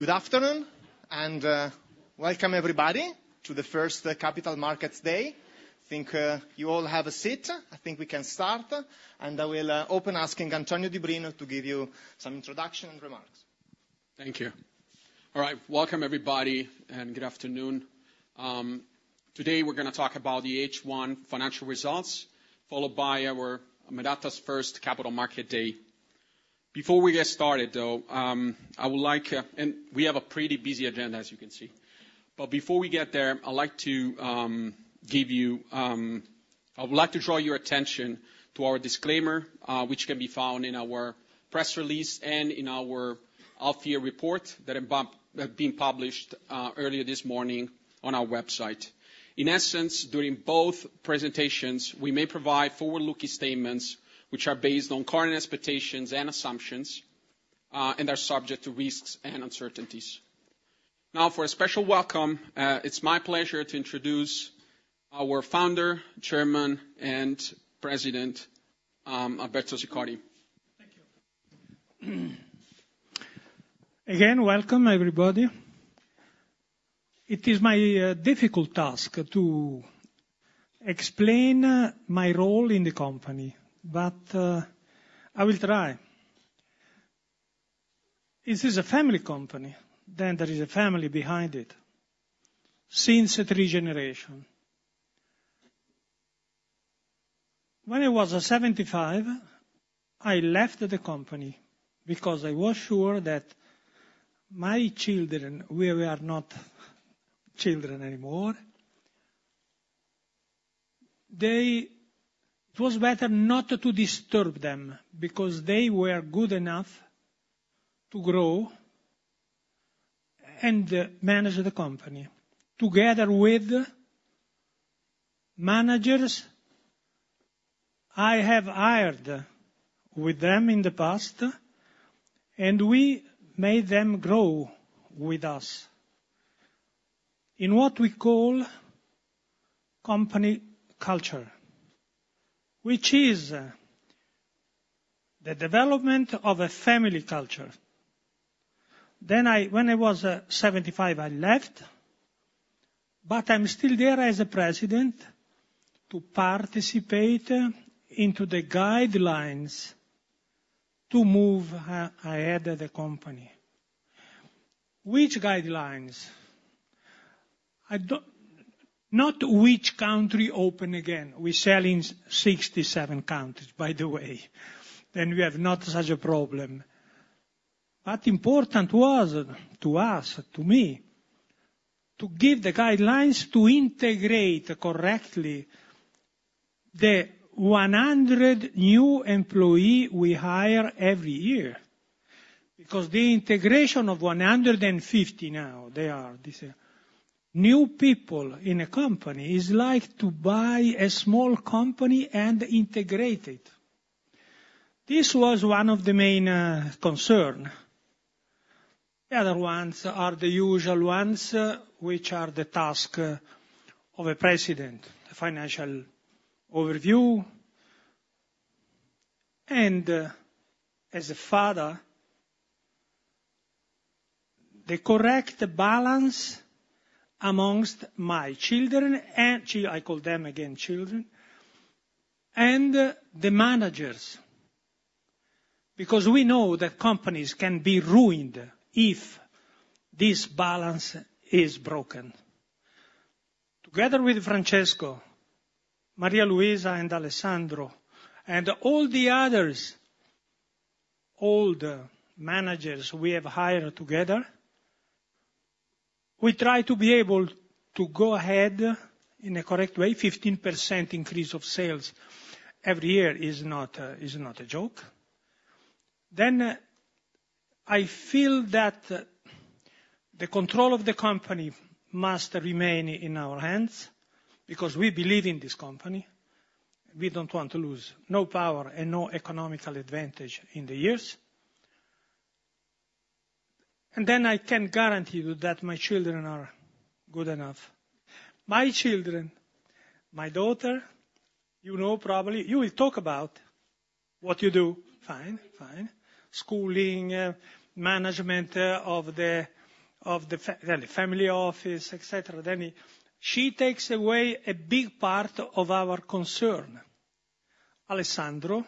Good afternoon, and welcome everybody to the first Capital Markets Day. I think you all have a seat. I think we can start, and I will open asking Antonio Di Brino to give you some introduction and remarks. Thank you. All right, welcome everybody, and good afternoon. Today we're gonna talk about the H1 financial results, followed by our Medacta's first Capital Markets Day. Before we get started, though, I would like... And we have a pretty busy agenda, as you can see. But before we get there, I'd like to give you, I would like to draw your attention to our disclaimer, which can be found in our press release and in our half-year report that have been published, earlier this morning on our website. In essence, during both presentations, we may provide forward-looking statements, which are based on current expectations and assumptions, and are subject to risks and uncertainties. Now, for a special welcome, it's my pleasure to introduce our Founder, Chairman, and President, Alberto Siccardi. Thank you. Again, welcome everybody. It is my difficult task to explain my role in the company, but I will try. This is a family company, then there is a family behind it, since three generation. When I was 75, I left the company because I was sure that my children, well they are not children anymore. It was better not to disturb them because they were good enough to grow and manage the company, together with managers I have hired with them in the past, and we made them grow with us in what we call company culture, which is the development of a family culture. Then, when I was 75, I left, but I'm still there as a president to participate into the guidelines to move ahead the company. Which guidelines? I don't know which country open again we sell in 67 countries, by the way, and we have not such a problem. But important was to us, to me, to give the guidelines to integrate correctly the one hundred new employees we hire every year. Because the integration of 150 now they are these new people in a company is like to buy a small company and integrate it. This was one of the main concern. The other ones are the usual ones, which are the tasks of a president, the financial overview, and as a father, the correct balance amongst my children, and I call them again children, and the managers, because we know that companies can be ruined if this balance is broken. Together with Francesco, Maria Luisa, and Alessandro, and all the others, all the managers we have hired together, we try to be able to go ahead in a correct way 15% increase of sales every year is not a joke. I feel that the control of the company must remain in our hands, because we believe in this company. We don't want to lose no power and no economical advantage in the years. I can guarantee you that my children are good enough. My children, my daughter, you know, probably, you will talk about what you do. Fine, fine schooling, management, of the, of the well, the family office, et cetera, then she takes away a big part of our concern. Alessandro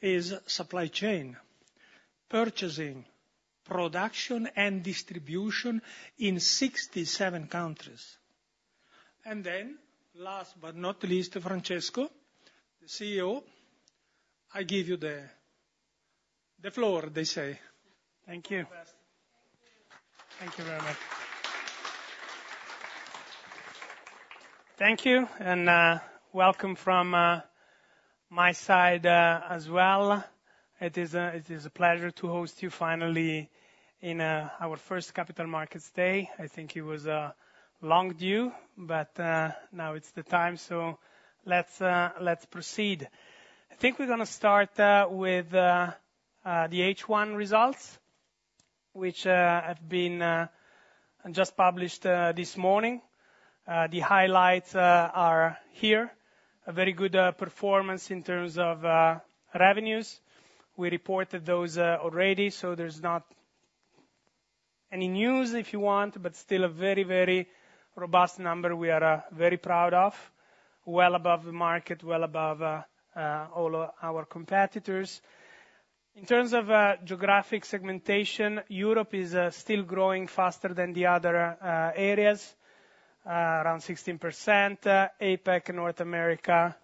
is supply chain, purchasing, production, and distribution in 67 countries. And then, last but not least, Francesco, the CEO, I give you the floor, they say. Thank you. Thank you very much. Thank you, and welcome from my side as well. It is a pleasure to host you finally in our first Capital Markets Day. I think it was long due, but now it's the time, so let's proceed. I think we're gonna start with the H1 results. Which have been... and just published this morning. The highlights are here. A very good performance in terms of revenues. We reported those already, so there's not any news if you want, but still a very, very robust number we are very proud of, well above the market, well above all our competitors. In terms of geographic segmentation, Europe is still growing faster than the other areas, around 16%. APAC and North America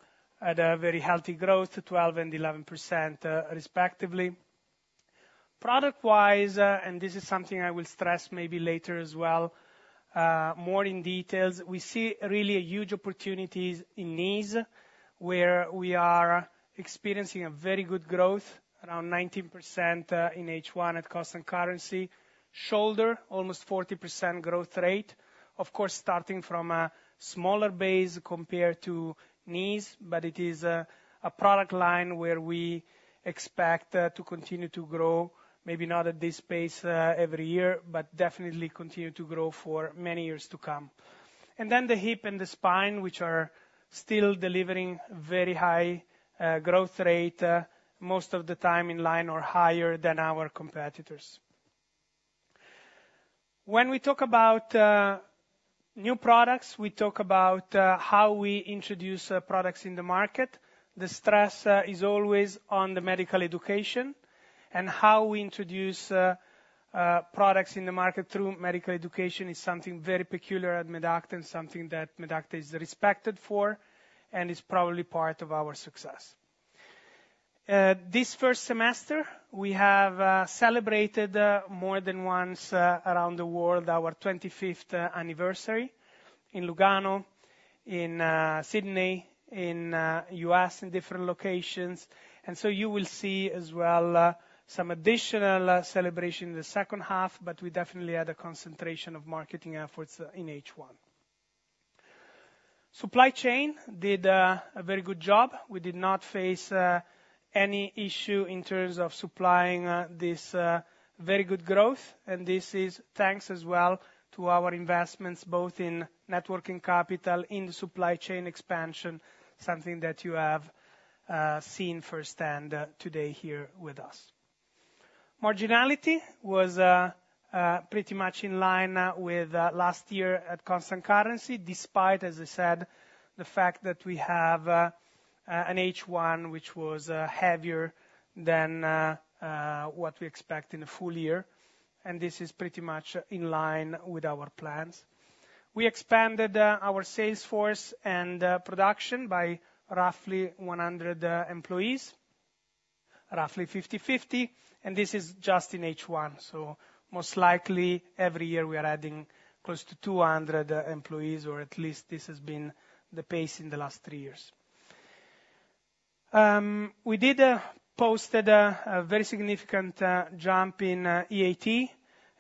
had a very healthy growth to 12% and 11%, respectively. Product-wise, and this is something I will stress maybe later as well, more in details, we see really a huge opportunities in knees, where we are experiencing a very good growth, around 19%, in H1 at cost and currency. Shoulder, almost 40% growth rate. Of course, starting from a smaller base compared to knees, but it is a product line where we expect to continue to grow, maybe not at this pace every year, but definitely continue to grow for many years to come. And then the hip and the spine, which are still delivering very high growth rate, most of the time in line or higher than our competitors. When we talk about new products, we talk about how we introduce products in the market. The stress is always on the medical education, and how we introduce products in the market through medical education is something very peculiar at Medacta, and something that Medacta is respected for, and is probably part of our success. This first semester, we have celebrated more than once around the world, our 25th anniversary in Lugano, in Sydney, in U.S., in different locations. And so you will see as well some additional celebration in the second half, but we definitely had a concentration of marketing efforts in H1. Supply chain did a very good job. We did not face any issue in terms of supplying this very good growth, and this is thanks as well to our investments, both in net working capital, in the supply chain expansion, something that you have seen firsthand today here with us. Marginality was pretty much in line with last year at constant currency, despite, as I said, the fact that we have an H1, which was heavier than what we expect in a full year, and this is pretty much in line with our plans. We expanded our sales force and production by roughly 100 employees, roughly 50/50, and this is just in H1 so most likely, every year, we are adding close to 200 employees, or at least this has been the pace in the last three years. We did posted a very significant jump in EBIT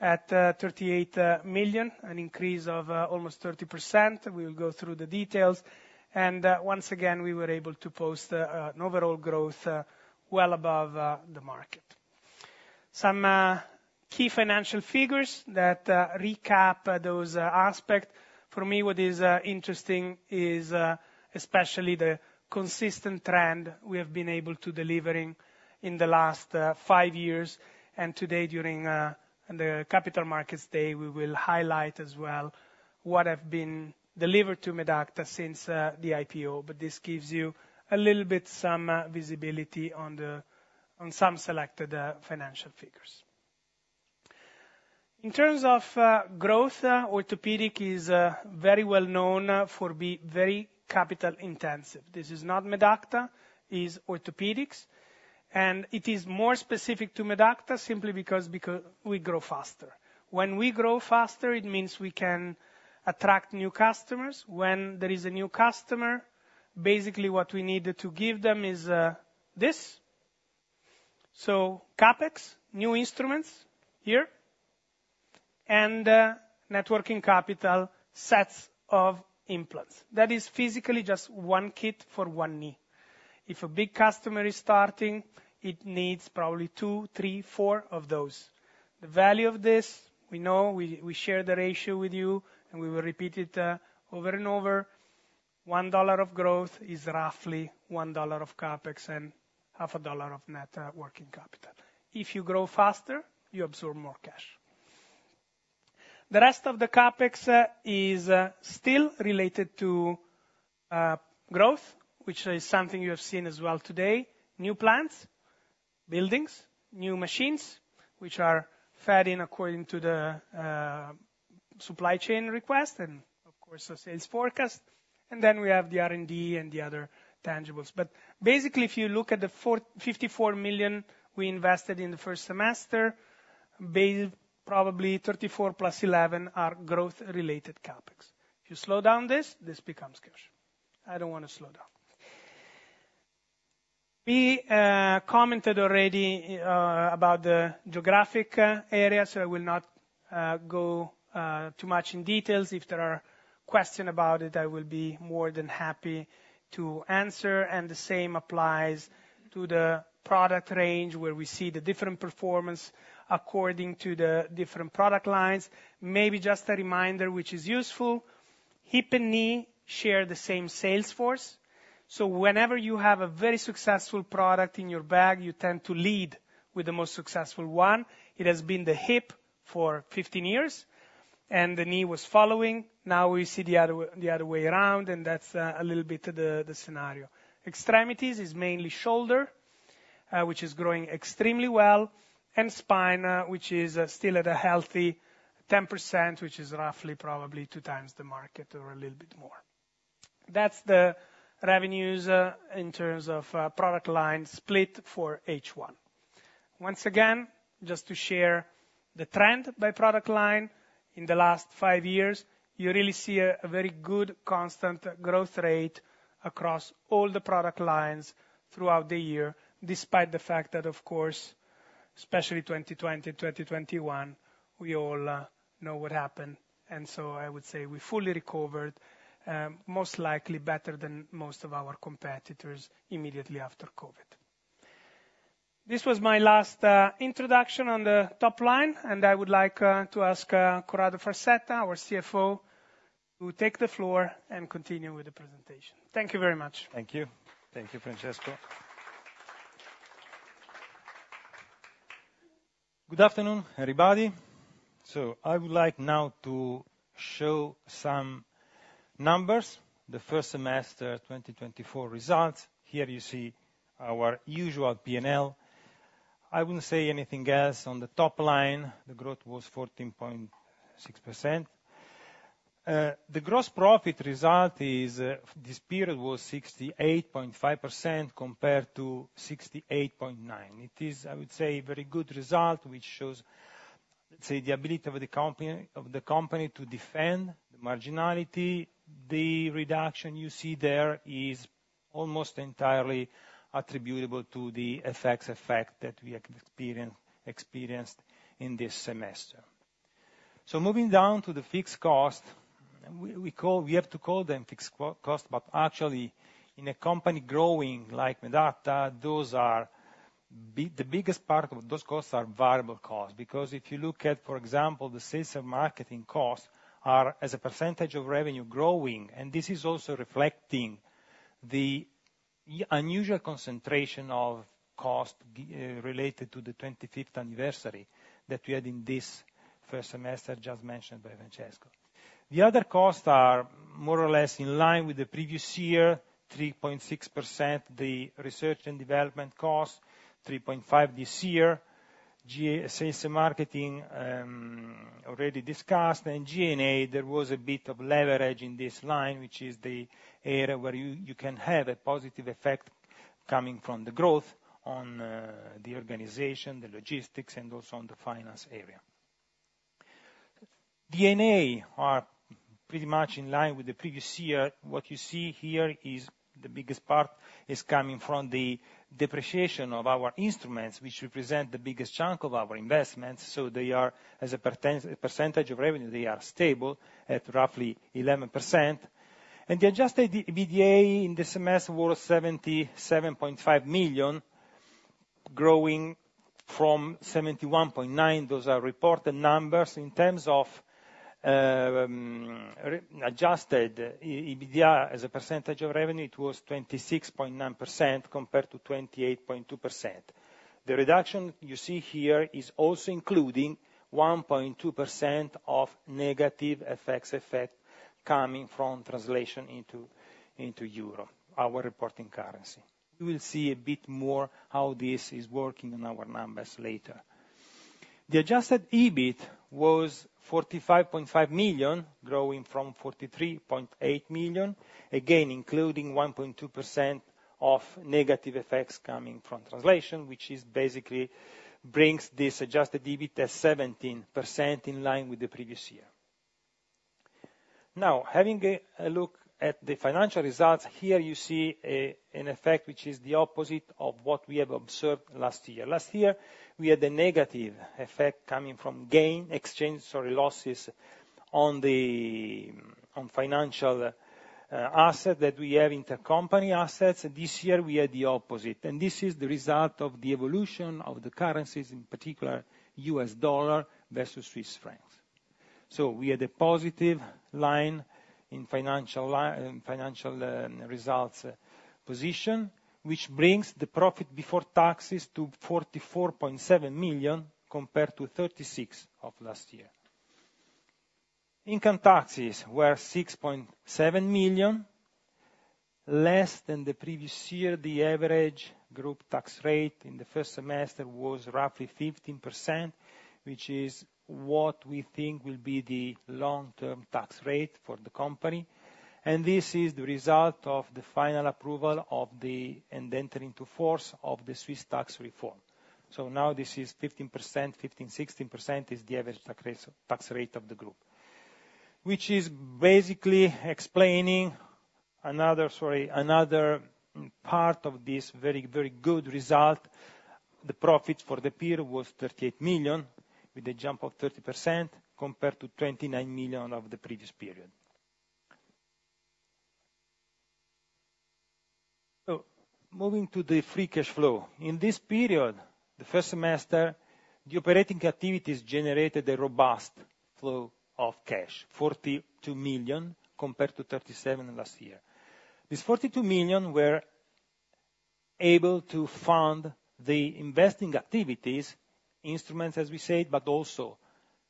at 38 million, an increase of almost 30% we will go through the details. Once again, we were able to post an overall growth well above the market. Some key financial figures that recap those aspect. For me, what is interesting is especially the consistent trend we have been able to delivering in the last five years. Today, during the Capital Markets Day, we will highlight as well what have been delivered to Medacta since the IPO this gives you a little bit some visibility on some selected financial figures. In terms of growth, orthopedics is very well known for be very capital intensive this is not Medacta, is orthopedics. It is more specific to Medacta simply because we grow faster. When we grow faster, it means we can attract new customers. When there is a new customer, basically, what we need to give them is this. So CapEx, new instruments here, and net working capital, sets of implants. That is physically just one kit for one knee. If a big customer is starting, it needs probably two, three, four of those. The value of this, we know, we share the ratio with you, and we will repeat it over and over. $1 of growth is roughly $1 of CapEx and $0.5 of net working capital. If you grow faster, you absorb more cash. The rest of the CapEx is still related to growth, which is something you have seen as well today. New plants, buildings, new machines, which are fed in according to the supply chain request, and of course, the sales forecast. Then we have the R&D and the other tangibles. Basically, if you look at the 54 million we invested in the first semester, basically probably 34 plus 11 are growth-related CapEx. If you slow down this, this becomes cash i don't want to slow down. We commented already about the geographic areas, so I will not go too much in details if there are questions about it, I will be more than happy to answer, and the same applies to the product range, where we see the different performance according to the different product lines. Maybe just a reminder which is useful, hip and knee share the same sales force. So whenever you have a very successful product in your bag, you tend to lead with the most successful one. It has been the hip for 15 years. And the knee was following. Now we see the other way around, and that's a little bit the scenario. Extremities is mainly shoulder, which is growing extremely well, and spine, which is still at a healthy 10%, which is roughly probably two times the market or a little bit more. That's the revenues in terms of product line split for H1. Once again, just to share the trend by product line, in the last five years, you really see a very good constant growth rate across all the product lines throughout the year, despite the fact that of course, especially 2020, 2021, we all know what happened, and so I would say we fully recovered, most likely better than most of our competitors immediately after COVID. This was my last introduction on the top line, and I would like to ask Corrado Farsetta, our CFO, to take the floor and continue with the presentation. Thank you very much. Thank you. Thank you, Francesco. Good afternoon, everybody. I would like now to show some numbers, the first semester 2024 results. Here you see our usual P&L. I wouldn't say anything else on the top line, the growth was 14.6%. The gross profit result is, this period was 68.5% compared to 68.9%. It is, I would say, a very good result, which shows, let's say, the ability of the company to defend the marginality. The reduction you see there is almost entirely attributable to the effects that we experienced in this semester. Moving down to the fixed cost, we have to call them fixed costs, but actually, in a company growing like Medacta, those are big the biggest part of those costs are variable costs. Because if you look at, for example, the sales and marketing costs are, as a percentage of revenue, growing, and this is also reflecting the unusual concentration of cost related to the 25th anniversary that we had in this first semester, just mentioned by Francesco. The other costs are more or less in line with the previous year, 3.6%, the research and development cost, 3.5% this year. SG&A, sales and marketing, already discussed, and G&A, there was a bit of leverage in this line, which is the area where you can have a positive effect coming from the growth on, the organization, the logistics, and also on the finance area. R&D are pretty much in line with the previous year what you see here is the biggest part is coming from the depreciation of our instruments, which represent the biggest chunk of our investments, so they are, as a percentage of revenue, they are stable at roughly 11%. The adjusted EBITDA in this semester was 77.5 million, growing from 71.9 million. Those are reported numbers. In terms of adjusted EBITDA as a percentage of revenue, it was 26.9% compared to 28.2%. The reduction you see here is also including 1.2% of negative effects coming from translation into EURO, our reporting currency. You will see a bit more how this is working in our numbers later. The adjusted EBIT was 45.5 million, growing from 43.8 million, again, including 1.2% of negative effects coming from translation, which basically brings this adjusted EBIT to 17% in line with the previous year. Now, having a look at the financial results, here you see an effect which is the opposite of what we have observed last year, last year, we had a negative effect coming from gain, exchange, sorry, losses on the financial asset that we have, intercompany assets this year, we had the opposite, and this is the result of the evolution of the currencies, in particular, U.S. dollar versus Swiss francs. So we had a positive line in financial results position, which brings the profit before taxes to 44.7 million, compared to 36 million of last year. Income taxes were 6.7 million, less than the previous year the average group tax rate in the first semester was roughly 15%, which is what we think will be the long-term tax rate for the company. This is the result of the final approval of the and entering into force of the Swiss tax reform. Now this is 15%, 15-16% is the average tax rate of the group. Which is basically explaining another part of this very, very good result. The profits for the period was 38 million, with a jump of 30% compared to 29 million of the previous period. Moving to the free cash flow. In this period, the first semester, the operating activities generated a robust flow of cash, 42 million compared to 37 million last year. This 42 million were able to fund the investing activities, instruments, as we said, but also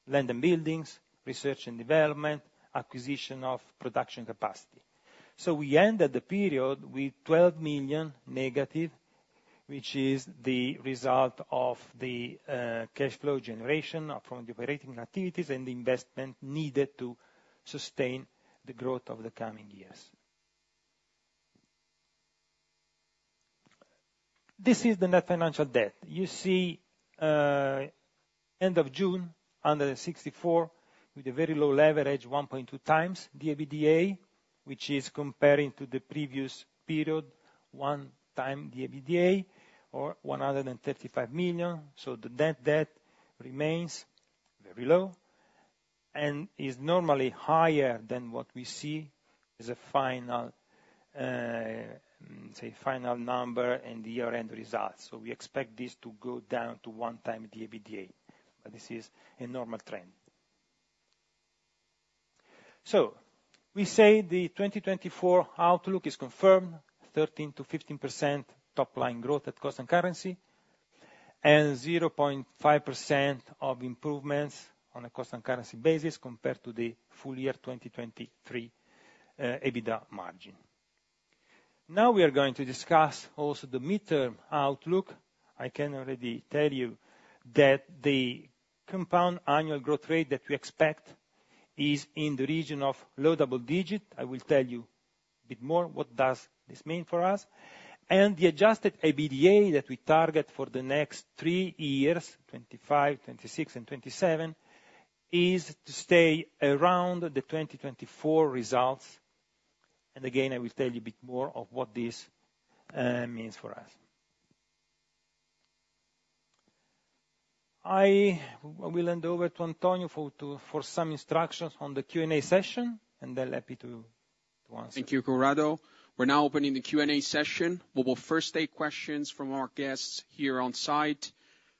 land and buildings, research and development, acquisition of production capacity. We end at the period with 12 million negative, which is the result of the cash flow generation from the operating activities and the investment needed to sustain the growth of the coming years. This is the net financial debt. You see, end of June, under 64, with a very low leverage, 1.2 times the EBITDA, which is comparing to the previous period, 1 time the EBITDA, or 135 million. The net debt remains very low and is normally higher than what we see as a final, say, final number in the year-end results. We expect this to go down to 1 time the EBITDA, but this is a normal trend. The 2024 outlook is confirmed 13%-15% top line growth at constant currency, and 0.5% improvements on a constant currency basis compared to the full year 2023 EBITDA margin. Now we are going to discuss also the mid-term outlook. I can already tell you that the compound annual growth rate that we expect is in the region of low double-digit i will tell you a bit more what does this mean for us. The adjusted EBITDA that we target for the next three years, 2025, 2026, and 2027, is to stay around the 2024 results. And again, I will tell you a bit more of what this means for us. I will hand over to Antonio for some instructions on the Q&A session, and then happy to answer. Thank you, Corrado. We're now opening the Q&A session. We will first take questions from our guests here on site.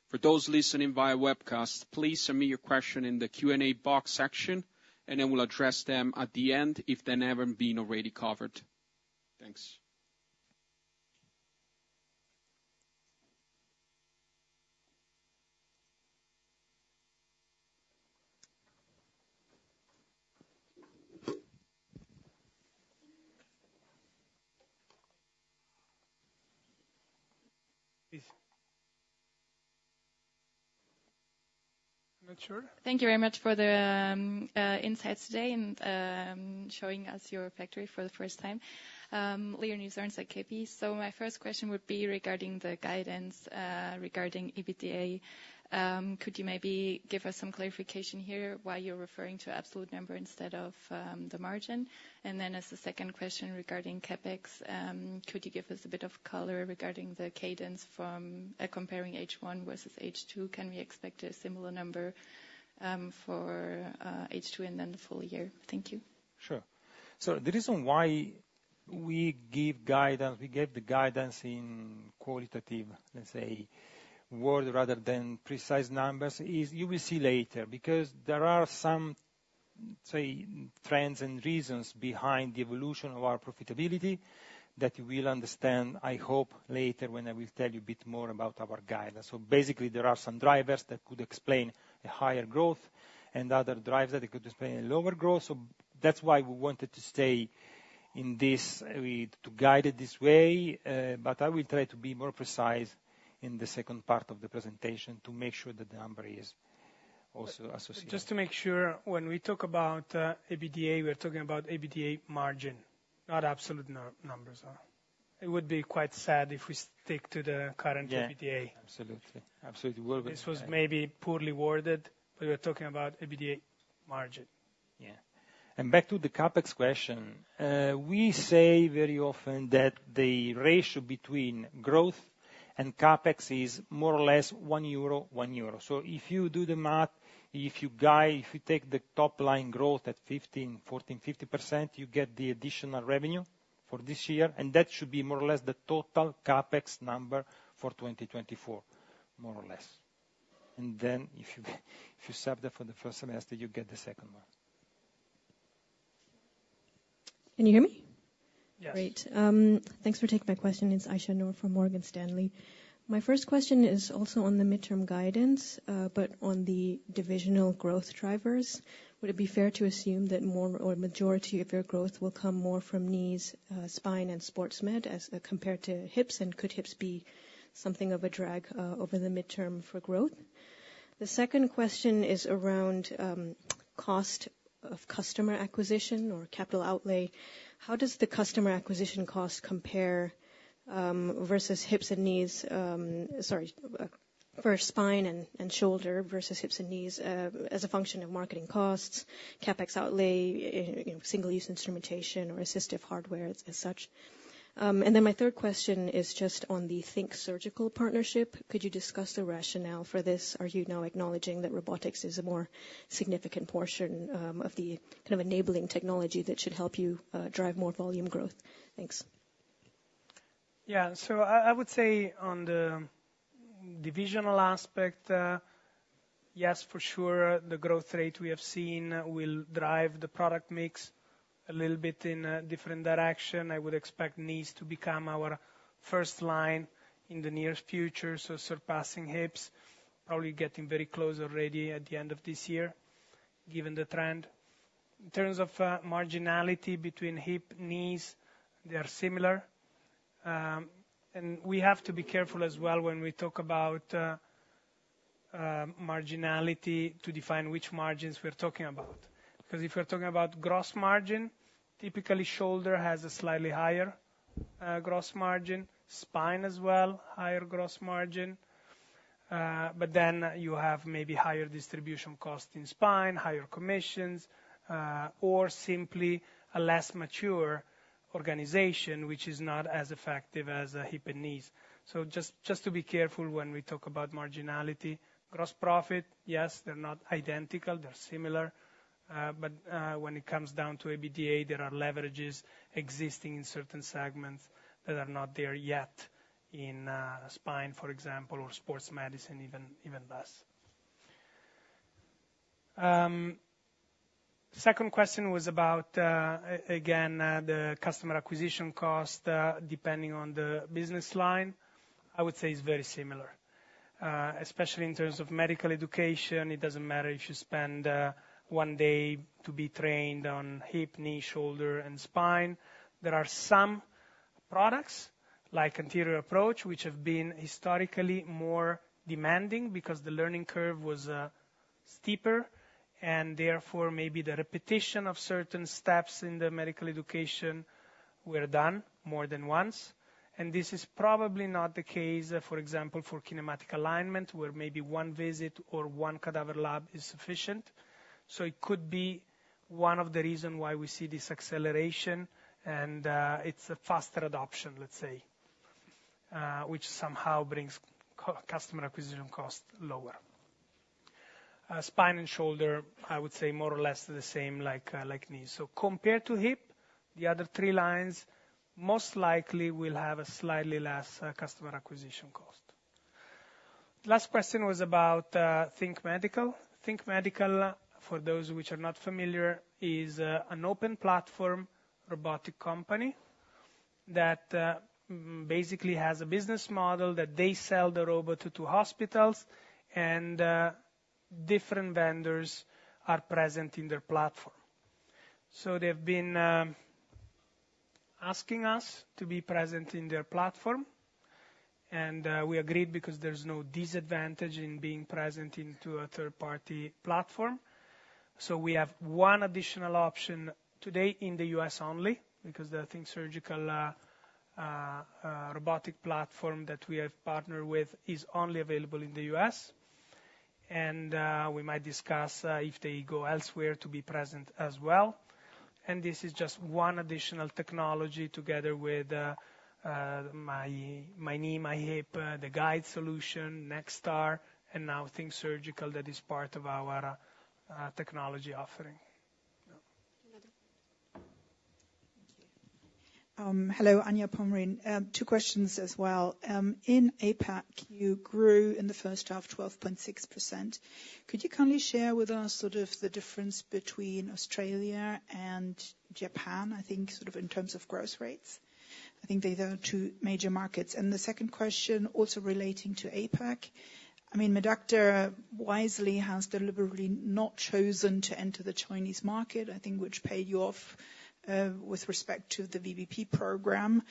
For those listening via webcast, please submit your question in the Q&A box section, and then we'll address them at the end if they haven't been already covered. Thanks. Please. I'm not sure. Thank you very much for the insights today and showing us your factory for the first time. Leah Newson at KP. So my first question would be regarding the guidance regarding EBITDA. Could you maybe give us some clarification here? why you're referring to absolute number instead of the margin? And then as a second question regarding CapEx, could you give us a bit of color regarding the cadence from comparing H1 versus H2? Can we expect a similar number for H2 and then the full year? Thank you. Sure. So the reason why we give guidance, we gave the guidance in qualitative, let's say, word, rather than precise numbers, is you will see later because there are some, say, trends and reasons behind the evolution of our profitability that you will understand, I hope, later when I will tell you a bit more about our guidance so basically, there are some drivers that could explain the higher growth. And other drivers that could explain a lower growth. So that's why we wanted to stay in this to guide it this way, but I will try to be more precise in the second part of the presentation to make sure that the number is also associated. Just to make sure, when we talk about EBITDA, we're talking about EBITDA margin, not absolute numbers. It would be quite sad if we stick to the current- Yeah... EBITDA. Absolutely. Absolutely. We'll- This was maybe poorly worded, but we're talking about EBITDA margin. Yeah. Back to the CapEx question, we say very often that the ratio between growth and CapEx is more or less one euro, one euro. So if you do the math, if you take the top line growth at 14-15%, you get the additional revenue for this year, and that should be more or less the total CapEx number for 2024, more or less. And then if you sub that for the first semester, you get the second one. Can you hear me? Yes. Great. Thanks for taking my question it's Aishyah Noor from Morgan Stanley. My first question is also on the midterm guidance, but on the divisional growth drivers. Would it be fair to assume that more or majority of your growth will come more from knees, spine, and sports med as compared to hips? And could hips be something of a drag over the midterm for growth? The second question is around cost of customer acquisition or capital outlay. How does the customer acquisition cost compare versus hips and knees? Sorry, for spine and shoulder versus hips and knees, as a function of marketing costs, CapEx outlay, you know, single-use instrumentation or assistive hardware as such? And then my third question is just on the THINK Surgical partnership. Could you discuss the rationale for this? Are you now acknowledging that robotics is a more significant portion of the kind of enabling technology that should help you drive more volume growth? Thanks. Yeah. So I would say on the divisional aspect, yes, for sure, the growth rate we have seen will drive the product mix a little bit in a different direction i would expect knees to become our first line in the nearest future, so surpassing hips, probably getting very close already at the end of this year, given the trend. In terms of, marginality between hip, knees, they are similar. And we have to be careful as well when we talk about, marginality to define which margins we're talking about. Because if we're talking about gross margin, typically shoulder has a slightly higher, gross margin, spine as well, higher gross margin. But then you have maybe higher distribution cost in spine, higher commissions, or simply a less mature organization, which is not as effective as, hip and knees. So just, just to be careful when we talk about marginality. Gross profit, yes, they're not identical, they're similar. But, when it comes down to EBITDA, there are leverages existing in certain segments that are not there yet in, spine, for example, or sports medicine, even, even less. Second question was about, again, the customer acquisition cost, depending on the business line. I would say it's very similar. Especially in terms of medical education, it doesn't matter if you spend, one day to be trained on hip, knee, shoulder, and spine. There are some products, like anterior approach, which have been historically more demanding because the learning curve was, steeper, and therefore, maybe the repetition of certain steps in the medical education were done more than once. This is probably not the case, for example, for kinematic alignment, where maybe one visit or one cadaver lab is sufficient. It could be one of the reason why we see this acceleration, and it's a faster adoption, let's say, which somehow brings customer acquisition cost lower. Spine and shoulder, I would say more or less the same, like knee. Compared to hip, the other three lines, most likely will have a slightly less customer acquisition cost. Last question was about THINK Surgical. THINK Surgical, for those which are not familiar, is an open platform robotic company. That basically has a business model that they sell the robot to hospitals, and different vendors are present in their platform. So they've been asking us to be present in their platform, and we agreed because there's no disadvantage in being present into a third-party platform. We have one additional option today in the U.S. only, because the THINK Surgical robotic platform that we have partnered with is only available in the U.S. We might discuss if they go elsewhere to be present as well. This is just one additional technology together with MyKnee, MyHip, the guide solution, NextAR, and now THINK Surgical that is part of our technology offering. Yeah. Thank you. Hello, Anya Pomeroy. Two questions as well. In APAC, you grew in the first half, 12.6%. Could you kindly share with us sort of the difference between Australia and Japan? I think, sort of in terms of growth rates? I think they are the two major markets and the second question, also relating to APAC. I mean, Medacta wisely has deliberately not chosen to enter the Chinese market, I think, which paid you off with respect to the VBP program.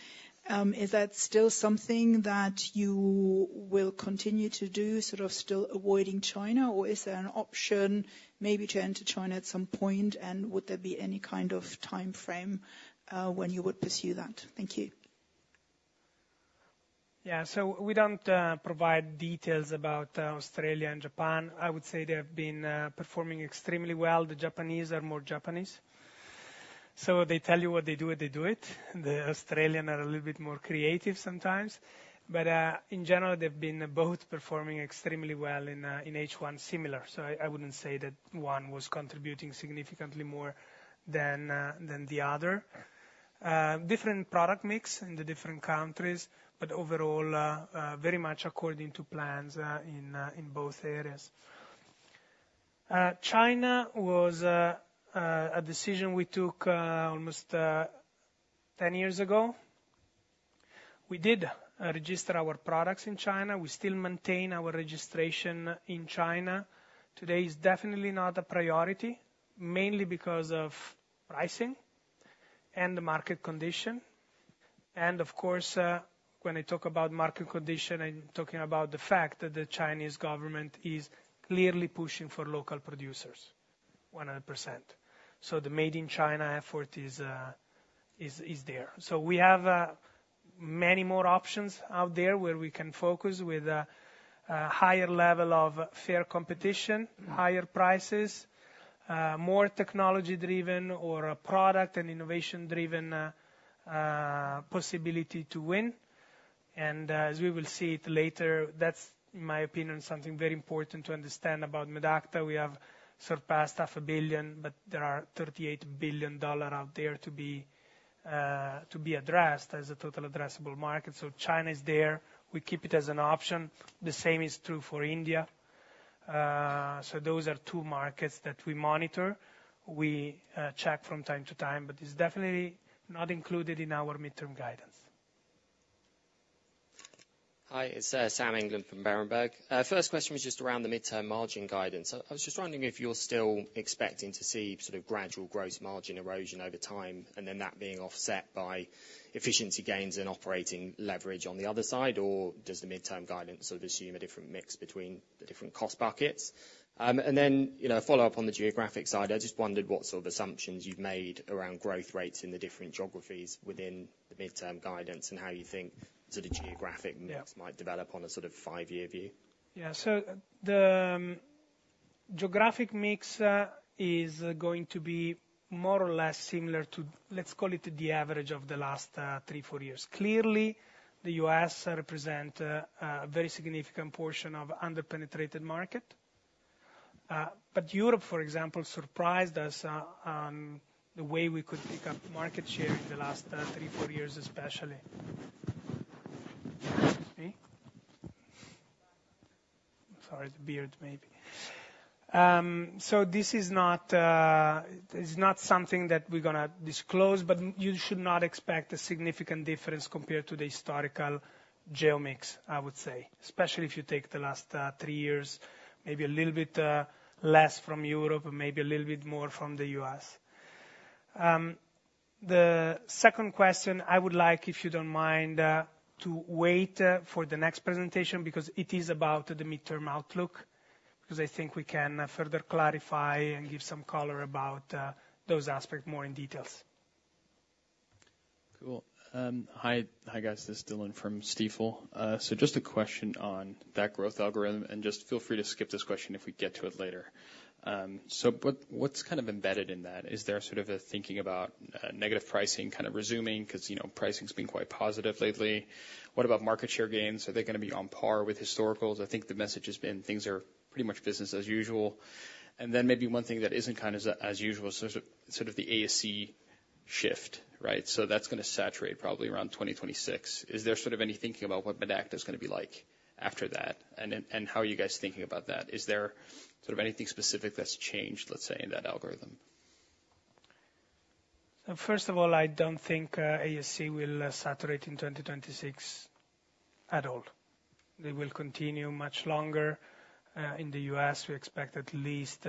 Is that still something that you will continue to do, sort of still avoiding China, or is there an option maybe to enter China at some point, and would there be any kind of time frame when you would pursue that? Thank you. Yeah. So we don't provide details about Australia and Japan. I would say they have been performing extremely well the Japanese are more Japanese, so they tell you what they do, and they do it. The Australians are a little bit more creative sometimes. But in general, they've been both performing extremely well in H1, similar so I wouldn't say that one was contributing significantly more than the other. Different product mix in the different countries, but overall very much according to plans in both areas. China was a decision we took almost ten years ago. We did register our products in China we still maintain our registration in China. Today is definitely not a priority, mainly because of pricing and the market condition. And of course, when I talk about market condition, I'm talking about the fact that the Chinese government is clearly pushing for local producers, 100%. So the Made in China effort is there so we have many more options out there where we can focus with a higher level of fair competition, higher prices, more technology-driven or a product and innovation-driven possibility to win. And, as we will see it later, that's, in my opinion, something very important to understand about Medacta we have surpassed 500 million, but there are $38 billion out there to be addressed as a total addressable market. So China is there. We keep it as an option. The same is true for India. So those are two markets that we monitor. We check from time to time, but it's definitely not included in our midterm guidance. Hi, it's Sam England from Berenberg. First question was just around the midterm margin guidance i was just wondering if you're still expecting to see sort of gradual gross margin erosion over time, and then that being offset by efficiency gains and operating leverage on the other side, or does the midterm guidance sort of assume a different mix between the different cost buckets? And then, you know, a follow-up on the geographic side, I just wondered what sort of assumptions you've made around growth rates in the different geographies within the midterm guidance, and how you think sort of geographic mix- Yeah... might develop on a sort of five-year view. Yeah, so the geographic mix is going to be more or less similar to, let's call it, the average of the last three, four years clearly, the U.S. represent a very significant portion of underpenetrated market. But Europe, for example, surprised us on the way we could pick up market share in the last three, four years, especially. Excuse me. Sorry, the beard maybe. So this is not something that we're gonna disclose, but you should not expect a significant difference compared to the historical geo mix, I would say, especially if you take the last three years, maybe a little bit less from Europe and maybe a little bit more from the U.S. The second question, I would like, if you don't mind, to wait for the next presentation, because it is about the midterm outlook, because I think we can further clarify and give some color about those aspects more in details. Cool. Hi, guys, this is Dylan from Stifel. So just a question on that growth algorithm, and just feel free to skip this question if we get to it later. So but what's kind of embedded in that? Is there sort of a thinking about negative pricing kind of resuming? 'Cause, you know, pricing's been quite positive lately. What about market share gains? Are they gonna be on par with historicals? I think the message has been things are pretty much business as usual. And then maybe one thing that isn't kind of as usual, so sort of the ASC shift, right? So that's gonna saturate probably around 2026 s there sort of any thinking about what Medacta is gonna be like after that, and then how are you guys thinking about that? Is there sort of anything specific that's changed, let's say, in that algorithm? First of all, I don't think ASC will saturate in 2026 at all. They will continue much longer in the U.S. we expect at least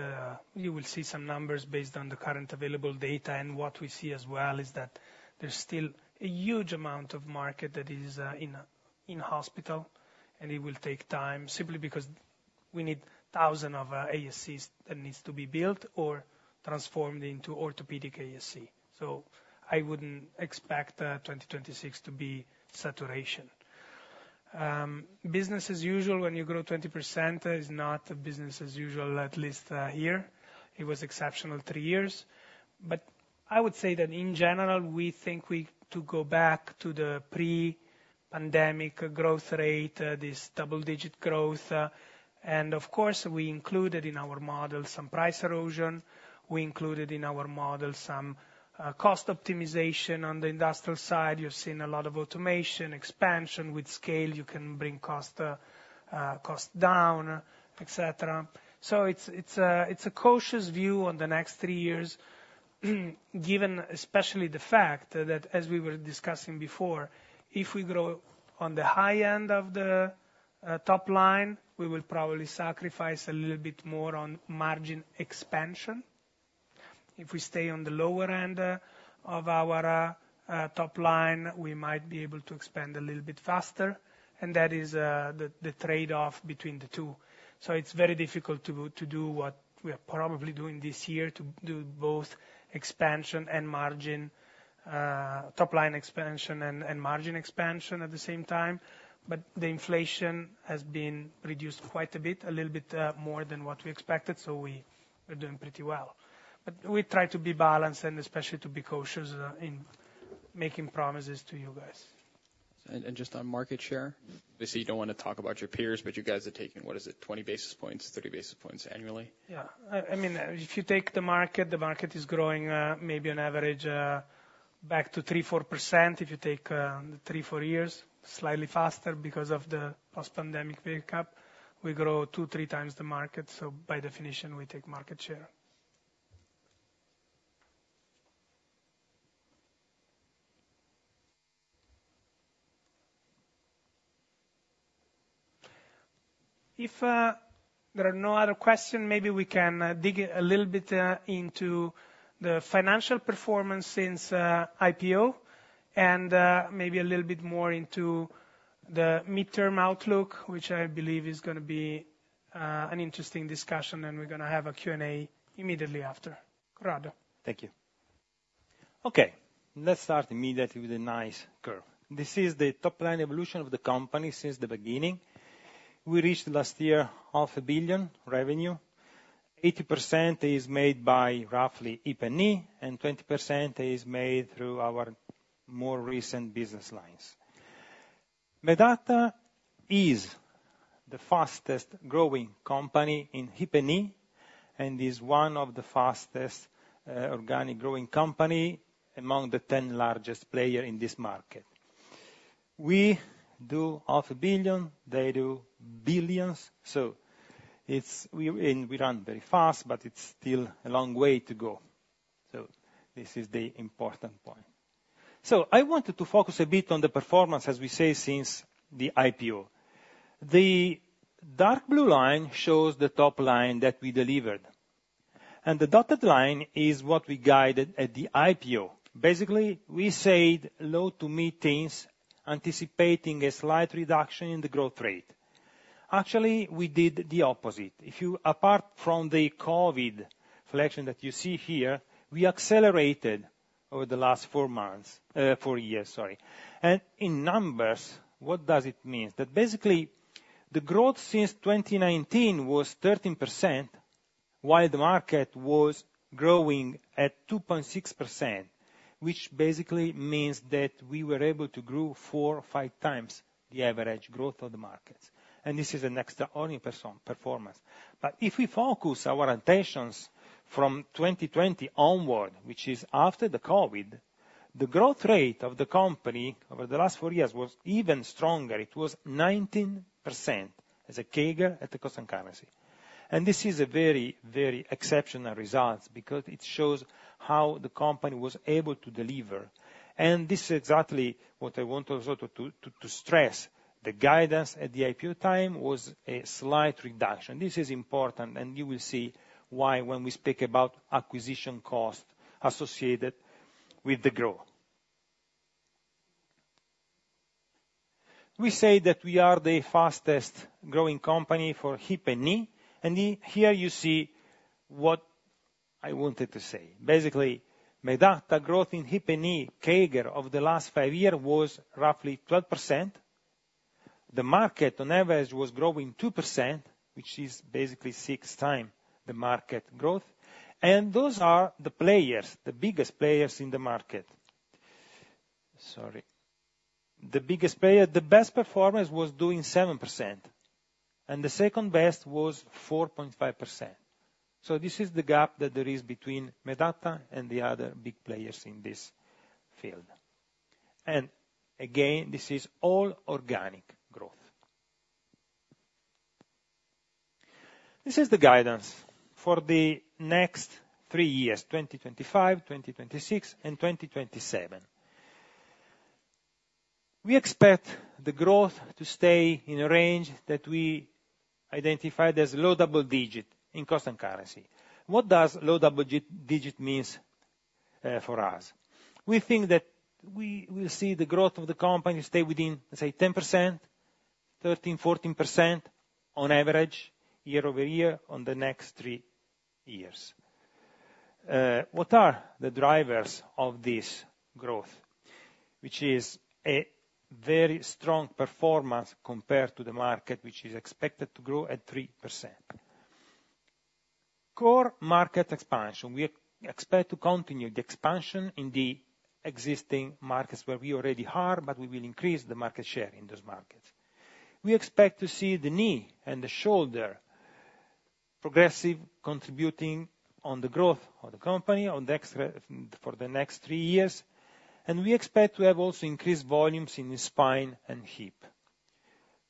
you will see some numbers based on the current available data and what we see as well is that there's still a huge amount of market that is in hospital, and it will take time, simply because we need thousands of ASCs that needs to be built or transformed into orthopedic ASC. So I wouldn't expect 2026 to be saturation. Business as usual, when you grow 20% is not business as usual, at least here. It was exceptional three years. But I would say that in general, we think we to go back to the pre-pandemic growth rate, this double-digit growth. And of course, we included in our model some price erosion. We included in our model some cost optimization on the industrial side you've seen a lot of automation, expansion with scale, you can bring cost down, et cetera. So it's a cautious view on the next three years, given especially the fact that, as we were discussing before, if we grow on the high end of the top line, we will probably sacrifice a little bit more on margin expansion. If we stay on the lower end of our top line, we might be able to expand a little bit faster, and that is the trade-off between the two. It's very difficult to do what we are probably doing this year, to do both expansion and margin, top line expansion and margin expansion at the same time. But the inflation has been reduced quite a bit, a little bit, more than what we expected, so we are doing pretty well. But we try to be balanced and especially to be cautious in making promises to you guys. Just on market share, I see you don't wanna talk about your peers, but you guys are taking, what is it, 20 basis points, 30 basis points annually? Yeah. I mean, if you take the market, the market is growing, maybe on average, back to 3-4% if you take 3-4 years, slightly faster because of the post-pandemic wake-up, we grow 2-3 times the market, so by definition, we take market share. If there are no other questions, maybe we can dig a little bit into the financial performance since IPO and maybe a little bit more into the midterm outlook, which I believe is gonna be interesting.... an interesting discussion, and we're gonna have a Q&A immediately after. Corrado? Thank you. Okay, let's start immediately with a nice curve. This is the top-line evolution of the company since the beginning. We reached last year 500 million revenue. 80% is made by roughly Hip & Knee, and 20% is made through our more recent business lines. Medacta is the fastest-growing company in Hip & Knee, and is one of the fastest, organic growing company among the ten largest player in this market. We do 500 million, they do billions, so it's we, and we run very fast, but it's still a long way to go. So this is the important point. So I wanted to focus a bit on the performance, as we say, since the IPO. The dark blue line shows the top line that we delivered, and the dotted line is what we guided at the IPO. Basically, we said low to mid-teens, anticipating a slight reduction in the growth rate. Actually, we did the opposite. If you... apart from the COVID inflection that you see here, we accelerated over the last four months, four years, sorry. In numbers, what does it mean? That basically, the growth since 2019 was 13%, while the market was growing at 2.6%, which basically means that we were able to grow four or five times the average growth of the markets, and this is an extraordinary performance. But if we focus our attentions from 2020 onward, which is after the COVID, the growth rate of the company over the last four years was even stronger it was 19% as a CAGR at the constant currency. This is a very, very exceptional result because it shows how the company was able to deliver, and this is exactly what I want also to stress. The guidance at the IPO time was a slight reduction. This is important, and you will see why when we speak about acquisition cost associated with the growth. We say that we are the fastest-growing company for Hip & Knee, and here you see what I wanted to say. Basically, Medacta growth in Hip & Knee CAGR of the last five year was roughly 12%. The market on average was growing 2%, which is basically six times the market growth. And those are the players, the biggest players in the market. Sorry. The biggest player, the best performance was doing 7%, and the second-best was 4.5%. This is the gap that there is between Medacta and the other big players in this field. And again, this is all organic growth. This is the guidance for the next three years: 2025, 2026, and 2027. We expect the growth to stay in a range that we identified as low double digit in constant currency. What does low double digit mean for us? We think that we'll see the growth of the company stay within, say, 10%-14% on average, year over year, on the next three years. What are the drivers of this growth? Which is a very strong performance compared to the market, which is expected to grow at 3%. Core market expansion. We expect to continue the expansion in the existing markets where we already are, but we will increase the market share in those markets. We expect to see the knee and the shoulder progressively contributing to the growth of the company over the next three years, and we expect to have also increased volumes in the spine and hip.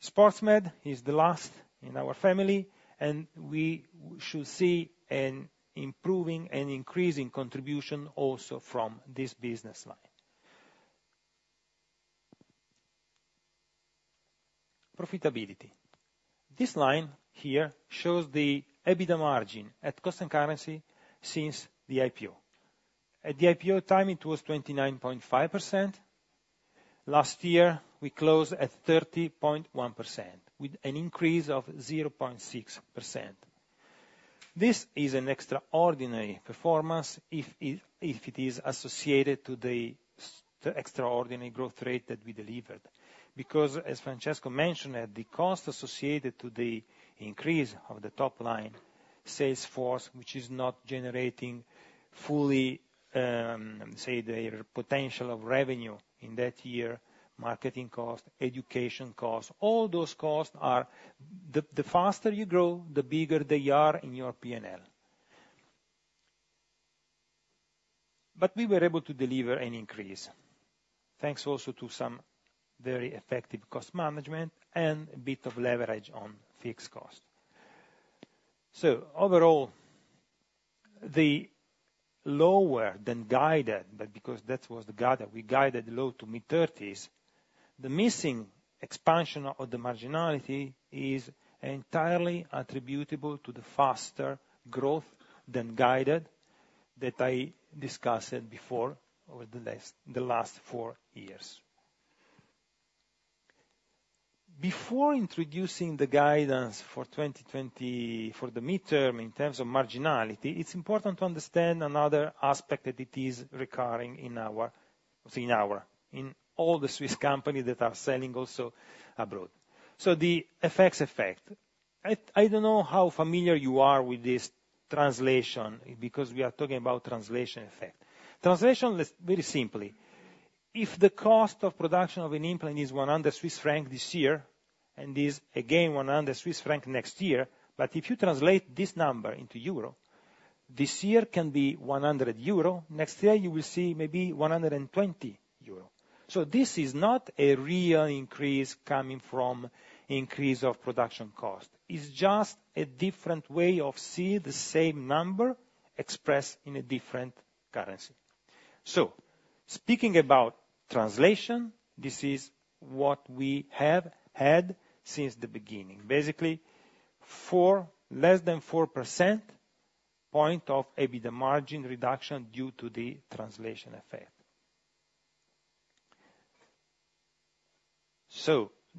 Sports Med is the last in our family, and we should see an improving and increasing contribution also from this business line. Profitability. This line here shows the EBITDA margin at constant currency since the IPO. At the IPO time, it was 29.5%. Last year, we closed at 30.1%, with an increase of 0.6%. This is an extraordinary performance if it is associated to the extraordinary growth rate that we delivered, because as Francesco mentioned, that the cost associated to the increase of the top line sales force, which is not generating fully, say, the potential of revenue in that year, marketing cost, education cost, all those costs are, the faster you grow, the bigger they are in your P&L. But we were able to deliver an increase, thanks also to some very effective cost management and a bit of leverage on fixed cost. So overall, the lower than guided, but because that was the guide, that we guided low to mid-thirties, the missing expansion of the marginality is entirely attributable to the faster growth than guided that I discussed before over the last four years. Before introducing the guidance for 2020, for the midterm in terms of marginality, it's important to understand another aspect that it is recurring in all the Swiss companies that are selling also abroad. So the effect. I don't know how familiar you are with this translation, because we are talking about translation effect, translation, let's very simply. If the cost of production of an implant is 100 Swiss francs this year, and is again 100 Swiss francs next year, but if you translate this number into euro, this year can be 100 euro, next year you will see maybe 120 euro. So this is not a real increase coming from increase of production cost. It's just a different way of see the same number expressed in a different currency. Speaking about translation, this is what we have had since the beginning basically, four percentage points of EBITDA margin reduction due to the translation effect.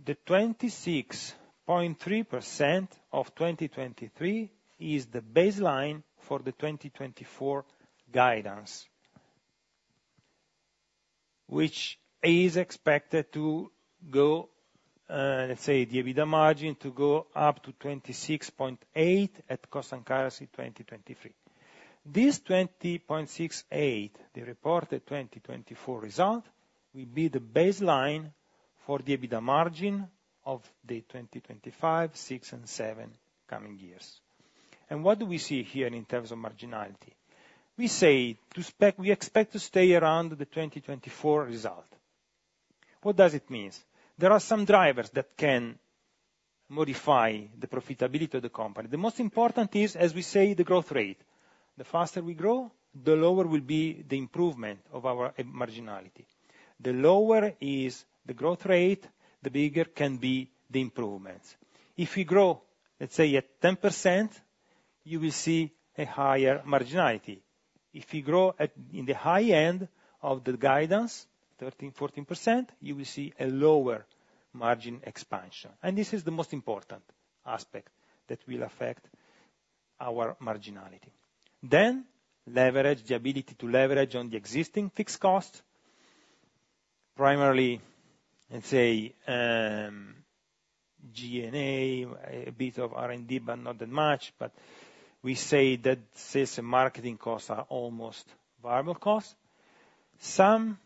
The 26.3% of 2023 is the baseline for the 2024 guidance, which is expected to go, let's say, the EBITDA margin to go up to 26.8% at constant currency in 2023. This 26.8%, the reported 2024 result, will be the baseline for the EBITDA margin of the 2025, 2026, and 2027 coming years. What do we see here in terms of marginality? We expect to stay around the 2024 result. What does it means? There are some drivers that can modify the profitability of the company the most important is, as we say, the growth rate. The faster we grow, the lower will be the improvement of our marginality. The lower is the growth rate, the bigger can be the improvements. If we grow, let's say, at 10%, you will see a higher marginality. If you grow at, in the high end of the guidance, 13-14%, you will see a lower margin expansion and this is the most important aspect that will affect our marginality. Then leverage, the ability to leverage on the existing fixed costs, primarily, let's say, SG&A, a bit of R&D, but not that much. But we say that sales and marketing costs are almost variable costs? Some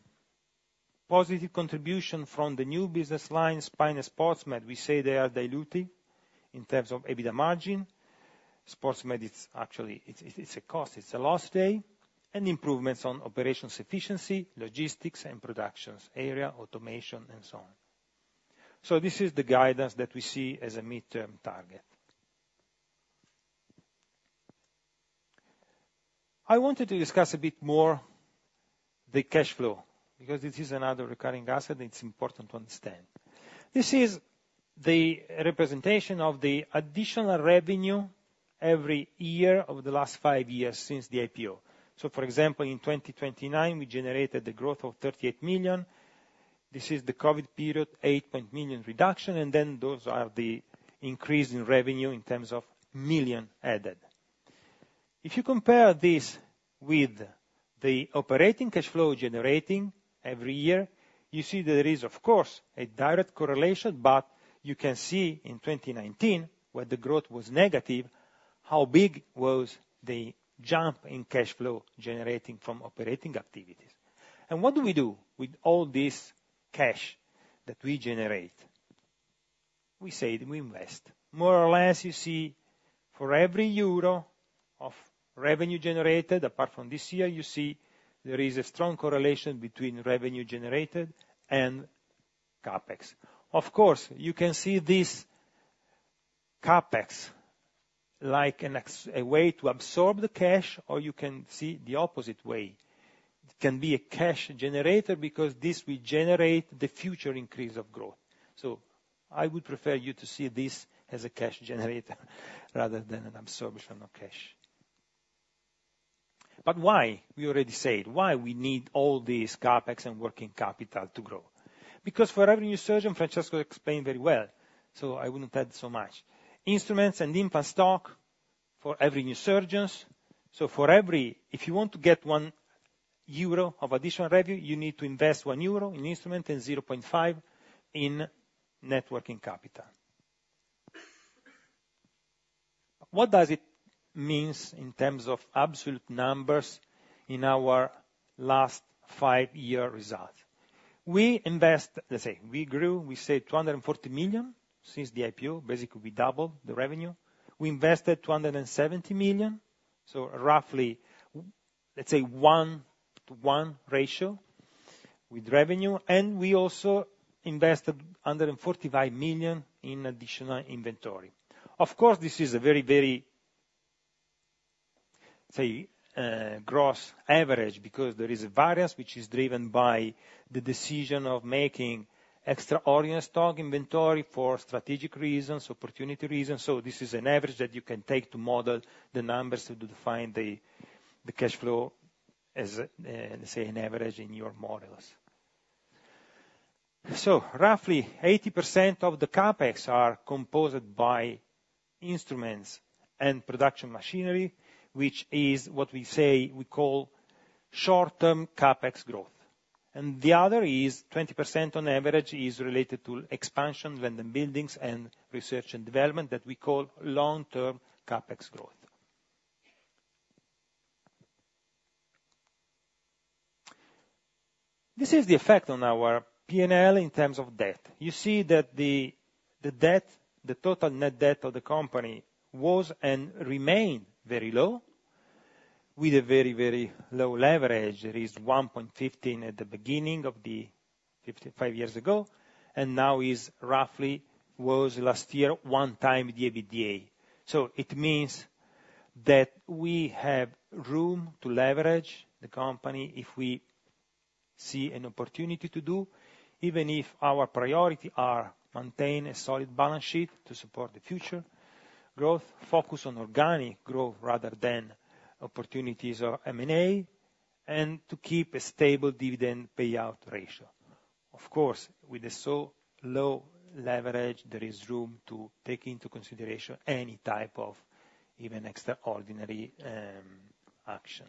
positive contribution from the new business lines, Spine and Sports Med, we say they are diluting in terms of EBITDA margin. Sports Med, it's actually a cost, it's a loss today, and improvements on operational efficiency, logistics, and production areas, automation, and so on. This is the guidance that we see as a mid-term target. I wanted to discuss a bit more the cash flow, because this is another recurring asset, and it's important to understand. This is the representation of the additional revenue every year over the last five years since the IPO. For example, in 2019, we generated the growth of 38 million. This is the COVID period, 8 million reduction, and then those are the increases in revenue in terms of millions added. If you compare this with the operating cash flow generating every year, you see there is, of course, a direct correlation, but you can see in 2019, where the growth was negative, how big was the jump in cash flow generating from operating activities. And what do we do with all this cash that we generate? We say that we invest. More or less, you see, for every EURO of revenue generated, apart from this year, you see there is a strong correlation between revenue generated and CapEx. Of course, you can see this CapEx like an extra way to absorb the cash, or you can see the opposite way. It can be a cash generator because this will generate the future increase of growth. So I would prefer you to see this as a cash generator rather than an absorption of cash. But why? We already said, why we need all this CapEx and working capital to grow? Because for every new surgeon, Francesco explained very well, so I wouldn't add so much. Instruments and implant stock for every new surgeons, so for every... If you want to get 1 euro of additional revenue, you need to invest 1 euro in instrument and 0.5 in net working capital. What does it means in terms of absolute numbers in our last five-year result? We invest, let's say, we grew, we say, 240 million since the IPObasically, we doubled the revenue. We invested 270 million, so roughly, let's say, one-to-one ratio with revenue, and we also invested 145 million in additional inventory. Of course, this is a very, very gross average, because there is a variance which is driven by the decision of making extraordinary stock inventory for strategic reasons, opportUNiD reasons so this is an average that you can take to model the numbers to define the cash flow target as an average in your models. So roughly 80% of the CapEx are composed by instruments and production machinery, which is what we say, we call short-term CapEx growth. And the other is 20% on average, is related to expansion when the buildings and research and development, that we call long-term CapEx growth. This is the effect on our P&L in terms of debt. You see that the debt, the total net debt of the company was and remain very low, with a very, very low leverage it is 1.15 at the beginning of the 55 years ago, and now is roughly, was last year, 1x the EBITDA. So it means that we have room to leverage the company if we see an opportUNiD to do, even if our priority are, maintain a solid balance sheet to support the future growth, focus on organic growth rather than opportunities or M&A And to keep a stable dividend payout ratio. Of course, with the so low leverage, there is room to take into consideration any type of even extraordinary action.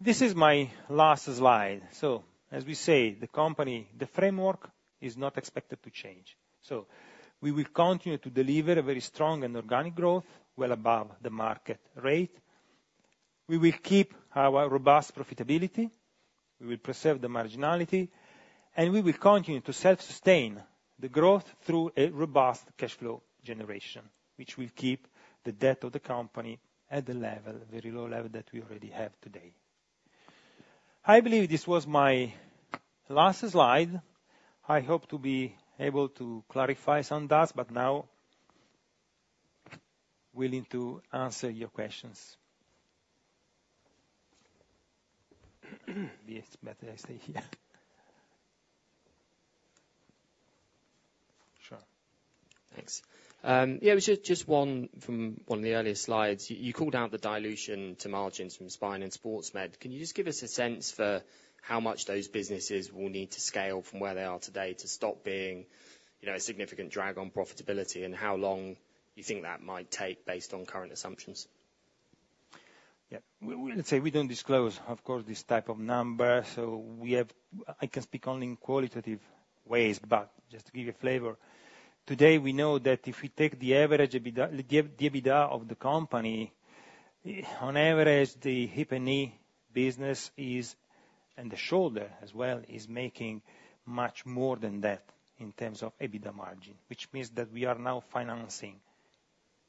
This is my last slide. So as we say, the company, the framework is not expected to change. So we will continue to deliver a very strong and organic growth, well above the market rate. We will keep our robust profitability, we will preserve the marginality, and we will continue to self-sustain the growth through a robust cash flow generation, which will keep the debt of the company at the level, very low level that we already have today. I believe this was my last slide. I hope to be able to clarify some doubts, but now, willing to answer your questions. Yes, better I stay here. Sure. Thanks. Yeah, just one from one of the earlier slides. You called out the dilution to margins from Spine and Sports Med. Can you just give us a sense for how much those businesses will need to scale from where they are today to stop being, you know, a significant drag on profitability, and how long you think that might take based on current assumptions? Yeah. Well, let's say we don't disclose, of course, this type of number, so I can speak only in qualitative ways, but just to give you a flavor. Today, we know that if we take the average EBITDA of the company, on average, the hip and knee business is, and the shoulder as well, is making much more than that in terms of EBITDA margin, which means that we are now financing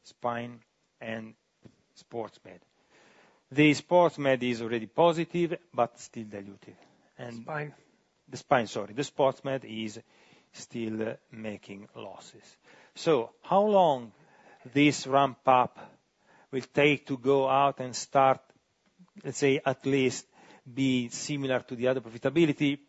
Spine and Sports Med. The Sports Med is already positive, but still dilutive. And- Spine. The spine, sorry. The Sports Med is still making losses. So how long this ramp up will take to go out and start, let's say, at least be similar to the other profitability?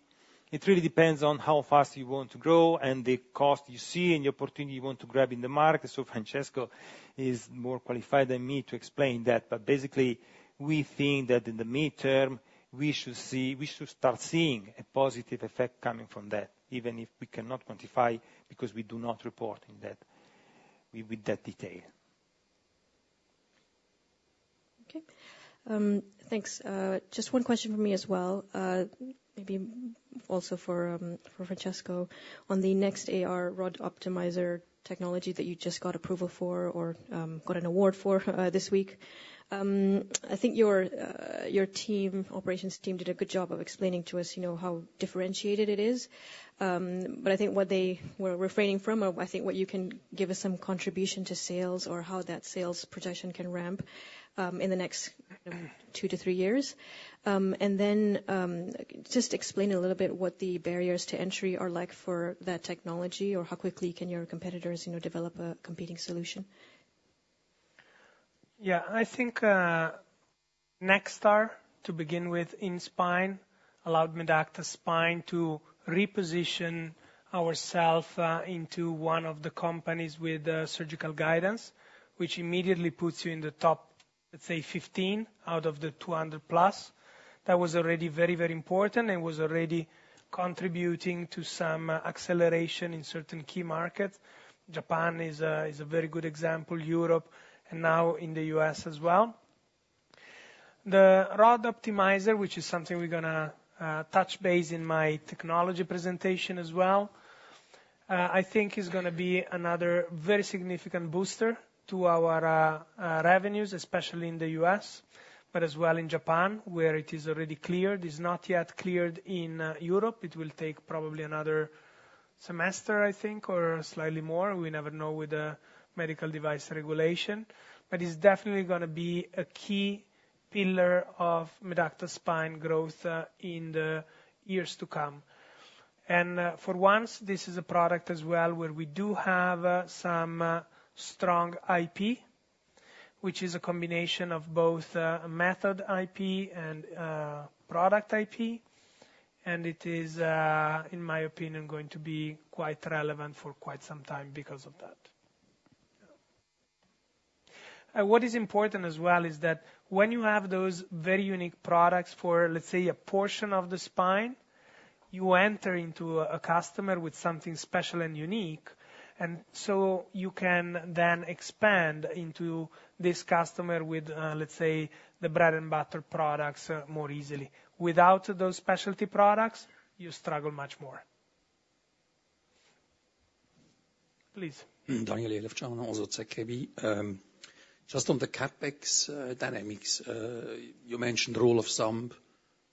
It really depends on how fast you want to grow and the cost you see, and the opportUNiD you want to grab in the market so Francesco is more qualified than me to explain that, but basically, we think that in the midterm, we should start seeing a positive effect coming from that, even if we cannot quantify because we do not report in that... with that detail. Okay. Thanks. Just one question from me as well, maybe also for, for Francesco. On the NextAR Rod Optimizer technology that you just got approval for or, got an award for, this week. I think your, your team, operations team, did a good job of explaining to us, you know, how differentiated it is. But I think what they were refraining from, or I think what you can give us some contribution to sales or how that sales projection can ramp, in the next 2-3 years. And then, just explain a little bit what the barriers to entry are like for that technology, or how quickly can your competitors, you know, develop a competing solution? Yeah. I think, NextAR, to begin with, in Spine, allowed Medacta Spine to reposition ourself into one of the companies with surgical guidance, which immediately puts you in the top, let's say, 15 out of the 200 plus. That was already very, very important, and was already contributing to some acceleration in certain key markets. Japan is a very good example, Europe, and now in the US as well. The Rod Optimizer, which is something we're gonna touch base in my technology presentation as well, I think is gonna be another very significant booster to our revenues, especially in the US, but as well in Japan, where it is already cleared it's not yet cleared in Europe. It will take probably another semester, I think, or slightly more we never know with the medical device regulation. But it's definitely gonna be a key pillar of Medacta Spine growth in the years to come. And for once, this is a product as well, where we do have some strong IP, which is a combination of both method IP and product IP, and it is, in my opinion, going to be quite relevant for quite some time because of that. What is important as well is that when you have those very unique products for, let's say, a portion of the spine, you enter into a customer with something special and unique. And so you can then expand into this customer with, let's say, the bread and butter products more easily. Without those specialty products, you struggle much more. Please. Daniel Elefczuk, als ZKB. Just on the CapEx dynamics, you mentioned rule of thumb,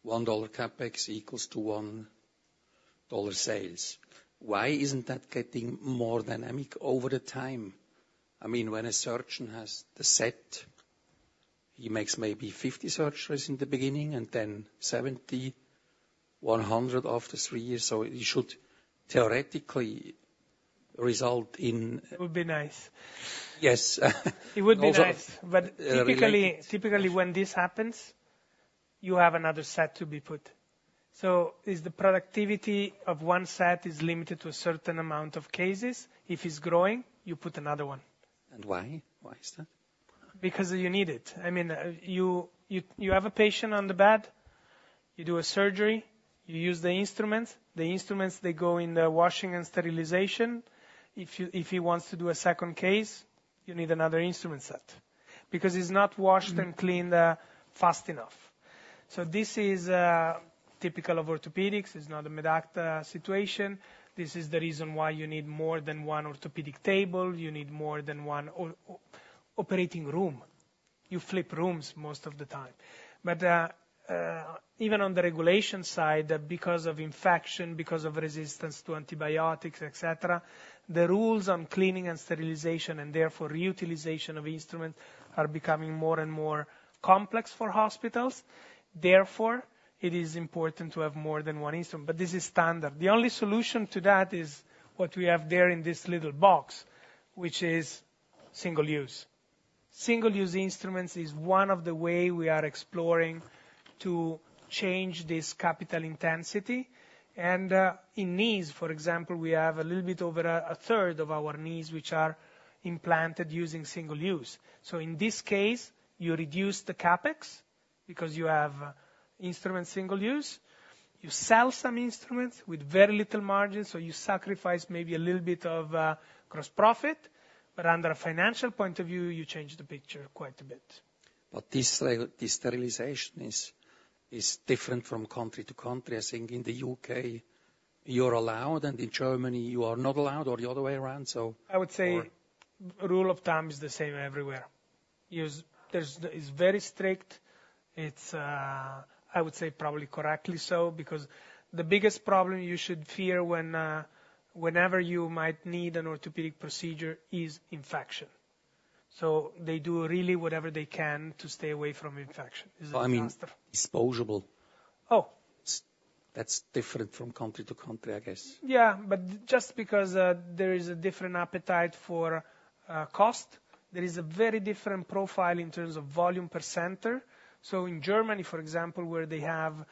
$1 CapEx equals to $1 sales. Why isn't that getting more dynamic over the time? I mean, when a surgeon has the set, he makes maybe fifty surgeries in the beginning, and then seventy, one hundred after three years, so it should theoretically result in- It would be nice. Yes. It would be nice- Uh, related- But typically, when this happens, you have another set to be put. So the productivity of one set is limited to a certain amount of cases. If it's growing, you put another one. Why? Why is that? Because you need it. I mean, you have a patient on the bed, you do a surgery, you use the instruments. The instruments, they go in the washing and sterilization. If he wants to do a second case, you need another instrument set. Because it's not washed and cleaned fast enough, so this is typical of orthopedics it's not a Medacta situation. This is the reason why you need more than one orthopedic table, you need more than one operating room. You flip rooms most of the time, but even on the regulation side, because of infection, because of resistance to antibiotics, et cetera, the rules on cleaning and sterilization, and therefore, reutilization of instruments, are becoming more and more complex for hospitals. Therefore, it is important to have more than one instrument, but this is standard the only solution to that is what we have there in this little box, which is single-use. Single-use instruments is one of the way we are exploring to change this capital intensity, and in knees, for example, we have a little bit over a third of our knees, which are implanted using single-use. So in this case, you reduce the CapEx because you have instrument single-use. You sell some instruments with very little margin, so you sacrifice maybe a little bit of gross profit, but under a financial point of view, you change the picture quite a bit. But this sterilization is different from country to country. I think in the UK, you're allowed, and in Germany, you are not allowed, or the other way around, so- I would say- Or-... rule of thumb is the same everywhere. It's very strict, it's, I would say, probably correctly so, because the biggest problem you should fear when, whenever you might need an orthopedic procedure, is infection. So they do really whatever they can to stay away from infection. It's a disaster. I mean, disposable. Oh. That's different from country to country, I guess. Yeah, but just because there is a different appetite for cost, there is a very different profile in terms of volume per center. So in Germany, for example, where they have,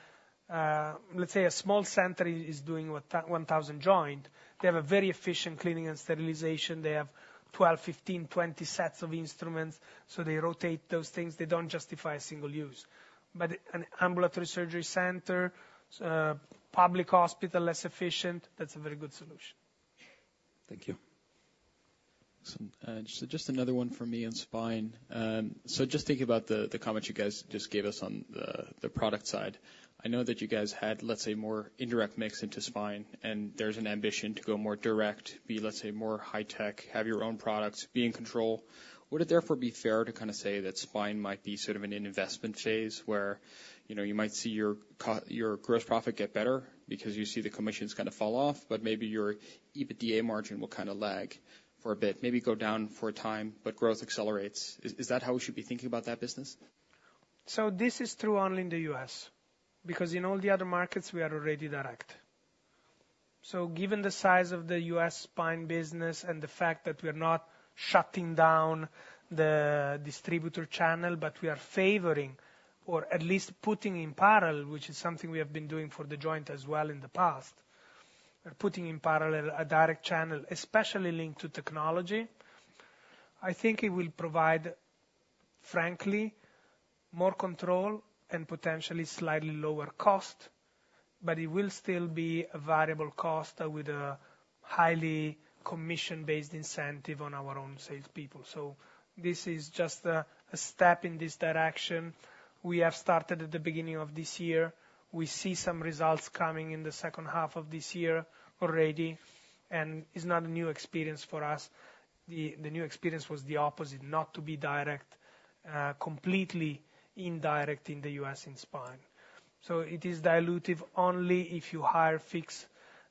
let's say, a small center is doing what 1,000 joint, they have a very efficient cleaning and sterilization they have 12, 15, 20 sets of instruments, so they rotate those things they don't justify a single use. But an ambulatory surgery center, public hospital, less efficient, that's a very good solution. Thank you. Awesome. So just another one for me in spine. So just thinking about the comment you guys just gave us on the product side. I know that you guys had, let's say, more indirect mix into spine, and there's an ambition to go more direct, let's say, more high tech, have your own products, be in control. Would it therefore be fair to kinda say that spine might be sort of in an investment phase where, you know, you might see your gross profit get better because you see the commissions kinda fall off, but maybe your EBITDA margin will kinda lag for a bit, maybe go down for a time, but growth accelerates. Is that how we should be thinking about that business? So this is true only in the US, because in all the other markets, we are already direct. So given the size of the US spine business and the fact that we're not shutting down the distributor channel, but we are favoring or at least putting in parallel, which is something we have been doing for the joint as well in the past. We're putting in parallel a direct channel, especially linked to technology. I think it will provide, frankly, more control and potentially slightly lower cost, but it will still be a variable cost with a highly commission-based incentive on our own salespeople. So this is just a step in this direction. We have started at the beginning of this year. We see some results coming in the second half of this year already, and it's not a new experience for us. The new experience was the opposite, not to be direct, completely indirect in the U.S. in spine. So it is dilutive only if you hire fixed,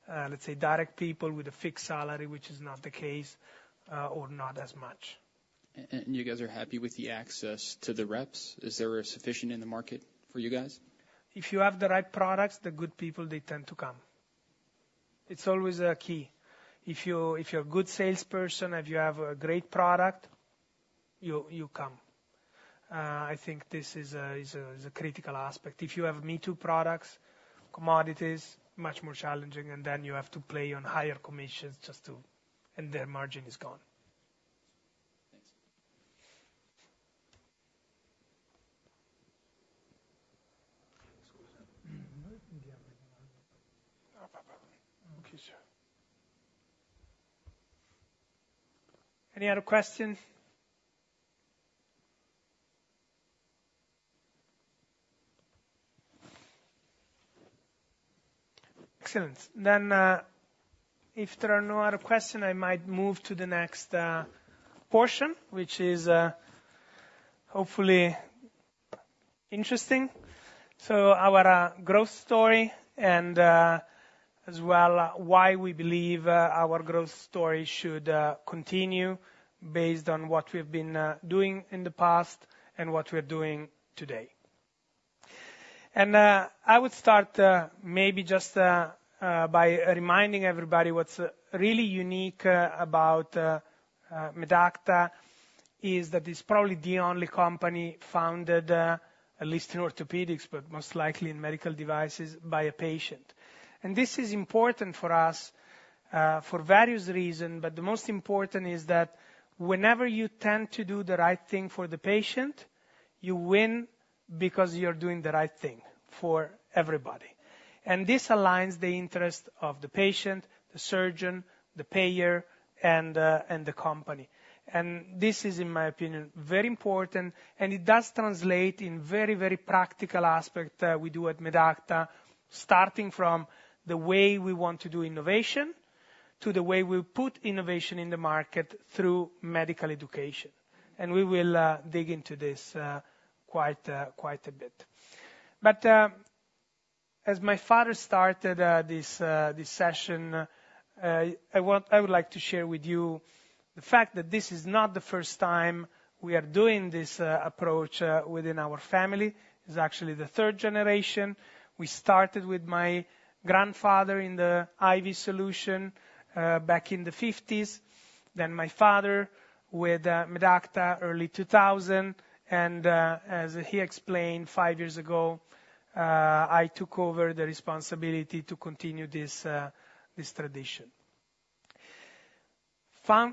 let's say, direct people with a fixed salary, which is not the case, or not as much. You guys are happy with the access to the reps? Is there a sufficient in the market for you guys? If you have the right products, the good people, they tend to come. It's always a key. If you're a good salesperson, and you have a great product, you come. I think this is a critical aspect if you have me-too products, commodities, much more challenging, and then you have to play on higher commissions just to... and their margin is gone. Thanks. Any other questions? Excellent, then if there are no other question, I might move to the next portion, which is hopefully interesting, so our growth story and as well why we believe our growth story should continue based on what we've been doing in the past and what we're doing today. I would start maybe just by reminding everybody what's really unique about Medacta is that it's probably the only company founded at least in orthopedics, but most likely in medical devices, by a patient. And this is important for us for various reason, but the most important is that whenever you tend to do the right thing for the patient, you win because you're doing the right thing for everybody. And this aligns the interest of the patient, the surgeon, the payer, and the company. And this is, in my opinion, very important, and it does translate in very, very practical aspect we do at Medacta, starting from the way we want to do innovation to the way we put innovation in the market through medical education. We will dig into this quite a bit. But as my father started this session, I would like to share with you the fact that this is not the first time we are doing this approach within our family. It's actually the third generation. We started with my grandfather in the IV solution back in the '50s, then my father with Medacta early 2000, and as he explained, five years ago I took over the responsibility to continue this tradition.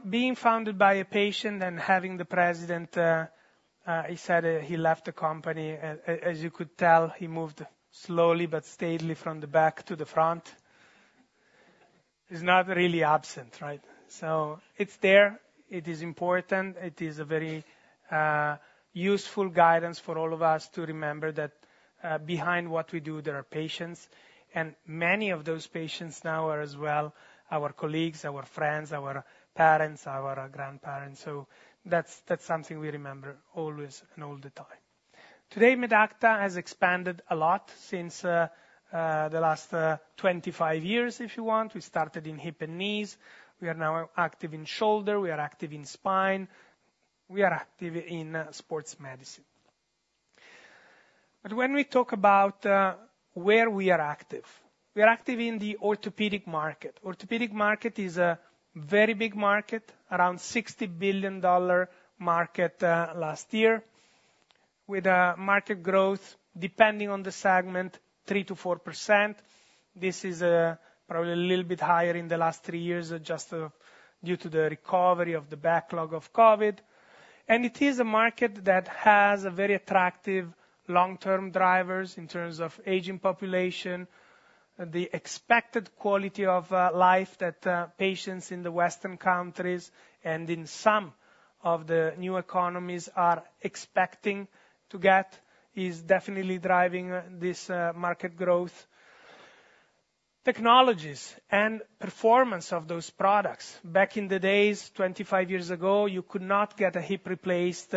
Being founded by a patient and having the president, he said he left the company as you could tell, he moved slowly but steadily from the back to the front. He's not really absent, right? So it's there. It is important it is a very useful guidance for all of us to remember that behind what we do, there are patients, and many of those patients now are as well our colleagues, our friends, our parents, our grandparents. So that's something we remember always and all the time. Today, Medacta has expanded a lot since the last 25 years, if you want we started in hip and knees. We are now active in shoulder, we are active in spine, we are active in sports medicine. But when we talk about where we are active, we are active in the orthopedic market. Orthopedic market is a very big market, around $60 billion market last year, with a market growth, depending on the segment, 3%-4%. This is probably a little bit higher in the last three years, just due to the recovery of the backlog of COVID. And it is a market that has a very attractive long-term drivers in terms of aging population. The expected quality of life that patients in the Western countries and in some of the new economies are expecting to get is definitely driving this market growth. Technologies and performance of those products back in the days, 25 years ago, you could not get a hip replaced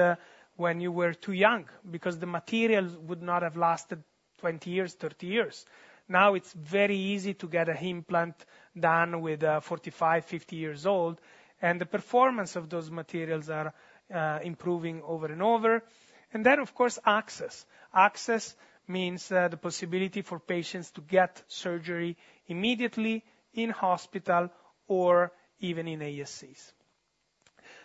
when you were too young because the materials would not have lasted 20 years, 30 years. Now, it's very easy to get a hip implant done with 45, 50 years old, and the performance of those materials are improving over and over. And then, of course, access. Access means the possibility for patients to get surgery immediately in hospital or even in ASCs.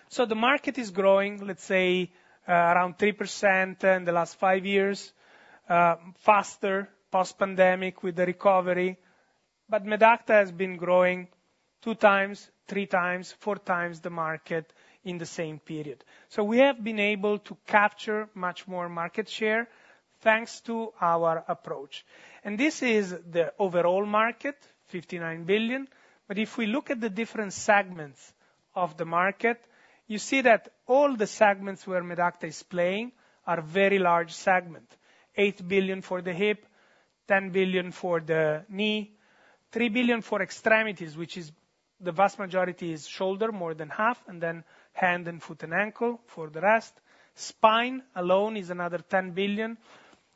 So the market is growing, let's say, around 3% in the last five years, faster post-pandemic with the recovery, but Medacta has been growing two times, three times, four times the market in the same period. So we have been able to capture much more market share, thanks to our approach, and this is the overall market, $59 billion, but if we look at the different segments of the market, you see that all the segments where Medacta is playing are very large segment. $8 billion for the hip, $10 billion for the knee, $3 billion for extremities, which is the vast majority is shoulder, more than half, and then hand and foot and ankle for the rest. Spine alone is another $10 billion,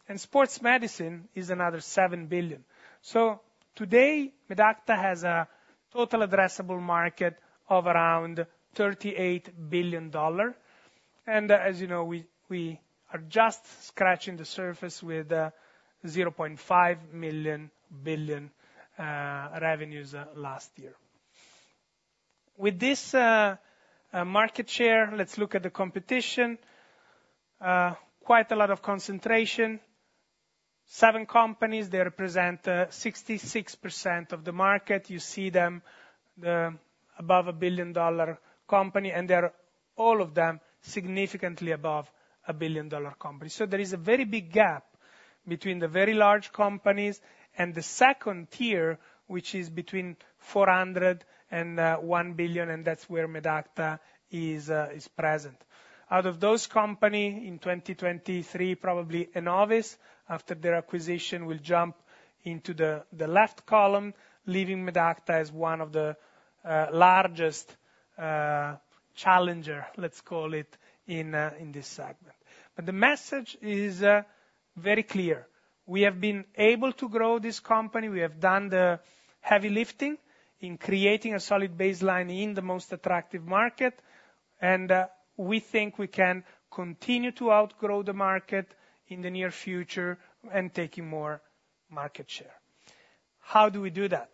and sports medicine is another $7 billion. So today, Medacta has a total addressable market of around $38 billion dollars, and as you know, we are just scratching the surface with $0.5 billion revenues last year. With this market share, let's look at the competition. Quite a lot of concentration. Seven companies, they represent 66% of the market you see them above a billion-dollar company, and they are, all of them, significantly above a billion-dollar company so there is a very big gap between the very large companies and the second tier, which is between $400 million and $1 billion, and that's where Medacta is present. Out of those companies, in 2023, probably Enovis, after their acquisition, will jump into the left column, leaving Medacta as one of the largest challenger, let's call it, in this segment. But the message is very clear. We have been able to grow this company we have done the heavy lifting in creating a solid baseline in the most attractive market, and we think we can continue to outgrow the market in the near future and taking more market share. How do we do that?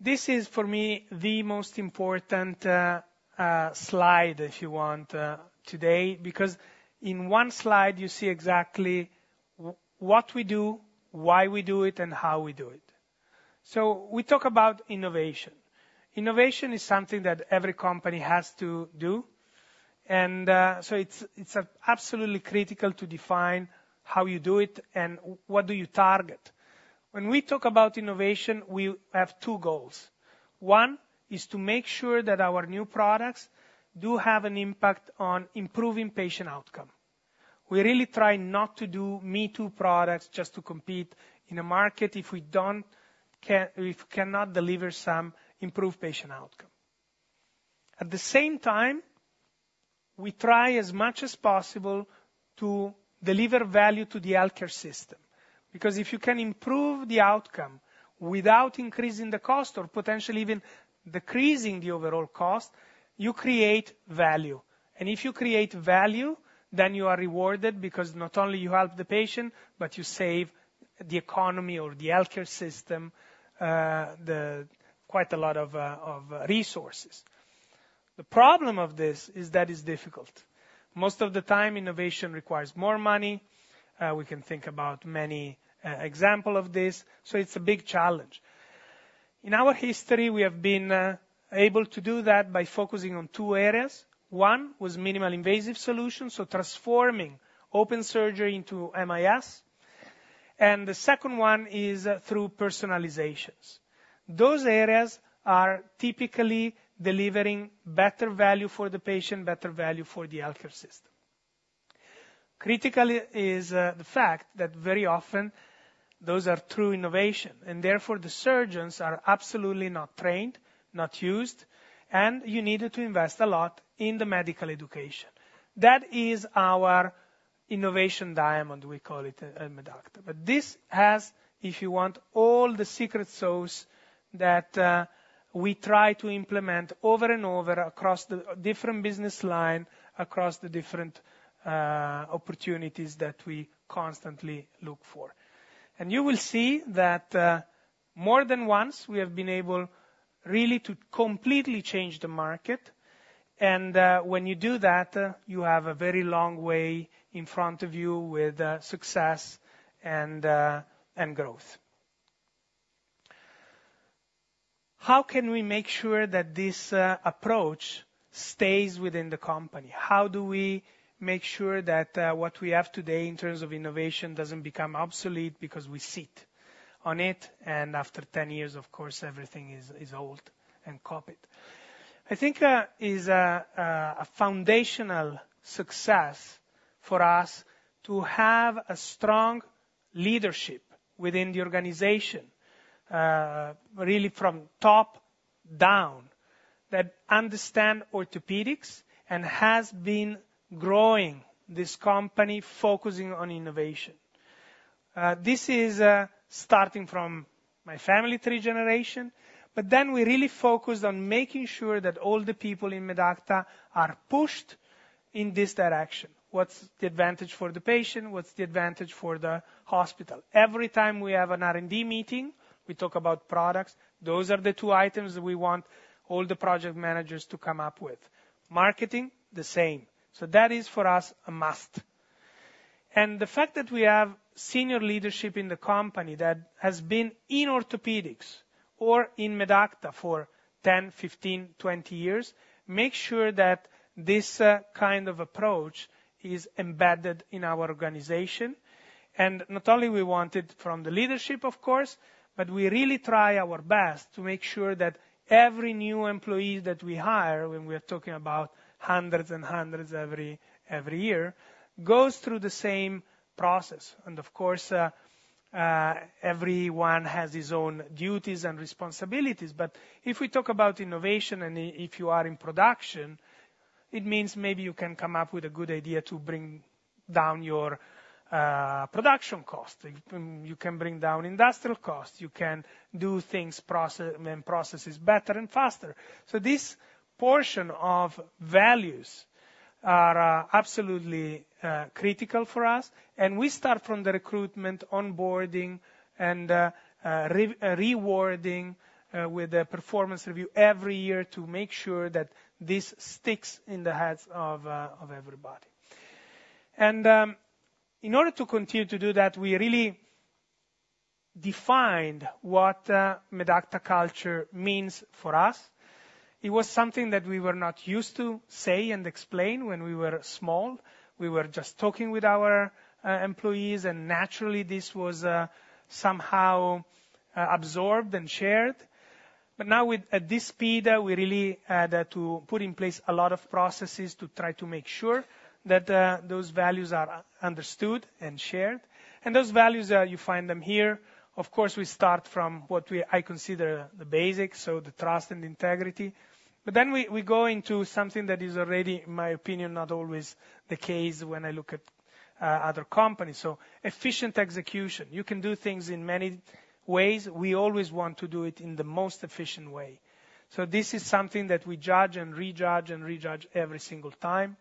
This is, for me, the most important slide, if you want, today, because in one slide, you see exactly what we do, why we do it, and how we do it. So we talk about innovation. Innovation is something that every company has to do, and so it's absolutely critical to define how you do it and what do you target. When we talk about innovation, we have two goals. One is to make sure that our new products do have an impact on improving patient outcome. We really try not to do me-too products just to compete in a market if we cannot deliver some improved patient outcome. At the same time, we try as much as possible to deliver value to the healthcare system, because if you can improve the outcome without increasing the cost or potentially even decreasing the overall cost, you create value. If you create value, then you are rewarded because not only you help the patient, but you save the economy or the healthcare system, quite a lot of resources. The problem of this is that it's difficult. Most of the time, innovation requires more money. We can think about many examples of this, so it's a big challenge. In our history, we have been able to do that by focusing on two areas. One was minimally invasive solutions, so transforming open surgery into MIS, and the second one is through personalizations. Those areas are typically delivering better value for the patient, better value for the healthcare system. Critical is the fact that very often those are true innovations, and therefore, the surgeons are absolutely not trained, not used, and you needed to invest a lot in the medical education. That is our innovation diamond we call it at Medacta, but this has, if you want, all the secret sauce that we try to implement over and over across the different business line, across the different opportunities that we constantly look for. And you will see that more than once, we have been able really to completely change the market, and when you do that, you have a very long way in front of you with success and growth. How can we make sure that this approach stays within the company? How do we make sure that what we have today in terms of innovation doesn't become obsolete because we sit on it, and after ten years, of course, everything is old and copied? I think a foundational success for us to have a strong leadership within the organization, really from top down, that understand orthopedics and has been growing this company, focusing on innovation. This is starting from my family three generation, but then we really focused on making sure that all the people in Medacta are pushed in this direction what's the advantage for the patient? What's the advantage for the hospital? Every time we have an R&D meeting, we talk about products. Those are the two items that we want all the project managers to come up with. Marketing, the same. So that is, for us, a must. And the fact that we have senior leadership in the company that has been in orthopedics or in Medacta for 10, 15, 20 years, make sure that this kind of approach is embedded in our organization. And not only we want it from the leadership, of course, but we really try our best to make sure that every new employee that we hire, when we're talking about hundreds every year, goes through the same process nd of course, everyone has his own duties and responsibilities, but if we talk about innovation and if you are in productio. It means maybe you can come up with a good idea to bring down your production cost, you can bring down industrial costs, You can do things I mean, processes better and faster. So this portion of values are absolutely critical for us, and we start from the recruitment, onboarding, and rewarding with a performance review every year to make sure that this sticks in the heads of everybody. In order to continue to do that, we really defined what Medacta culture means for us. It was something that we were not used to say and explain when we were small. We were just talking with our employees, and naturally, this was somehow absorbed and shared. But now at this speed, we really had to put in place a lot of processes to try to make sure that those values are understood and shared. And those values you find them here. Of course, we start from what I consider the basics, so the trust and integrity. But then we go into something that is already, in my opinion, not always the case when I look at other companies so efficient execution, You can do things in many ways we always want to do it in the most efficient way. So this is something that we judge and rejudge and rejudge every single time.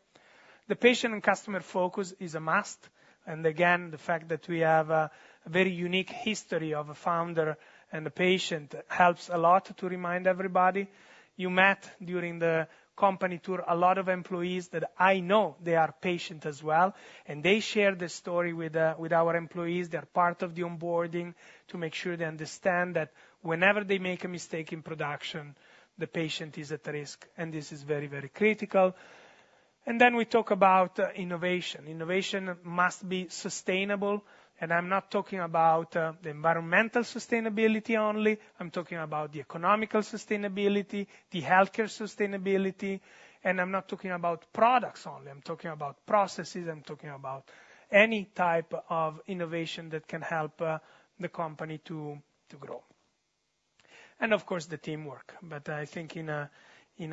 The patient and customer focus is a must, and again, the fact that we have a, a very unique history of a founder and a patient helps a lot to remind everybody. You met during the company tour a lot of employees that I know they are patients as well, and they share the story with, with our employees they are part of the onboarding to make sure they understand that whenever they make a mistake in production, the patient is at risk, and this is very, very critical. And then we talk about innovation. Innovation must be sustainable, and I'm not talking about the environmental sustainability only. I'm talking about the economical sustainability, the healthcare sustainability, and I'm not talking about products only i'm talking about processes, i'm talking about any type of innovation that can help the company to grow. And of course, the teamwork but I think in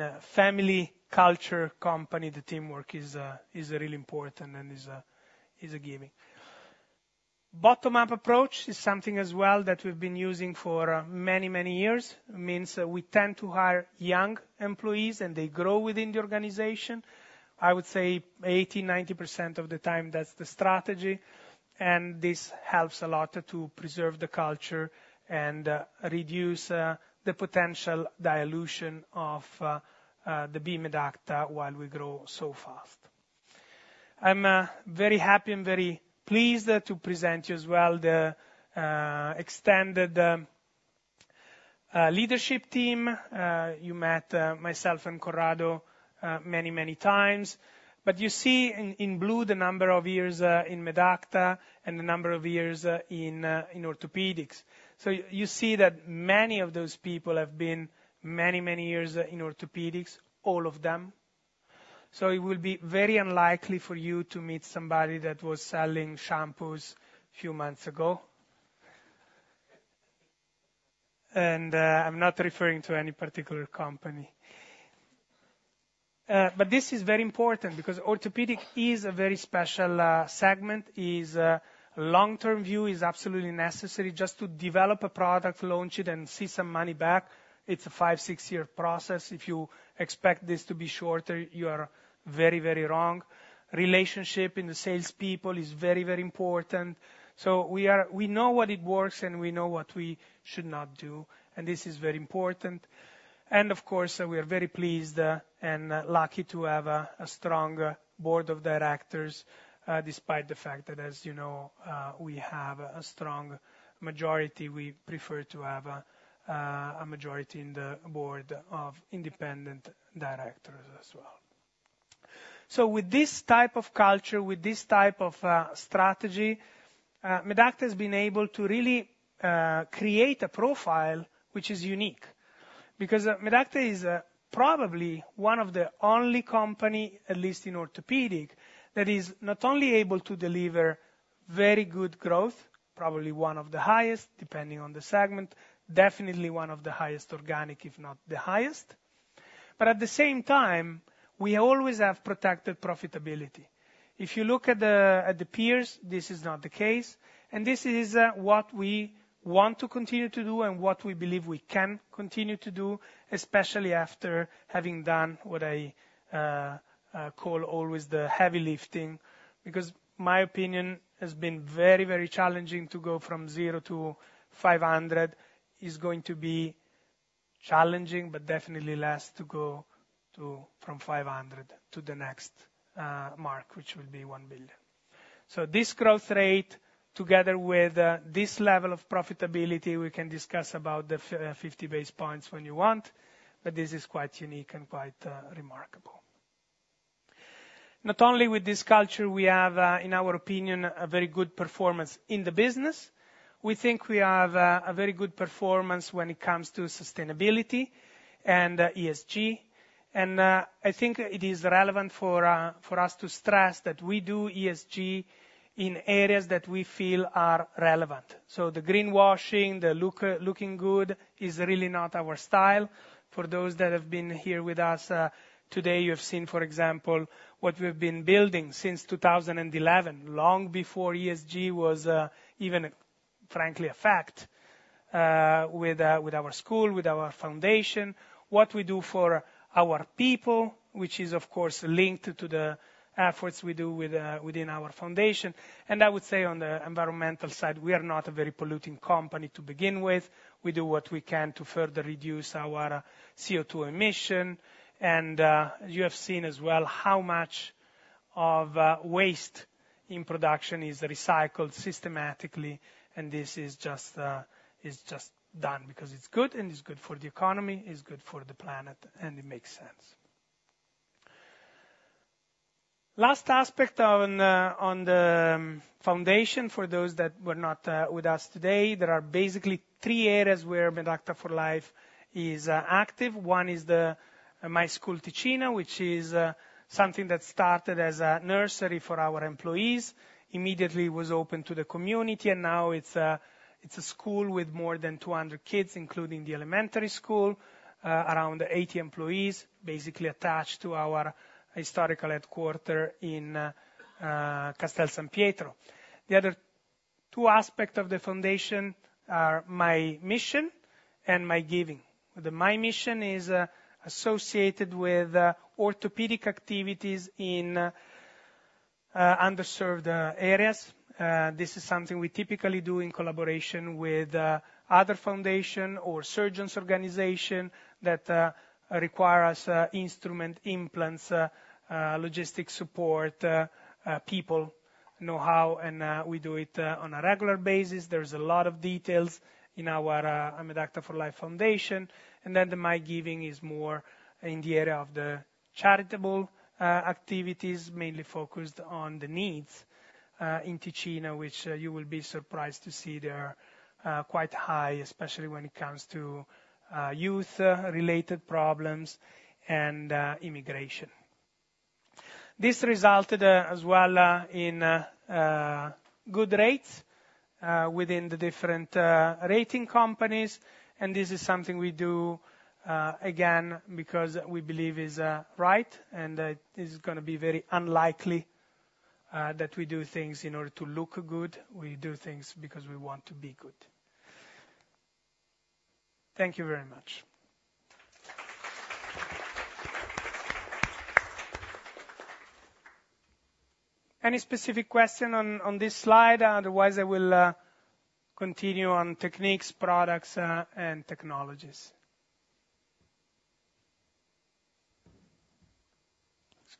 a family culture company, the teamwork is really important and is a given. Bottom-up approach is something as well that we've been using for many, many years. It means we tend to hire young employees, and they grow within the organization. I would say 80%-90% of the time, that's the strategy, and this helps a lot to preserve the culture and reduce the potential dilution of the DNA of Medacta while we grow so fast. I'm very happy and very pleased to present you as well, the extended leadership team. You met myself and Corrado many, many times, but you see in blue the number of years in Medacta and the number of years in orthopedics. So you see that many of those people have been many, many years in orthopedics, all of them. So it will be very unlikely for you to meet somebody that was selling shampoos a few months ago. And I'm not referring to any particular company. But this is very important because orthopedic is a very special segment, is a long-term view, is absolutely necessary just to develop a product, launch it, and see some money back. It's a five, six-year process if you expect this to be shorter, you are very, very wrong. Relationship in the salespeople is very, very important. We know what it works, and we know what we should not do, and this is very important. And of course, we are very pleased and lucky to have a strong Board of Directors, despite the fact that, as you know, we have a strong majority we prefer to have a majority in the board of independent directors as well. So with this type of culture, with this type of strategy, Medacta has been able to really create a profile which is unique. Because Medacta is probably one of the only company, at least in orthopedics, that is not only able to deliver very good growth, probably one of the highest, depending on the segment, definitely one of the highest organic, if not the highest. But at the same time, we always have protected profitability. If you look at the peers, this is not the case, and this is what we want to continue to do and what we believe we can continue to do, especially after having done what I call always the heavy lifting, because my opinion has been very, very challenging to go from zero to five hundred. It is going to be challenging, but definitely less to go from five hundred to the next mark, which will be one billion. So this growth rate, together with this level of profitability, we can discuss about the 50 basis points when you want, but this is quite unique and quite remarkable. Not only with this culture, we have in our opinion a very good performance in the business. We think we have a very good performance when it comes to sustainability and ESG. And I think it is relevant for us to stress that we do ESG in areas that we feel are relevant. So the greenwashing, the looking good is really not our style. For those that have been here with us today, you have seen, for example, what we've been building since 2011, long before ESG was even frankly a fact, with our school, with our foundation. What we do for our people, which is, of course, linked to the efforts we do within our foundation and I would say on the environmental side, we are not a very polluting company to begin with. We do what we can to further reduce our CO2 emission. You have seen as well how much of waste in production is recycled systematically, and this is just done because it's good, and it's good for the economy, it's good for the planet, and it makes sense. Last aspect on the foundation for those that were not with us today, there are basically three areas where Medacta for Life is active, o80ne is the My School Ticino, which is something that started as a nursery for our employees. Immediately, was open to the commUNiD, and now it's a school with more than two hundred kids, including the elementary school, around 80 employees, basically attached to our historical headquarters in Castel San Pietro. The other two aspects of the foundation are My Mission and My Giving. The My Mission is associated with orthopedic activities in underserved areas. This is something we typically do in collaboration with other foundation or surgeons organization that require us instrument implants logistic support people know-how and we do it on a regular basis there's a lot of details in our Medacta for Life Foundation. And then the My Giving is more in the area of the charitable activities mainly focused on the needs in Ticino which you will be surprised to see they are quite high especially when it comes to youth-related problems and immigration. This resulted, as well, in good rates within the different rating companies, and this is something we do again, because we believe is right, and this is gonna be very unlikely that we do things in order to look good we do things because we want to be good. Thank you very much. Any specific question on this slide? Otherwise, I will continue on techniques, products, and technologies.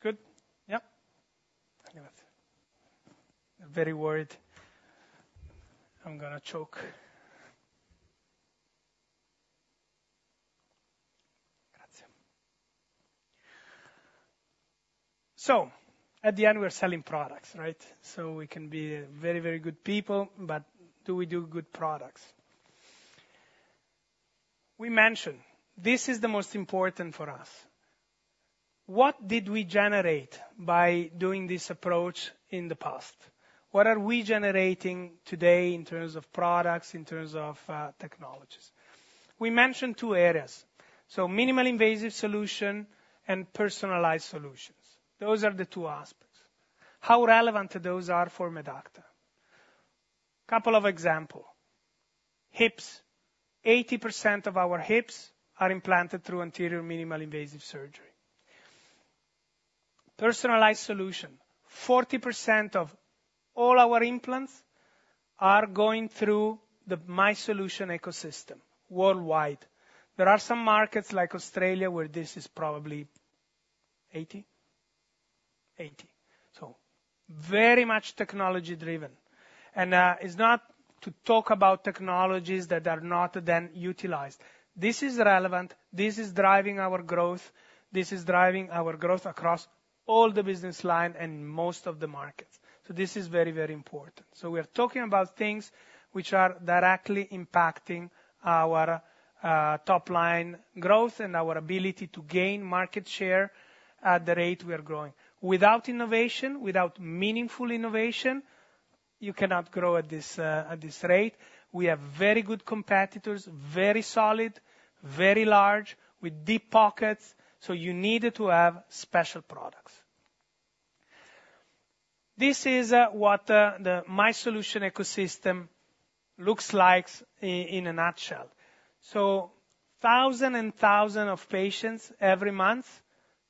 It's good? Yep. I'm very worried I'm gonna choke. Got you. So at the end, we're selling products, right? So we can be very, very good people, but do we do good products? We mentioned, this is the most important for us. What did we generate by doing this approach in the past? What are we generating today in terms of products, in terms of technologies? We mentioned two areas, so minimally invasive solutions and personalized solutions. Those are the two aspects. How relevant those are for Medacta? A couple of examples. Hips. 80% of our hips are implanted through anterior minimally invasive surgery. Personalized solutions. 40% of all our implants are going through the MySolutions Ecosystem worldwide there are some markets like Australia, where this is probably 80%? 80%. So very much technology-driven. And, it's not to talk about technologies that are not then utilized. This is relevant, this is driving our growth, this is driving our growth across all the business lines and most of the markets so this is very, very important. So we're talking about things which are directly impacting our, top line growth and our ability to gain market share at the rate we are growing. Without innovation, without meaningful innovation, you cannot grow at this, at this rate. We have very good competitors, very solid, very large, with deep pockets, so you needed to have special products. This is what the MySolutions ecosystem looks like in a nutshell. So thousands and thousands of patients every month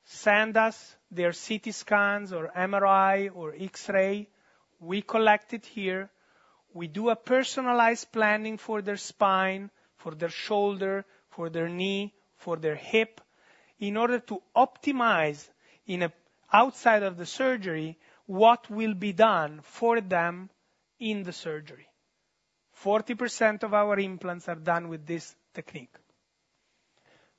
send us their CT scans or MRI or X-ray. We collect it here. We do a personalized planning for their spine, for their shoulder, for their knee, for their hip, in order to optimize outside of the surgery, what will be done for them in the surgery. 40% of our implants are done with this technique.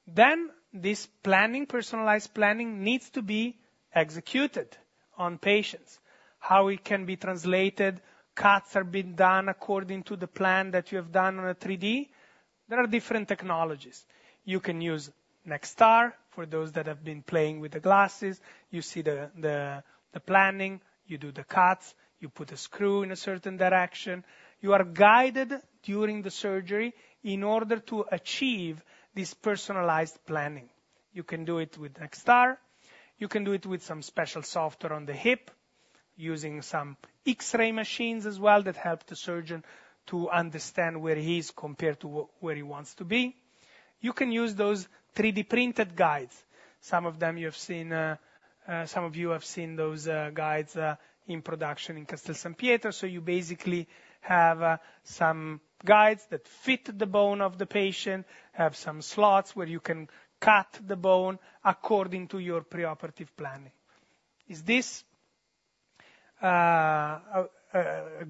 Then this planning, personalized planning, needs to be executed on patients. How it can be translated, cuts are being done according to the plan that you have done on a 3D. There are different technologies. You can use NextAR, for those that have been playing with the glasses, you see the planning, you do the cuts, you put a screw in a certain direction. You are guided during the surgery in order to achieve this personalized planning. You can do it with NextAR, you can do it with some special software on the hip, using some X-ray machines as well, that help the surgeon to understand where he is compared to where he wants to be. You can use those 3D printed guides. Some of them you have seen, some of you have seen those guides in production in Castel San Pietro so you basically have some guides that fit the bone of the patient, have some slots where you can cut the bone according to your preoperative planning. Is this a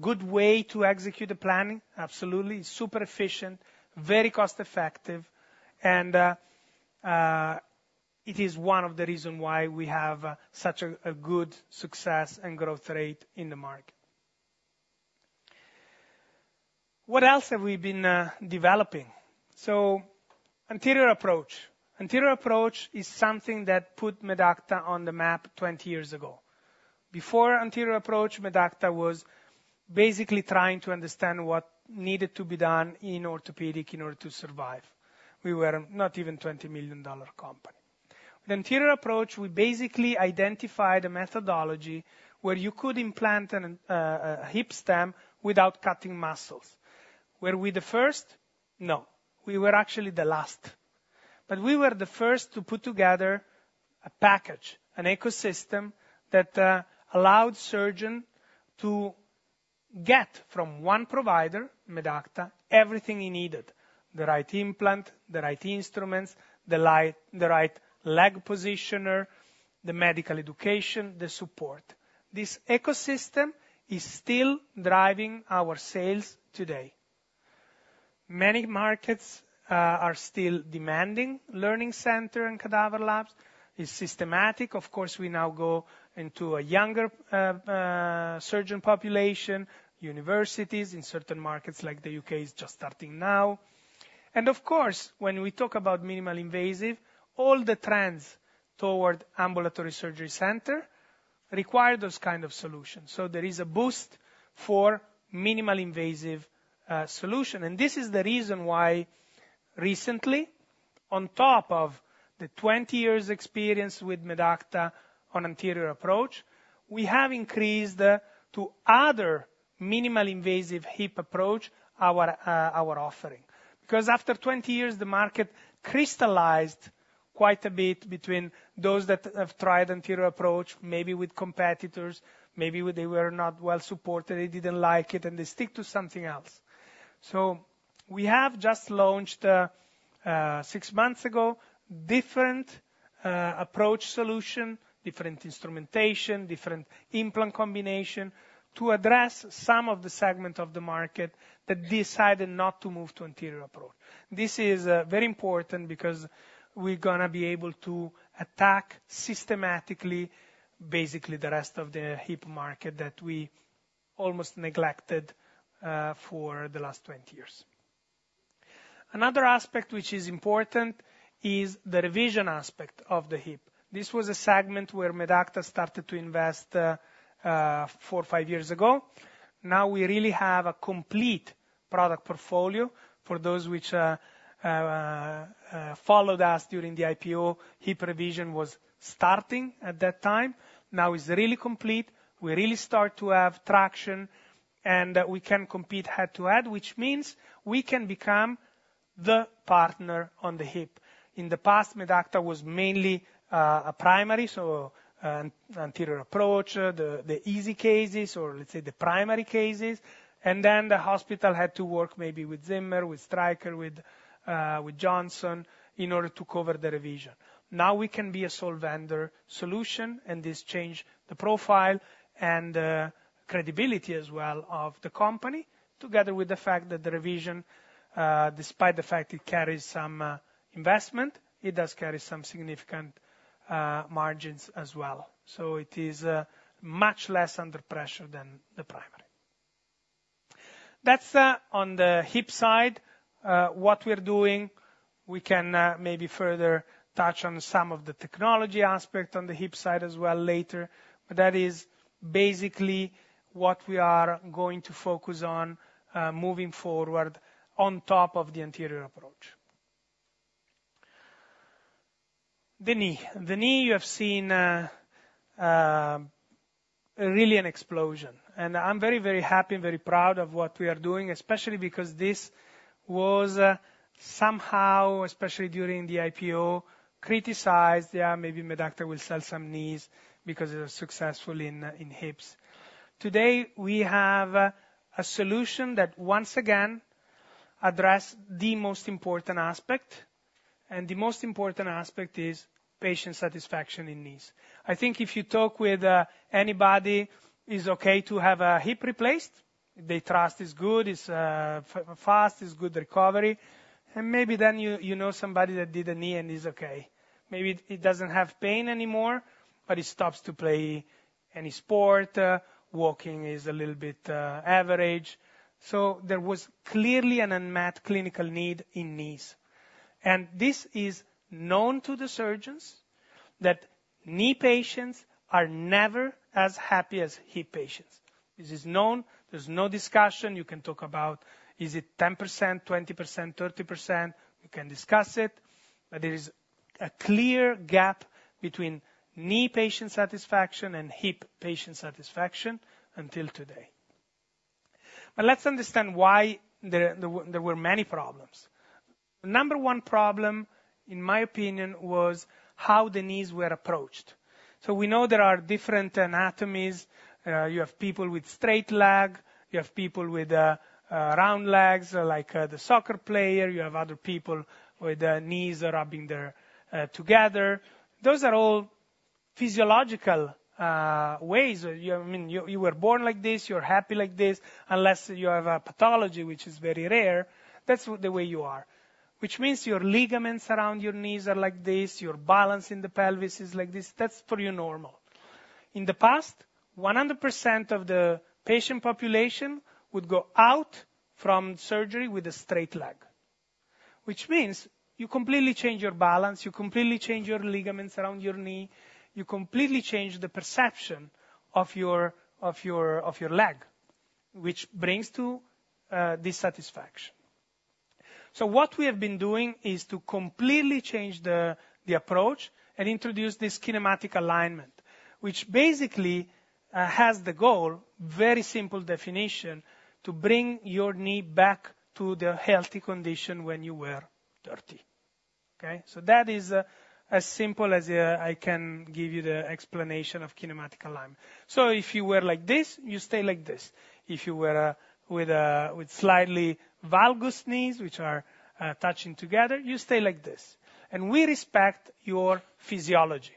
good way to execute a planning? Absolutely it's super efficient, very cost effective, and it is one of the reason why we have such a good success and growth rate in the market. What else have we been developing? So anterior approach. anterior approach is something that put Medacta on the map 20 years ago. Before anterior approach, Medacta was basically trying to understand what needed to be done in orthopedics in order to survive. We were not even 20 million dollar company. The anterior approach, we basically identified a methodology where you could implant a hip stem without cutting muscles. Were we the first? No, we were actually the last, but we were the first to put together a package, an ecosystem, that allowed surgeon to get from one provider, Medacta, everything he needed: the right implant, the right instruments, the right leg positioner, the medical education, the support. This ecosystem is still driving our sales today. Many markets are still demanding learning center and cadaver labs. It's systematic of course, we now go into a younger surgeon population, universities in certain markets, like the U.K., is just starting now. And of course, when we talk about minimally invasive, all the trends toward ambulatory surgery center require those kind of solutions, so there is a boost for minimally invasive solution this is the reason why recently. On top of the 20 years experience with Medacta on anterior approach, we have increased to other minimally invasive hip approach, our offering. Because after 20 years, the market crystallized quite a bit between those that have tried anterior approach, maybe with competitors, maybe they were not well supported, they didn't like it, and they stick to something else. We have just launched, six months ago, different approach solution, different instrumentation, different implant combination, to address some of the segment of the market that decided not to move to anterior approach. This is very important because we're gonna be able to attack systematically, basically the rest of the hip market that we almost neglected, for the last 20 years. Another aspect which is important is the revision aspect of the hip. This was a segment where Medacta started to invest, four, five years ago. Now, we really have a complete product portfolio. For those which followed us during the IPO, hip revision was starting at that time. Now, it's really complete. We really start to have traction, and we can compete head-to-head, which means we can become the partner on the hip. In the past, Medacta was mainly a primary, so anterior approach, the easy cases, or let's say the primary cases, and then the hospital had to work maybe with Zimmer, with Stryker, with Johnson, in order to cover the revision. Now, we can be a sole vendor solution, and this change the profile and credibility as well of the company, together with the fact that the revision, despite the fact it carries some investment, it does carry some significant margins as well. So it is much less under pressure than the primary. That's on the hip side what we're doing. We can maybe further touch on some of the technology aspect on the hip side as well later, but that is basically what we are going to focus on moving forward on top of the anterior approach. The knee. The knee, you have seen really an explosion, and I'm very, very happy and very proud of what we are doing, especially because this was somehow, especially during the IPO, criticized yeah, maybe Medacta will sell some knees because it was successful in hips. Today, we have a solution that, once again, addresses the most important aspect, and the most important aspect is patient satisfaction in knees. I think if you talk with anybody, it's okay to have a hip replaced. The trust is good, it's fast, it's good recovery, and maybe then you know somebody that did a knee and he's okay. Maybe he doesn't have pain anymore, but he stops to play any sport, walking is a little bit average. So there was clearly an unmet clinical need in knees, and this is known to the surgeons that knee patients are never as happy as hip patients. This is known, there's no discussion you can talk about is it 10%, 20%, 30%? We can discuss it, but there is a clear gap between knee patient satisfaction and hip patient satisfaction until today. But let's understand why there were many problems. Number one problem, in my opinion, was how the knees were approached. So we know there are different anatomies. You have people with straight leg, you have people with round legs, like the soccer player, you have other people with their knees rubbing together. Those are all physiological ways i mean, you were born like this, you're happy like this. Unless you have a pathology which is very rare, that's the way you are, which means your ligaments around your knees are like this, your balance in the pelvis is like this that's pretty normal. In the past, 100% of the patient population would go out from surgery with a straight leg, which means you completely change your balance, you completely change your ligaments around your knee, you completely change the perception of your leg, which brings to dissatisfaction. So what we have been doing is to completely change the approach and introduce this kinematic alignment, which basically has the goal, very simple definition, to bring your knee back to the healthy condition when you were 30, okay? So that is as simple as I can give you the explanation of kinematic alignment. So if you were like this, you stay like this. If you were with slightly valgus knees, which are touching together, you stay like this, and we respect your physiology.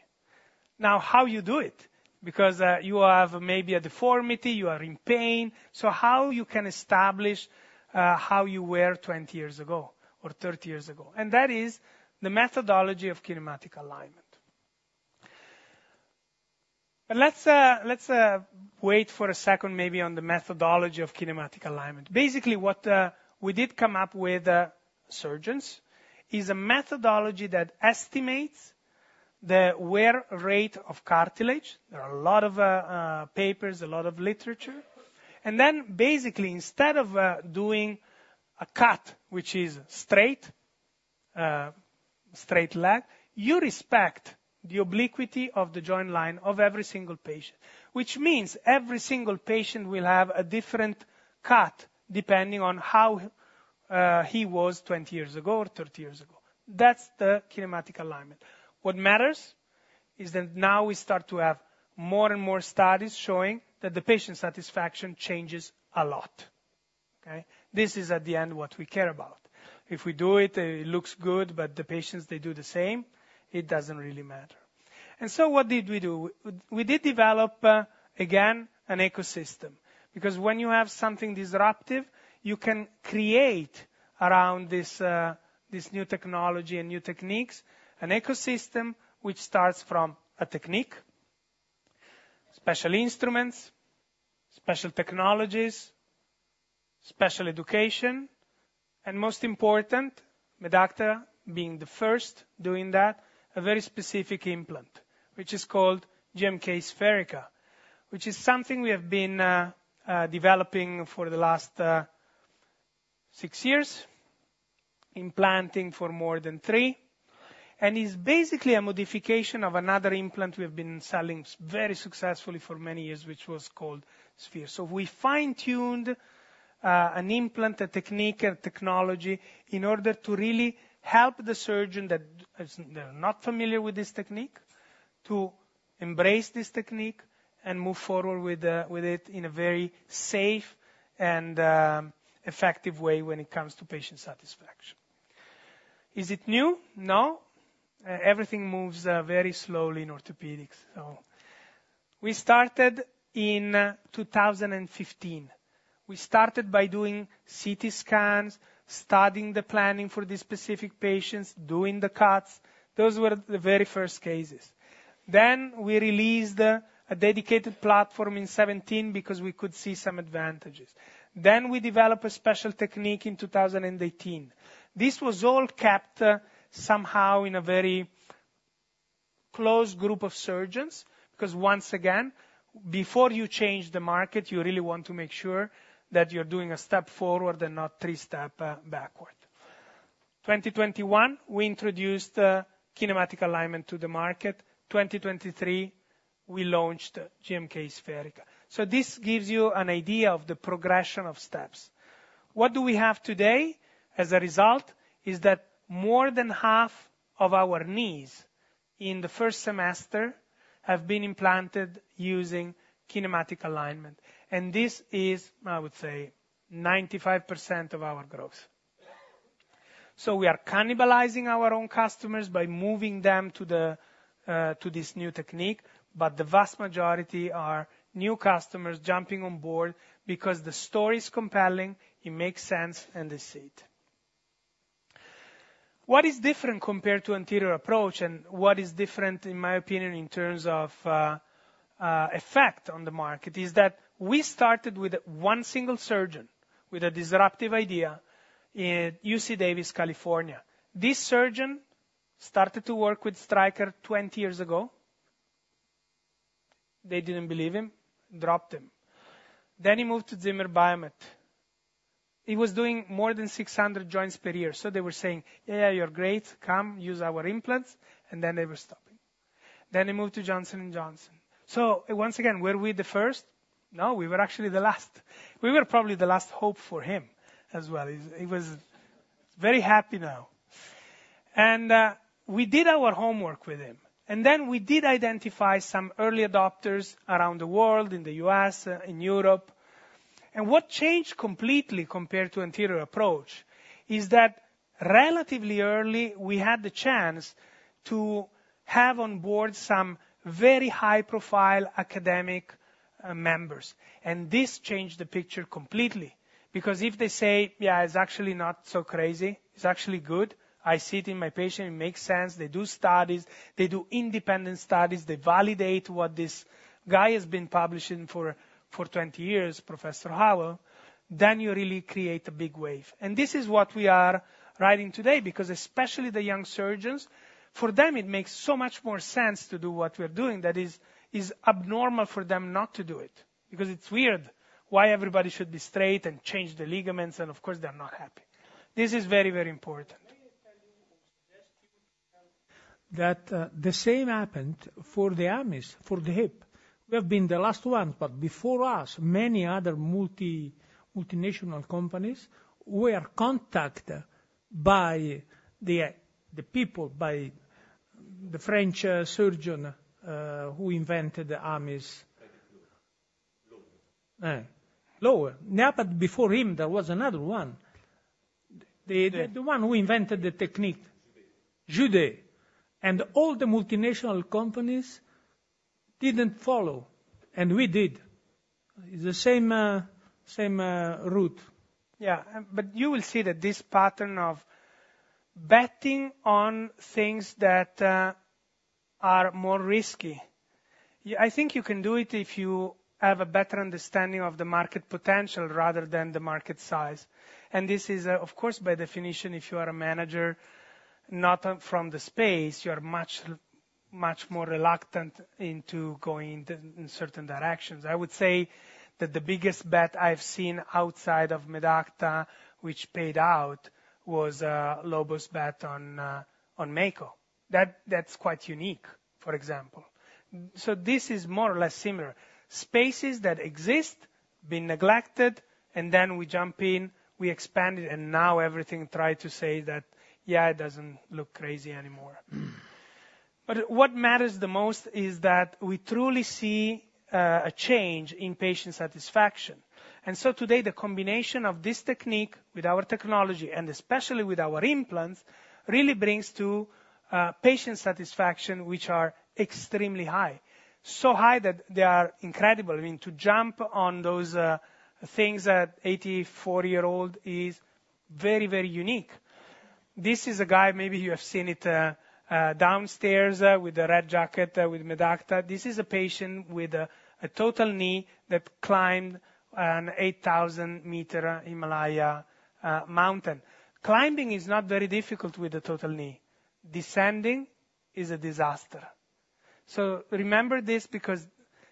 Now, how you do it? Because, you have maybe a deformity, you are in pain so how you can establish, how you were twenty years ago or 30 years ago, and that is the methodology of kinematic alignment. But let's wait for a second, maybe on the methodology of kinematic alignment basically, what we did come up with surgeons is a methodology that estimates the wear rate of cartilage there are a lot of papers, a lot of literature. And then basically, instead of doing a cut, which is straight leg, you respect the obliquity of the joint line of every single patient, which means every single patient will have a different cut, depending on how he was 20 years ago or30 years ago that's the kinematic alignment. What matters is that now we start to have more and more studies showing that the patient satisfaction changes a lot, okay? This is, at the end, what we care about. If we do it, it looks good, but the patients, they do the same, it doesn't really matter, and so what did we do? We did develop, again, an ecosystem, because when you have something disruptive, you can create around this, this new technology and new techniques, an ecosystem which starts from a technique, special instruments, special technologies, special education, and most important, Medacta being the first doing that, a very specific implant, which is called GMK SpheriKA. Which is something we have been developing for the last six years, implanting for more than three, and is basically a modification of another implant we have been selling very successfully for many years, which was called Sphere so we fine-tuned an implant, a technique, a technology, in order to really help the surgeon that is not familiar with this technique, to embrace this technique and move forward with it in a very safe and effective way when it comes to patient satisfaction. Is it new? No. Everything moves very slowly in orthopedics, so... We started in 2015. We started by doing CT scans, studying the planning for these specific patients, doing the cuts those were the very first cases. Then we released a dedicated platform in 2017 because we could see some advantages. Then we developed a special technique in 2018. This was all kept somehow in a very closed group of surgeons, 'cause once again, before you change the market, you really want to make sure that you're doing a step forward and not three step backward. 2021, we introduced kinematic alignment to the market. 2023, we launched GMK SpheriKA. So this gives you an idea of the progression of steps. What do we have today as a result is that more than half of our knees in the first semester have been implanted using kinematic alignment, and this is, I would say, 95% of our growth. So we are cannibalizing our own customers by moving them to the, to this new technique, but the vast majority are new customers jumping on board because the story is compelling, it makes sense, and they see it. What is different compared to anterior approach, and what is different, in my opinion, in terms of effect on the market, is that we started with one single surgeon with a disruptive idea in UC Davis, California. This surgeon started to work with Stryker twenty years ago. They didn't believe him, dropped him. Then he moved to Zimmer Biomet. He was doing more than 600 joints per year, so they were saying, "Yeah, you're great. Come use our implants," and then they were stopping. Then he moved to Johnson & Johnson. So once again, were we the first? No, we were actually the last. We were probably the last hope for him as well he was very happy now. And we did our homework with him, and then we did identify some early adopters around the world, in the U.S., in Europe. And what changed completely compared to anterior approach is that relatively early, we had the chance to have on board some very high-profile academic members, and this changed the picture completely. Because if they say, "Yeah, it's actually not so crazy, it's actually good, I see it in my patient, it makes sense" they do studies, they do independent studies, they validate what this guy has been publishing for 20 years, Professor Howell, then you really create a big wave, and this is what we are riding today, because especially the young surgeons, for them, it makes so much more sense to do what we're doing that is, it's abnormal for them not to do it, because it's weird why everybody should be straight and change the ligaments, and of course, they're not happy. This is very, very important. May I tell you or suggest to you that, the same happened for the AMIS, for the hip. We have been the last ones, but before us, many other multinational companies were contacted by the people, by the French surgeon who invented the AMIS. Lo. Lo. Hello. Yeah, but before him, there was another one. The one who invented the technique. J&J, and all the multinational companies didn't follow, and we did. It's the same, same route. Yeah, but you will see that this pattern of betting on things that are more risky. I think you can do it if you have a better understanding of the market potential rather than the market size. And this is, of course, by definition, if you are a manager, not from the space, you're much, much more reluctant into going into certain directions i would say that the biggest bet I've seen outside of Medacta, which paid out, was Lobo's bet on Mako that's quite unique, for example. So this is more or less similar. Spaces that exist, been neglected, and then we jump in, we expand it, and now everybody tries to say that, "Yeah, it doesn't look crazy anymore." But what matters the most is that we truly see a change in patient satisfaction. And so today, the combination of this technique with our technology, and especially with our implants, really brings to patient satisfaction, which are extremely high. So high that they are incredible i mean, to jump on those things at 84-year-old is very, very unique. This is a guy, maybe you have seen it downstairs with a red jacket with Medacta this is a patient with a total knee that climbed an 8,000-meter Himalayan mountain. Climbing is not very difficult with a total knee. Descending is a disaster. So remember this, because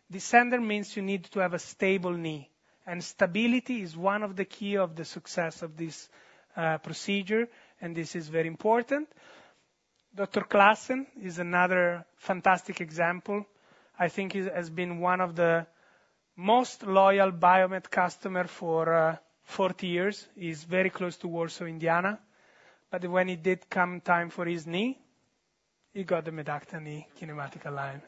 descending means you need to have a stable knee, and stability is one of the key of the success of this procedure, and this is very important. Dr. Klassen is another fantastic example. I think he has been one of the most loyal Biomet customer for 40 years he's very close to Warsaw, Indiana, but when it did come time for his knee, he got the Medacta Knee kinematic alignment.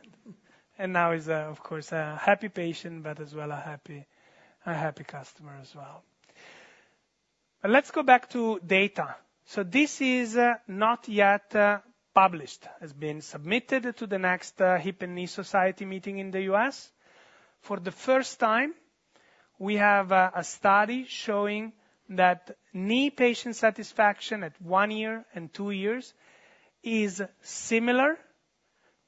And now he's of course a happy patient, but as well a happy customer as well. But let's go back to data. So this is not yet published it's been submitted to the next Hip and Knee Society meeting in the U.S. For the first time, we have a study showing that knee patient satisfaction at one year and two years is similar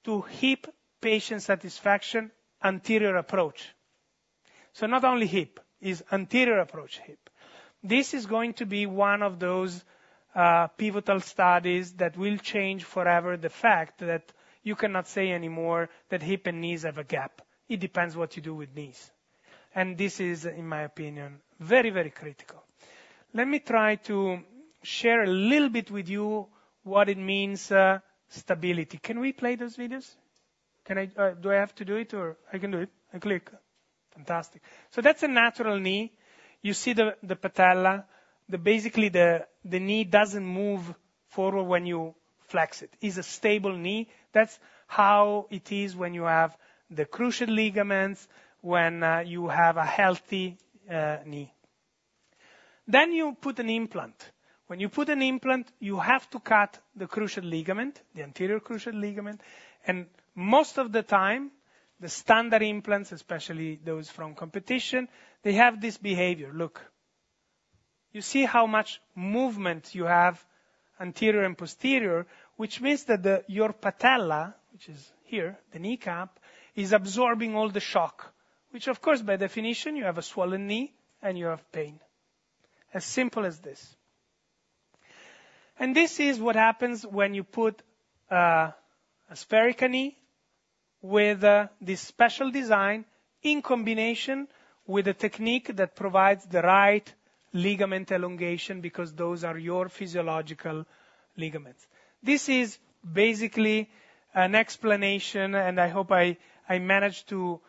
to hip patient satisfaction, anterior approach. So not only hip, it's anterior approach hip. This is going to be one of those pivotal studies that will change forever the fact that you cannot say anymore that hip and knees have a gap it depends what you do with knees. And this is, in my opinion, very, very critical. Let me try to share a little bit with you what it means, stability can we play those videos? Can I... do I have to do it, or? I can do it i click. Fantastic. So that's a natural knee. You see the, the patella, the-- basically, the, the knee doesn't move forward when you flex it, is a stable knee that's how it is when you have the cruciate ligaments, when you have a healthy knee. Then you put an implant. When you put an implant, you have to cut the cruciate ligament, the anterior cruciate ligament, and most of the time, the standard implants, especially those from competition, they have this behavior. Look, you see how much movement you have anterior and posterior, which means that the, your patella, which is here, the kneecap, is absorbing all the shock. Which of course, by definition, you have a swollen knee and you have pain. As simple as this. And this is what happens when you put a Spherical knee with this special design in combination with a technique that provides the right ligament elongation, because those are your physiological ligaments this is basically an explanation, and I hope I managed to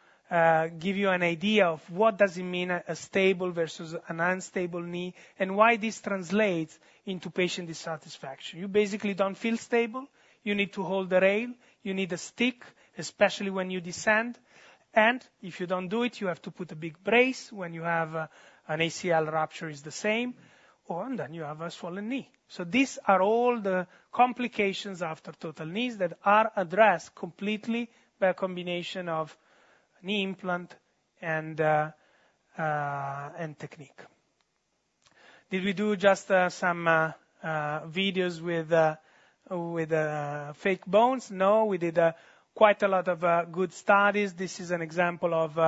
give you an idea of what does it mean, a stable versus an unstable knee, and why this translates into patient dissatisfaction you basically don't feel stable, you need to hold the rail, you need a stick, especially when you descend. And if you don't do it, you have to put a big brace, when you have an ACL rupture, it's the same, or then you have a swollen knee. So these are all the complications after total knees that are addressed completely by a combination of knee implant and technique. Did we do just some videos with fake bones? No, we did quite a lot of good studies. This is an example of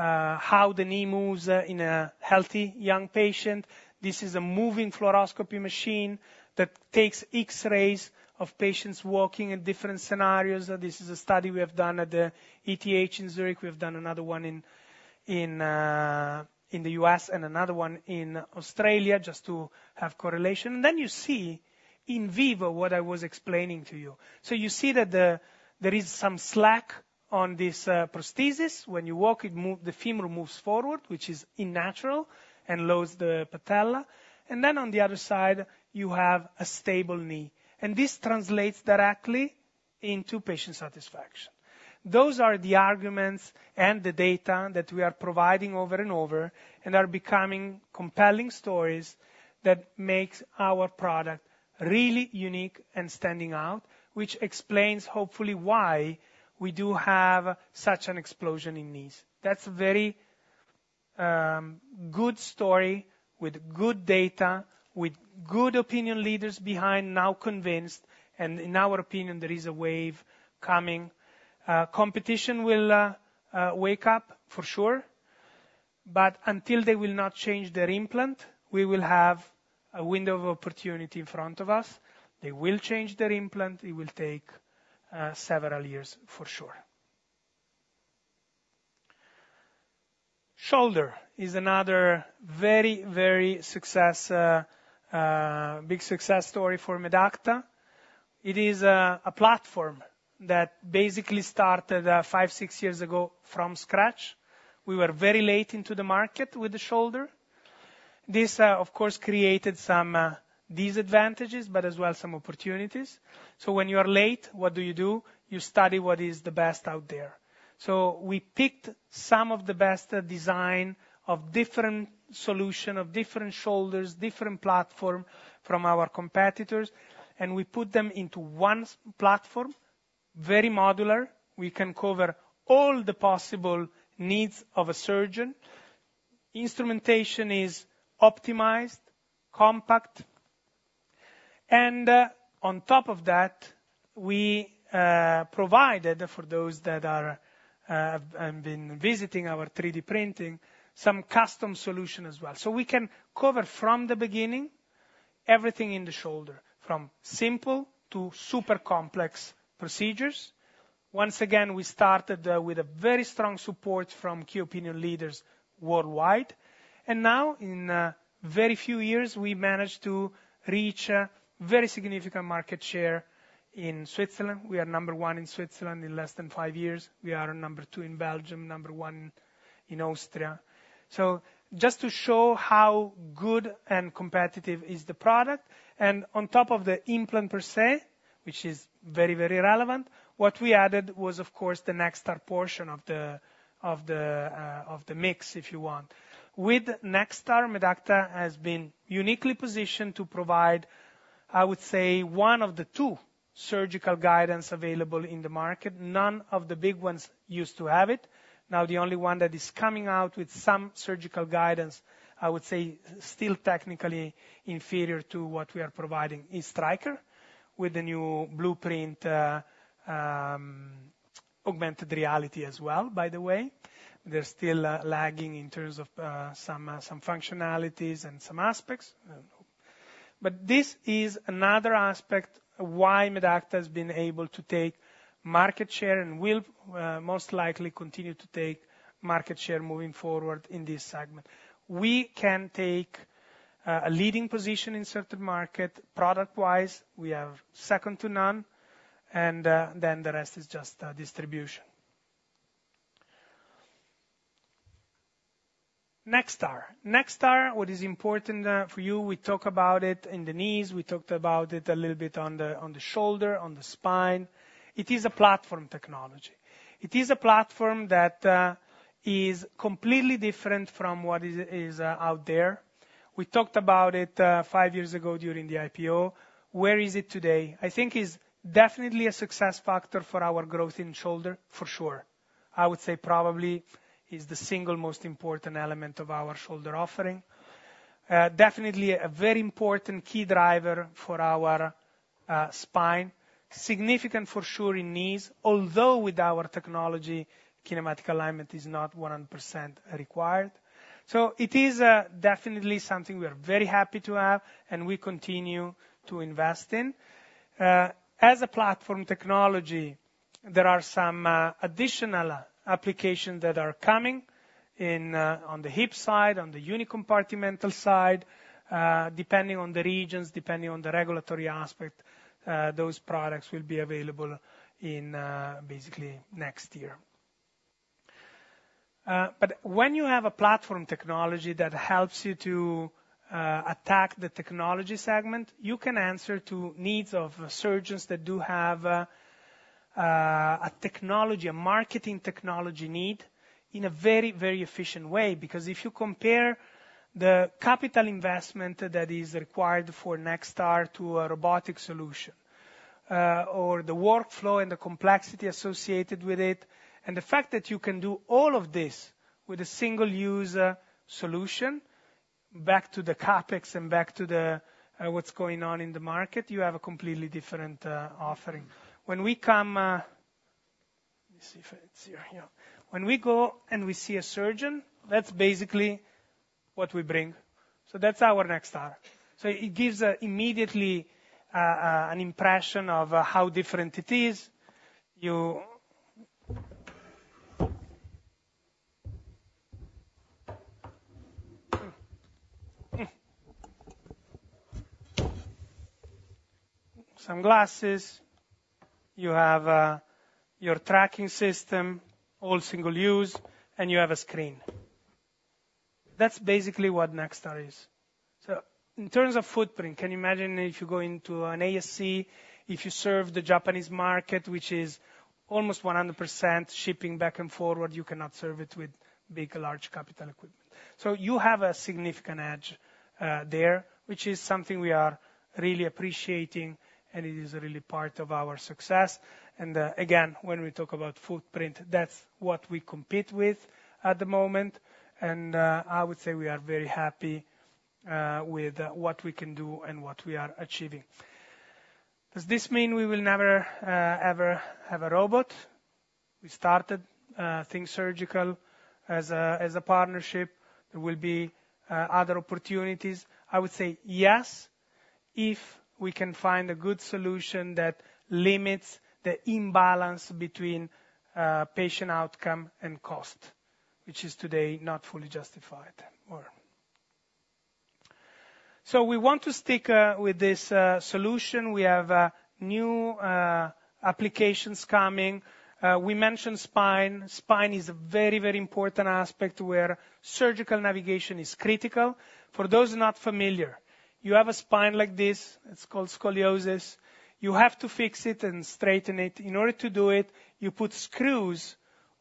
how the knee moves in a healthy young patient. This is a moving fluoroscopy machine that takes X-rays of patients walking in different scenarios, this is a study we have done at ETH Zurich we've done another one in the U.S. and another one in Australia, just to have correlation then you see in vivo what I was explaining to you. So you see that there is some slack on this prosthesis when you walk, the femur moves forward, which is unnatural and lowers the patella, and then on the other side, you have a stable knee, and this translates directly into patient satisfaction. Those are the arguments and the data that we are providing over and over, and are becoming compelling stories that makes our product really unique and standing out, which explains hopefully why we do have such an explosion in knees. That's a very good story, with good data, with good opinion leaders behind, now convinced, and in our opinion, there is a wave coming. Competition will wake up for sure, but until they will not change their implant, we will have a window of opportUNiD in front of us. They will change their implant it will take several years for sure. Shoulder is another very, very successful big success story for Medacta. It is a platform that basically started five, six years ago from scratch. We were very late into the market with the shoulder. This of course created some disadvantages, but as well, some opportunities. When you are late, what do you do? You study what is the best out there. We picked some of the best designs of different solutions, of different shoulders, different platforms from our competitors, and we put them into one platform, very modular we can cover all the possible needs of a surgeon. Instrumentation is optimized, compact, and on top of that, we provided for those that have been visiting our 3D printing, some custom solution as well so we can cover from the beginning, everything in the shoulder, from simple to super complex procedures. Once again, we started with a very strong support from key opinion leaders worldwide, and now, in a very few years, we managed to reach a very significant market share in Switzerland we are number one in Switzerland in less than five years. We are number two in Belgium, number one in Austria. So just to show how good and competitive is the product, and on top of the implant per se, which is very, very relevant, what we added was, of course, the NextAR portion of the mix, if you want. With NextAR, Medacta has been uniquely positioned to provide, I would say, one of the two surgical guidance available in the market. None of the big ones used to have it. Now, the only one that is coming out with some surgical guidance, I would say, still technically inferior to what we are providing is Stryker, with the new Blueprint, augmented reality as well, by the way. They're still lagging in terms of some functionalities and some aspects, but this is another aspect why Medacta has been able to take market share and will most likely continue to take market share moving forward in this segment. We can take a leading position in certain market, Product-wise, we are second to none, and then the rest is just distribution. NextAR. NextAR, what is important for you, we talk about it in the knees, we talked about it a little bit on the shoulder, on the spine. It is a platform technology. It is a platform that is completely different from what is out there. We talked about it five years ago during the IPO. Where is it today? I think it is definitely a success factor for our growth in shoulder, for sure. I would say probably is the single most important element of our shoulder offering. Definitely a very important key driver for our spine. Significant for sure in knees, although with our technology, kinematic alignment is not 100% required. So it is definitely something we are very happy to have, and we continue to invest in. As a platform technology, there are some additional applications that are coming in on the hip side, on the unicompartmental side. Depending on the regions, depending on the regulatory aspect, those products will be available in basically next year. But when you have a platform technology that helps you to attack the technology segment, you can answer to needs of surgeons that do have a matching technology need in a very, very efficient way. Because if you compare the capital investment that is required for NextAR to a robotic solution, or the workflow and the complexity associated with it, and the fact that you can do all of this with a single-use solution, back to the CapEx and back to what's going on in the market, you have a completely different offering. When we go and we see a surgeon, that's basically what we bring. So that's our NextAR. So it gives immediately an impression of how different it is. Some glasses, you have your tracking system, all single use, and you have a screen. That's basically what NextAR is. So in terms of footprint, can you imagine if you go into an ASC, if you serve the Japanese market, which is almost 100% shipping back and forward, you cannot serve it with big, large capital equipment so you have a significant edge there. Which is something we are really appreciating, and it is really part of our success. Again, when we talk about footprint, that's what we compete with at the moment, and I would say we are very happy with what we can do and what we are achieving. Does this mean we will never ever have a robot? We started THINK Surgical as a partnership. There will be other opportunities. I would say yes, if we can find a good solution that limits the imbalance between patient outcome and cost, which is today not fully justified or... So we want to stick with this solution. We have new applications coming. We mentioned spine. Spine is a very, very important aspect where surgical navigation is critical. For those not familiar, you have a spine like this. It's called scoliosis. You have to fix it and straighten it. In order to do it, you put screws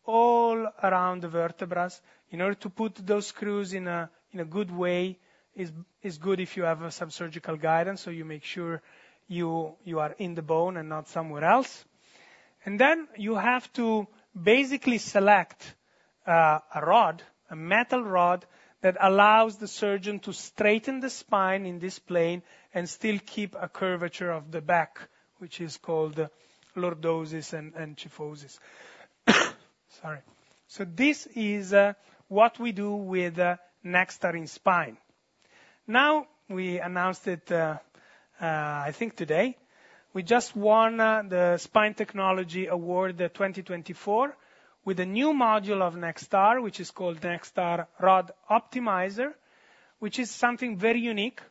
all around the vertebrae. In order to put those screws in a good way is good if you have some surgical guidance, so you make sure you are in the bone and not somewhere else. And then you have to basically select a rod, a metal rod, that allows the surgeon to straighten the spine in this plane and still keep a curvature of the back, which is called lordosis and kyphosis. Sorry. So this is what we do with NextAR in spine. Now, we announced it, I think today, we just won the Spine Technology Award, 2024, with a new module of NextAR, which is called NextAR Rod Optimizer, which is something very unique,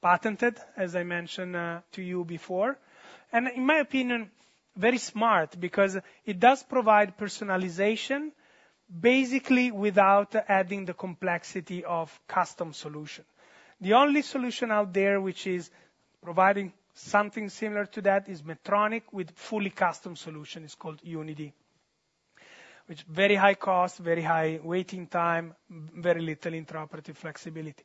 patented, as I mentioned to you before, and in my opinion, very smart, because it does provide personalization, basically without adding the complexity of custom solution. The only solution out there, which is providing something similar to that, is Medtronic, with fully custom solution it's called UNiD. Which very high cost, very high waiting time, very little intraoperative flexibility.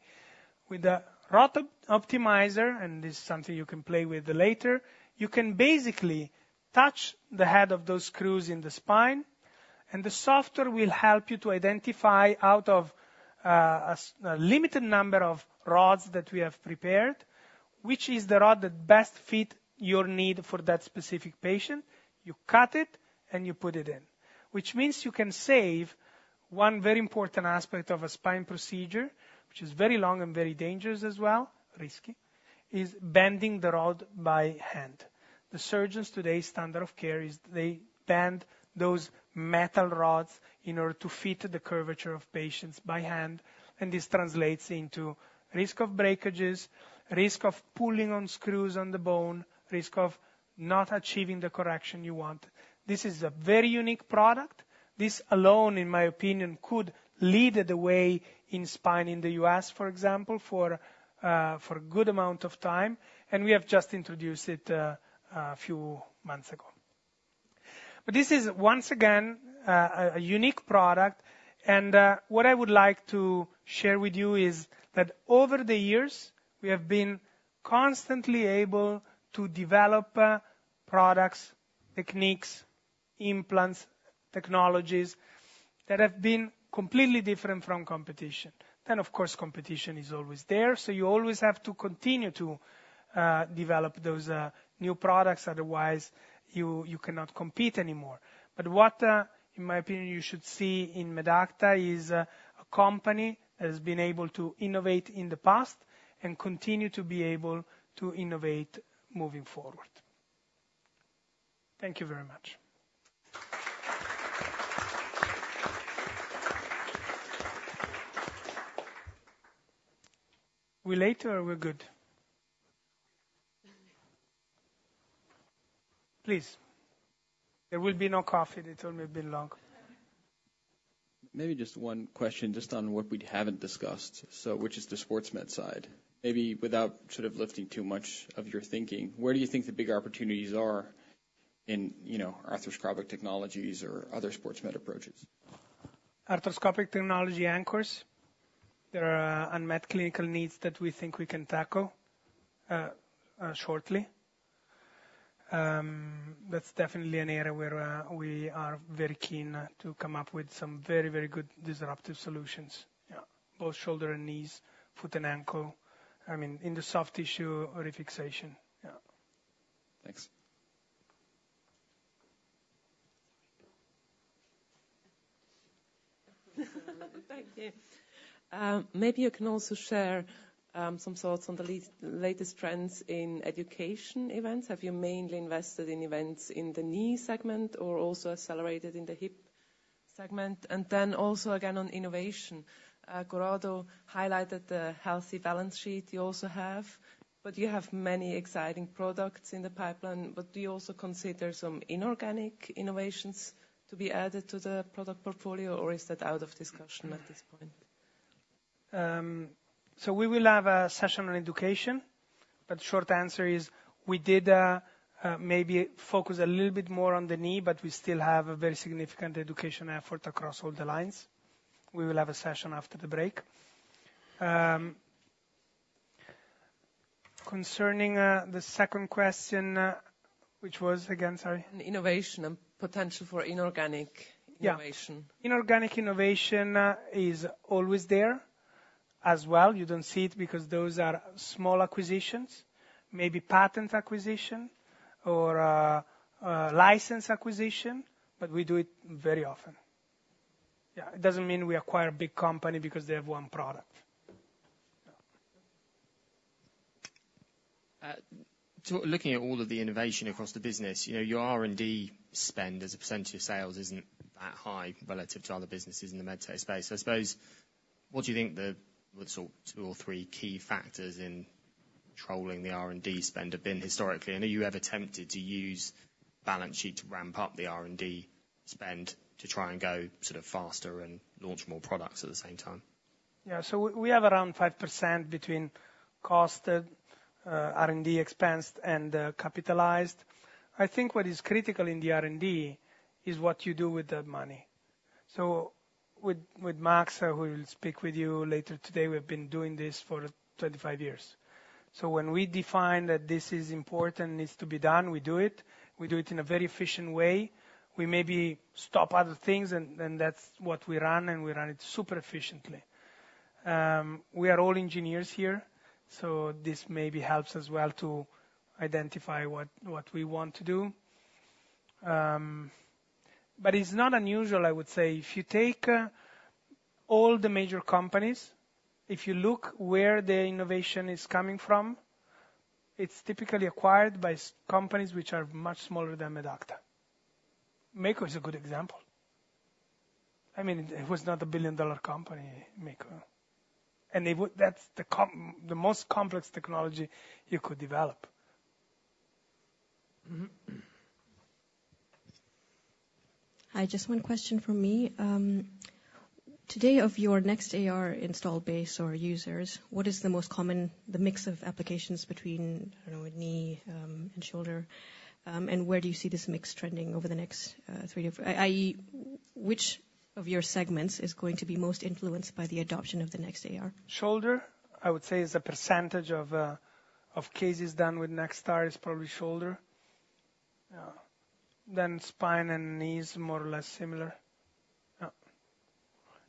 With the NextAR Rod Optimizer, and this is something you can play with later, you can basically touch the head of those screws in the spine, and the software will help you to identify out of a limited number of rods that we have prepared, which is the rod that best fit your need for that specific patient. You cut it, and you put it in. Which means you can save one very important aspect of a spine procedure, which is very long and very dangerous as well, risky, is bending the rod by hand. The surgeons today, standard of care, is they bend those metal rods in order to fit the curvature of patients by hand, and this translates into risk of breakages, risk of pulling on screws on the bone, risk of not achieving the correction you want. This is a very unique product. This alone, in my opinion, could lead the way in spine in the U.S., for example, for a good amount of time, and we have just introduced it a few months ago. But this is, once again, a unique product, and what I would like to share with you is that over the years, we have been constantly able to develop products, implants, technologies that have been completely different from competition then, of course, competition is always there, so you always have to continue to develop those new products, otherwise you cannot compete anymore. But what, in my opinion, you should see in Medacta is a company that has been able to innovate in the past and continue to be able to innovate moving forward. Thank you very much. We're late or we're good? Please. There will be no coffee. They told me it'd be long. Maybe just one question just on what we haven't discussed, so which is the sports med side. Maybe without sort of lifting too much of your thinking, where do you think the bigger opportunities are in, you know, arthroscopic technologies or other sports med approaches? Arthroscopic technology anchors. There are unmet clinical needs that we think we can tackle shortly. That's definitely an area where we are very keen to come up with some very, very good disruptive solutions, both shoulder and knees, foot and ankle, I mean, in the soft tissue or a fixation. Yeah. Thanks. Thank you. Maybe you can also share some thoughts on the latest trends in education events. Have you mainly invested in events in the knee segment or also accelerated in the hip segment? And then also, again, on innovation, Corrado highlighted the healthy balance sheet you also have, but you have many exciting products in the pipeline. But do you also consider some inorganic innovations to be added to the product portfolio, or is that out of discussion at this point? So we will have a session on education, but short answer is we did maybe focus a little bit more on the knee, but we still have a very significant education effort across all the lines. We will have a session after the break. Concerning the second question, which was, again, sorry? Innovation and potential for inorganic innovation. Yeah. Inorganic innovation is always there as well you don't see it because those are small acquisitions, maybe patent acquisition or a license acquisition, but we do it very often. Yeah, it doesn't mean we acquire a big company because they have one product. Yeah. So we're looking at all of the innovation across the business, you know, your R&D spend as a percentage of sales isn't that high relative to other businesses in the med tech space i suppose, what do you think the sort of two or three key factors in controlling the R&D spend have been historically? And are you ever tempted to use balance sheet to ramp up the R&D spend, to try and go sort of faster and launch more products at the same time? Yeah. So we have around 5% between cost, R&D expense and capitalized. I think what is critical in the R&D is what you do with that money. So with Max, who will speak with you later today, we've been doing this for 35 years. So when we define that this is important, needs to be done, we do it. We do it in a very efficient way. We maybe stop other things, and that's what we run, and we run it super efficiently. We are all engineers here, so this maybe helps as well to identify what we want to do. But it's not unusual, I would say, if you take all the major companies, if you look where the innovation is coming from, it's typically acquired by smaller companies which are much smaller than Medacta. Mako is a good example. I mean, it was not a billion-dollar company, Mako. And that's the most complex technology you could develop. Mm-hmm. Hi, just one question from me. Today, of your NextAR install base or users, what is the most common, the mix of applications between, I don't know, a knee and shoulder? And where do you see this mix trending over the next three to four... i.e., which of your segments is going to be most influenced by the adoption of the NextAR? Shoulder, I would say, is a percentage of cases done with NextAR is probably shoulder, then spine and knees, more or less similar.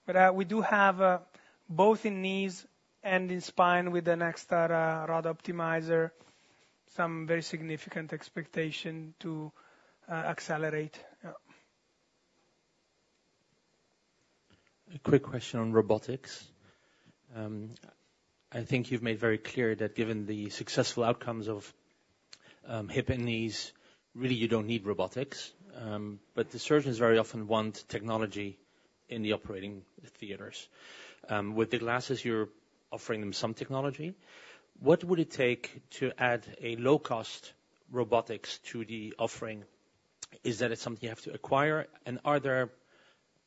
But, we do have both in knees and in spine with the NextAR Rod Optimizer, some very significant expectation to accelerate. Yeah. A quick question on robotics. I think you've made very clear that given the successful outcomes of hip and knees, really, you don't need robotics. But the surgeons very often want technology in the operating theaters. With the glasses, you're offering them some technology. What would it take to add a low-cost robotics to the offering? Is that it's something you have to acquire, and are there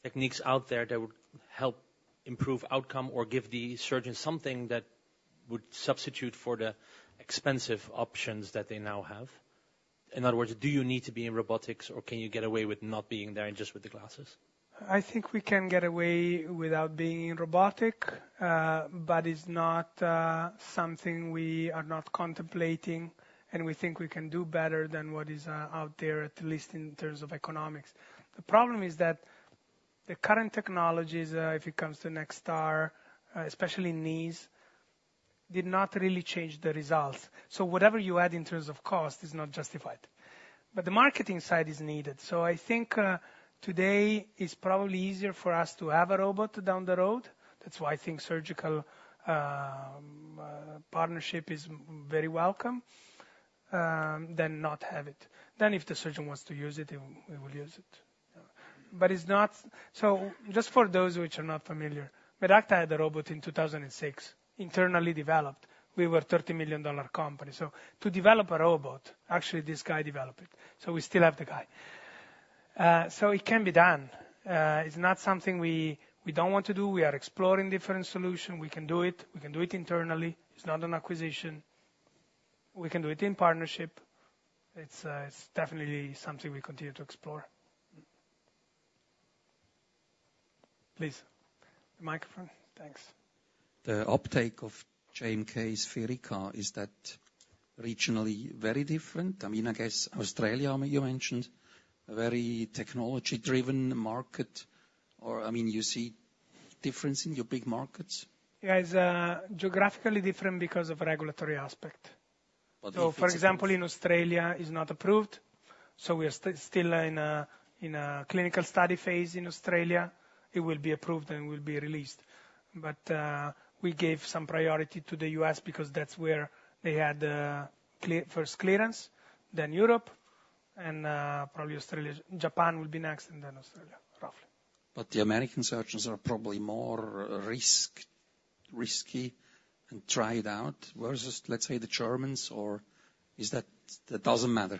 techniques out there that would help improve outcome or give the surgeon something that would substitute for the expensive options that they now have? In other words, do you need to be in robotics, or can you get away with not being there and just with the glasses?... I think we can get away without being robotic, but it's not something we are not contemplating, and we think we can do better than what is out there, at least in terms of economics. The problem is that the current technologies, if it comes to NextAR, especially knees, did not really change the results. So whatever you add in terms of cost is not justified. But the marketing side is needed, so I think today is probably easier for us to have a robot down the road. That's why I think surgical partnership is very welcome than not have it. Then, if the surgeon wants to use it, he will. We will use it. But it's not. So just for those which are not familiar, Medacta had a robot in 2006, internally developed. We were a $30 million company, so to develop a robot. Actually, this guy developed it, so we still have the guy. So it can be done. It's not something we don't want to do we are exploring different solution, we can do it, we can do it internally. It's not an acquisition. We can do it in partnership. It's definitely something we continue to explore. Please, the microphone. Thanks. The uptake of GMK's SpheriKA, is that regionally very different? I mean, I guess Australia, you mentioned, a very technology-driven market, or, I mean, you see difference in your big markets? Yeah, it's geographically different because of regulatory aspect. But- For example, in Australia, it's not approved, so we are still in a clinical study phase in Australia. It will be approved and will be released. But, we gave some priority to the US because that's where they had clear first clearance, then Europe and, probably Australia. Japan will be next, and then Australia, roughly. But the American surgeons are probably more risky and try it out, versus, let's say, the Germans, or is that that doesn't matter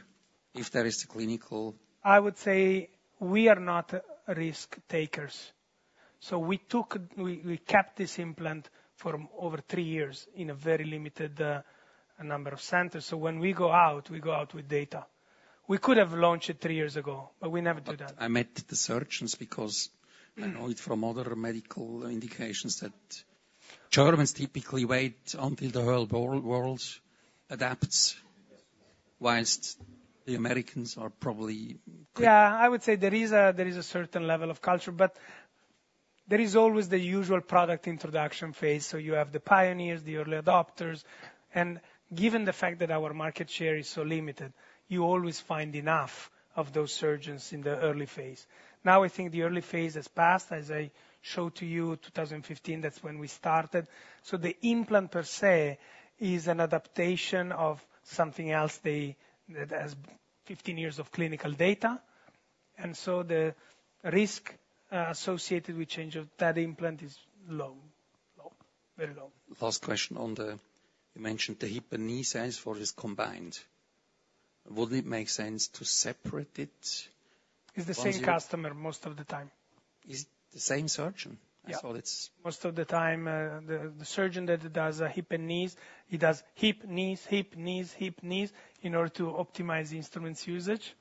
if there is a clinical- I would say we are not risk takers, so we... We kept this implant for over three years in a very limited number of centers, so when we go out, we go out with data. We could have launched it three years ago, but we never do that. But I met the surgeons, because I know it from other medical indications, that Germans typically wait until the whole world adapts, while the Americans are probably- Yeah, I would say there is a certain level of culture, but there is always the usual product introduction phase, so you have the pioneers, the early adopters, and given the fact that our market share is so limited, you always find enough of those surgeons in the early phase. Now, I think the early phase has passed. As I showed to you, 2015, that's when we started. So the implant per se is an adaptation of something else that has 15 years of clinical data, and so the risk associated with change of that implant is low. Low, very low. Last question on the... You mentioned the hip and knee size, for it is combined. Wouldn't it make sense to separate it? It's the same customer most of the time. It's the same surgeon? Yeah. So it's- Most of the time, the surgeon that does hip and knees, he does hip, knees, hip, knees, hip, knees, in order to optimize the instruments' usage.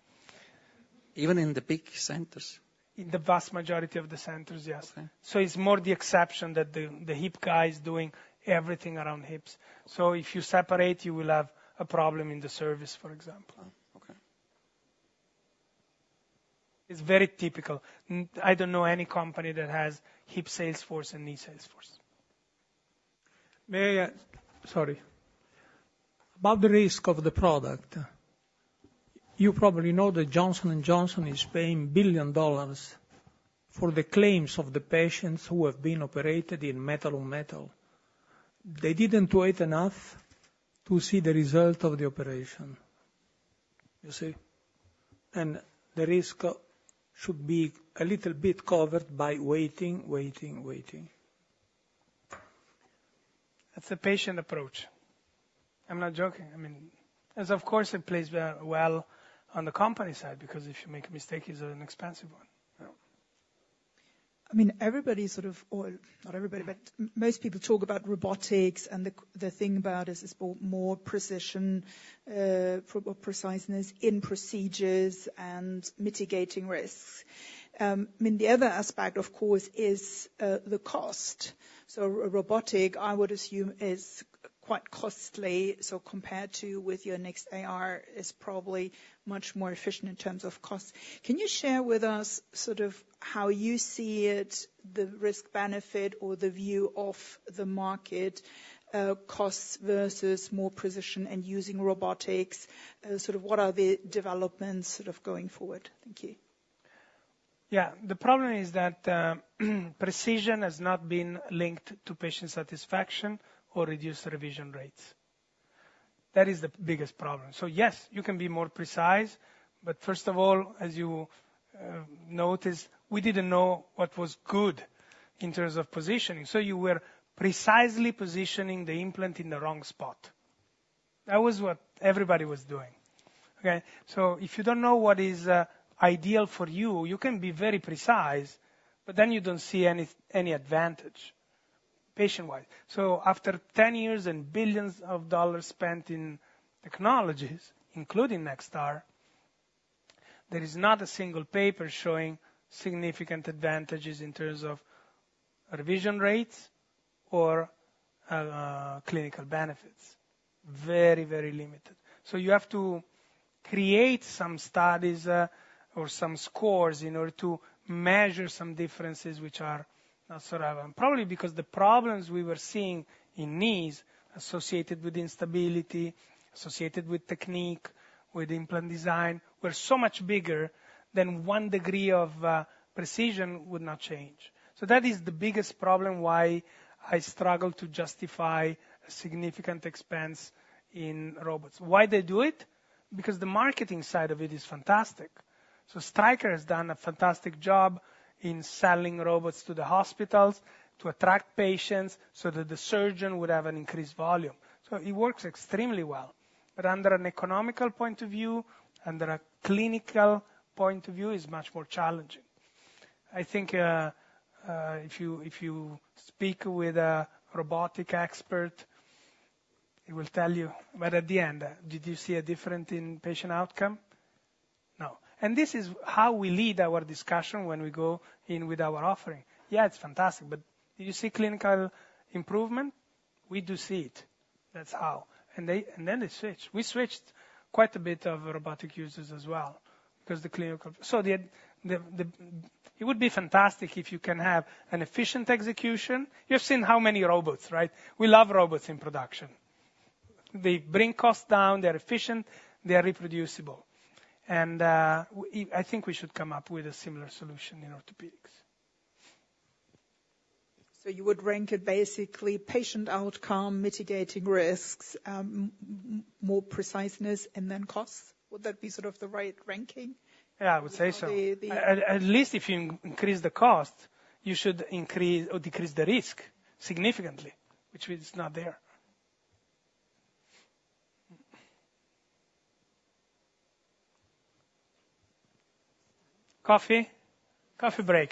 Even in the big centers? In the vast majority of the centers, yes. Okay. It's more the exception that the hip guy is doing everything around hips. So if you separate, you will have a problem in the service, for example. Oh, okay. It's very typical. I don't know any company that has hip sales force and knee sales force. May I... Sorry. About the risk of the product, you probably know that Johnson & Johnson is paying billion dollars for the claims of the patients who have been operated in metal on metal. They didn't wait enough to see the result of the operation, you see? And the risk should be a little bit covered by waiting, waiting, waiting. That's a patient approach. I'm not joking. I mean, as of course, it plays very well on the company side, because if you make a mistake, it's an expensive one. Yeah. I mean, everybody sort of, or not everybody, but most people talk about robotics, and the thing about it is more precision, preciseness in procedures and mitigating risks. I mean, the other aspect, of course, is the cost. So robotic, I would assume, is quite costly, so compared to with your NextAR, is probably much more efficient in terms of cost. Can you share with us? sort of how you see it, the risk-benefit or the view of the market, costs versus more precision and using robotics? Sort of what are the developments sort of going forward? Thank you. Yeah. The problem is that precision has not been linked to patient satisfaction or reduced revision rates. That is the biggest problem so yes, you can be more precise, but first of all, as you noticed, we didn't know what was good in terms of positioning, so you were precisely positioning the implant in the wrong spot. That was what everybody was doing. Okay? So if you don't know what is ideal for you, you can be very precise, but then you don't see any advantage patient-wise. So after 10 years and billions of dollars spent in technologies, including NextAR, there is not a single paper showing significant advantages in terms of revision rates or clinical benefits. Very, very limited. So you have to create some studies or some scores in order to measure some differences, which are not sort of probably because the problems we were seeing in knees associated with instability, associated with technique, with implant design, were so much bigger than one degree of precision would not change. So that is the biggest problem why I struggle to justify a significant expense in robots why they do it? Because the marketing side of it is fantastic. So Stryker has done a fantastic job in selling robots to the hospitals to attract patients so that the surgeon would have an increased volume. So it works extremely well, but under an economical point of view, under a clinical point of view, it's much more challenging. I think, if you, if you speak with a robotic expert, he will tell you, "But at the end, did you see a difference in patient outcome? No." And this is how we lead our discussion when we go in with our offering. Yeah, it's fantastic, but do you see clinical improvement? We do see it. That's how. And then they switch. We switched quite a bit of robotic users as well, because the clinical so the. It would be fantastic if you can have an efficient execution. You've seen how many robots, right? We love robots in production. They bring costs down, they're efficient, they are reproducible. And I think we should come up with a similar solution in orthopedics. So you would rank it basically patient outcome, mitigating risks, more precision, and then cost? Would that be sort of the right ranking? Yeah, I would say so. Or the At least if you increase the cost, you should increase or decrease the risk significantly, which is not there. Coffee? Coffee break.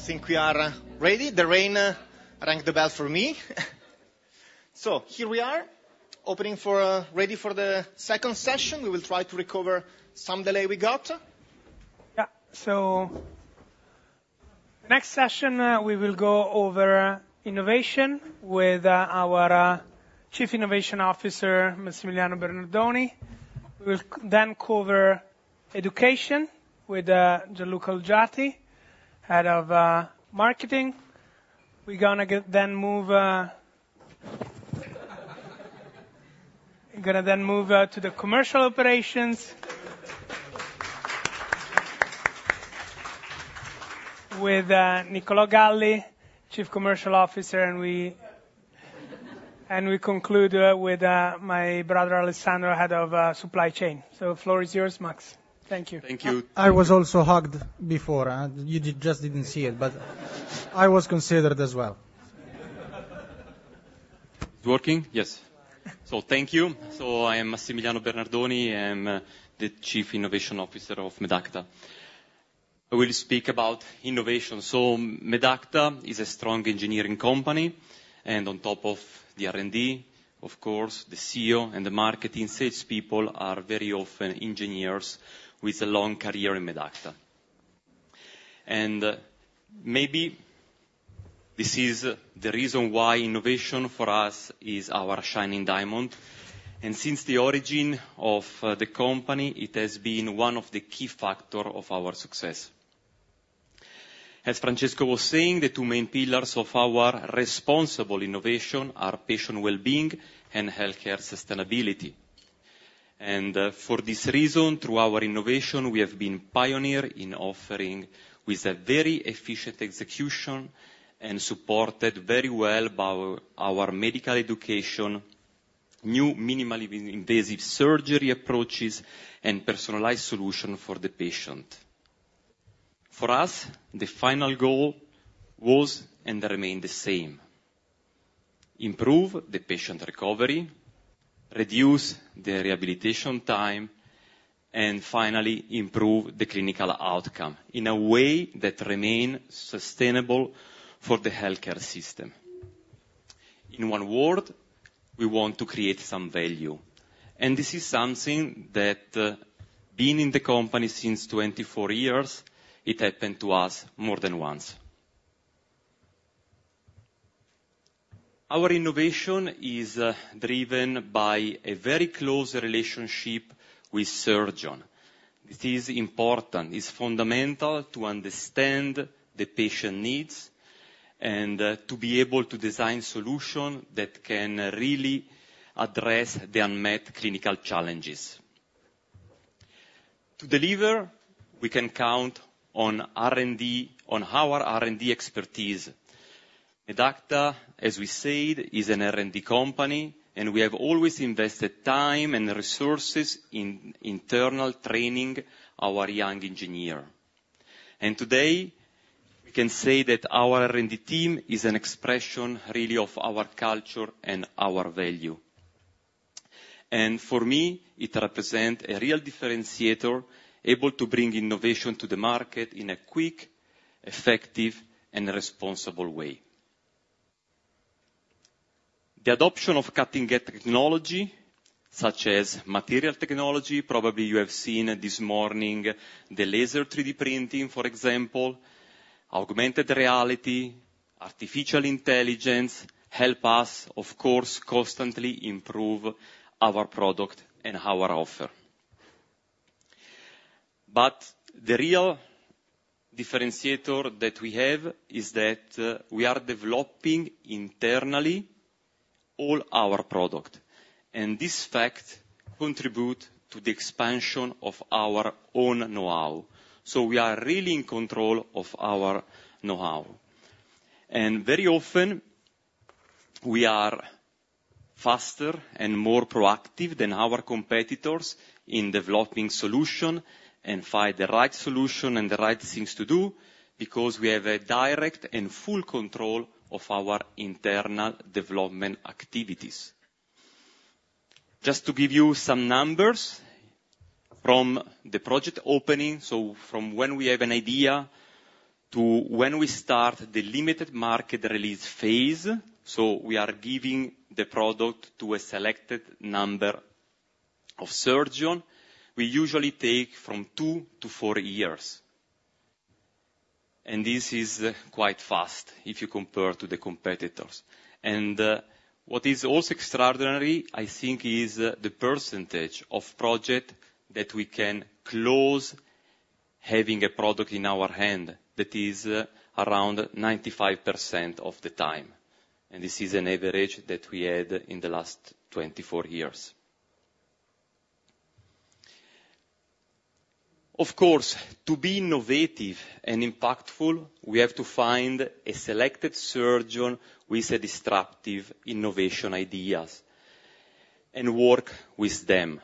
Coffee break, a quick one. That is, we are a little bit late on our schedule, but it is time for a coffee. It must be quick because rain is coming, so let's. I will not stop....... Hey, I think we are ready. The rain rang the bell for me. So here we are, ready for the second session we will try to recover some delay we got. Yeah. So next session, we will go over innovation with our Chief Innovation Officer, Massimiliano Bernardoni. We'll then cover education with Gianluca Olgiati, Head of Marketing. We're gonna then move to the commercial operations with Niccolò Galli, Chief Commercial Officer, and we conclude with my brother, Alessandro, Head of Supply Chain. So floor is yours, Mas. Thank you. Thank you. I was also hugged before, you just didn't see it, but I was considered as well. It's working? Yes. So thank you. So I am Massimiliano Bernardoni, I'm the Chief Innovation Officer of Medacta. I will speak about innovation. So Medacta is a strong engineering company, and on top of the R&D, of course, the CEO and the marketing salespeople are very often engineers with a long career in Medacta. And maybe this is the reason why innovation for us is our shining diamond, and since the origin of the company, it has been one of the key factor of our success. As Francesco was saying, the two main pillars of our responsible innovation are patient well-being and healthcare sustainability. And for this reason, through our innovation, we have been pioneer in offering with a very efficient execution and supported very well by our medical education, new minimally invasive surgery approaches, and personalized solution for the patient. For us, the final goal was, and remain the same: improve the patient recovery, reduce the rehabilitation time, and finally, improve the clinical outcome in a way that remain sustainable for the healthcare system. In one word, we want to create some value, and this is something that, being in the company since 24 years, it happened to us more than once. Our innovation is driven by a very close relationship with surgeon. It is important, it's fundamental to understand the patient needs, and to be able to design solution that can really address the unmet clinical challenges. To deliver, we can count on R&D, on our R&D expertise. Medacta, as we said, is an R&D company, and we have always invested time and resources in internal training our young engineer. Today, we can say that our R&D team is an expression, really, of our culture and our value. For me, it represent a real differentiator, able to bring innovation to the market in a quick, effective, and responsible way. The adoption of cutting-edge technology, such as material technology, probably you have seen this morning, the laser 3D printing, for example, augmented reality, artificial intelligence, help us, of course, constantly improve our product and our offer. But the real differentiator that we have is that we are developing internally all our product, and this fact contribute to the expansion of our own know-how. So we are really in control of our know-how. And very often, we are faster and more proactive than our competitors in developing solution, and find the right solution and the right things to do, because we have a direct and full control of our internal development activities. Just to give you some numbers, from the project opening, so from when we have an idea to when we start the limited market release phase, so we are giving the product to a selected number of surgeon, we usually take from 2-4 years. And this is quite fast, if you compare to the competitors. And what is also extraordinary, I think, is the percentage of project that we can close, having a product in our hand, that is around 95% of the time, and this is an average that we had in the last 24 years. Of course, to be innovative and impactful, we have to find a selected surgeon with a disruptive innovation ideas and work with them.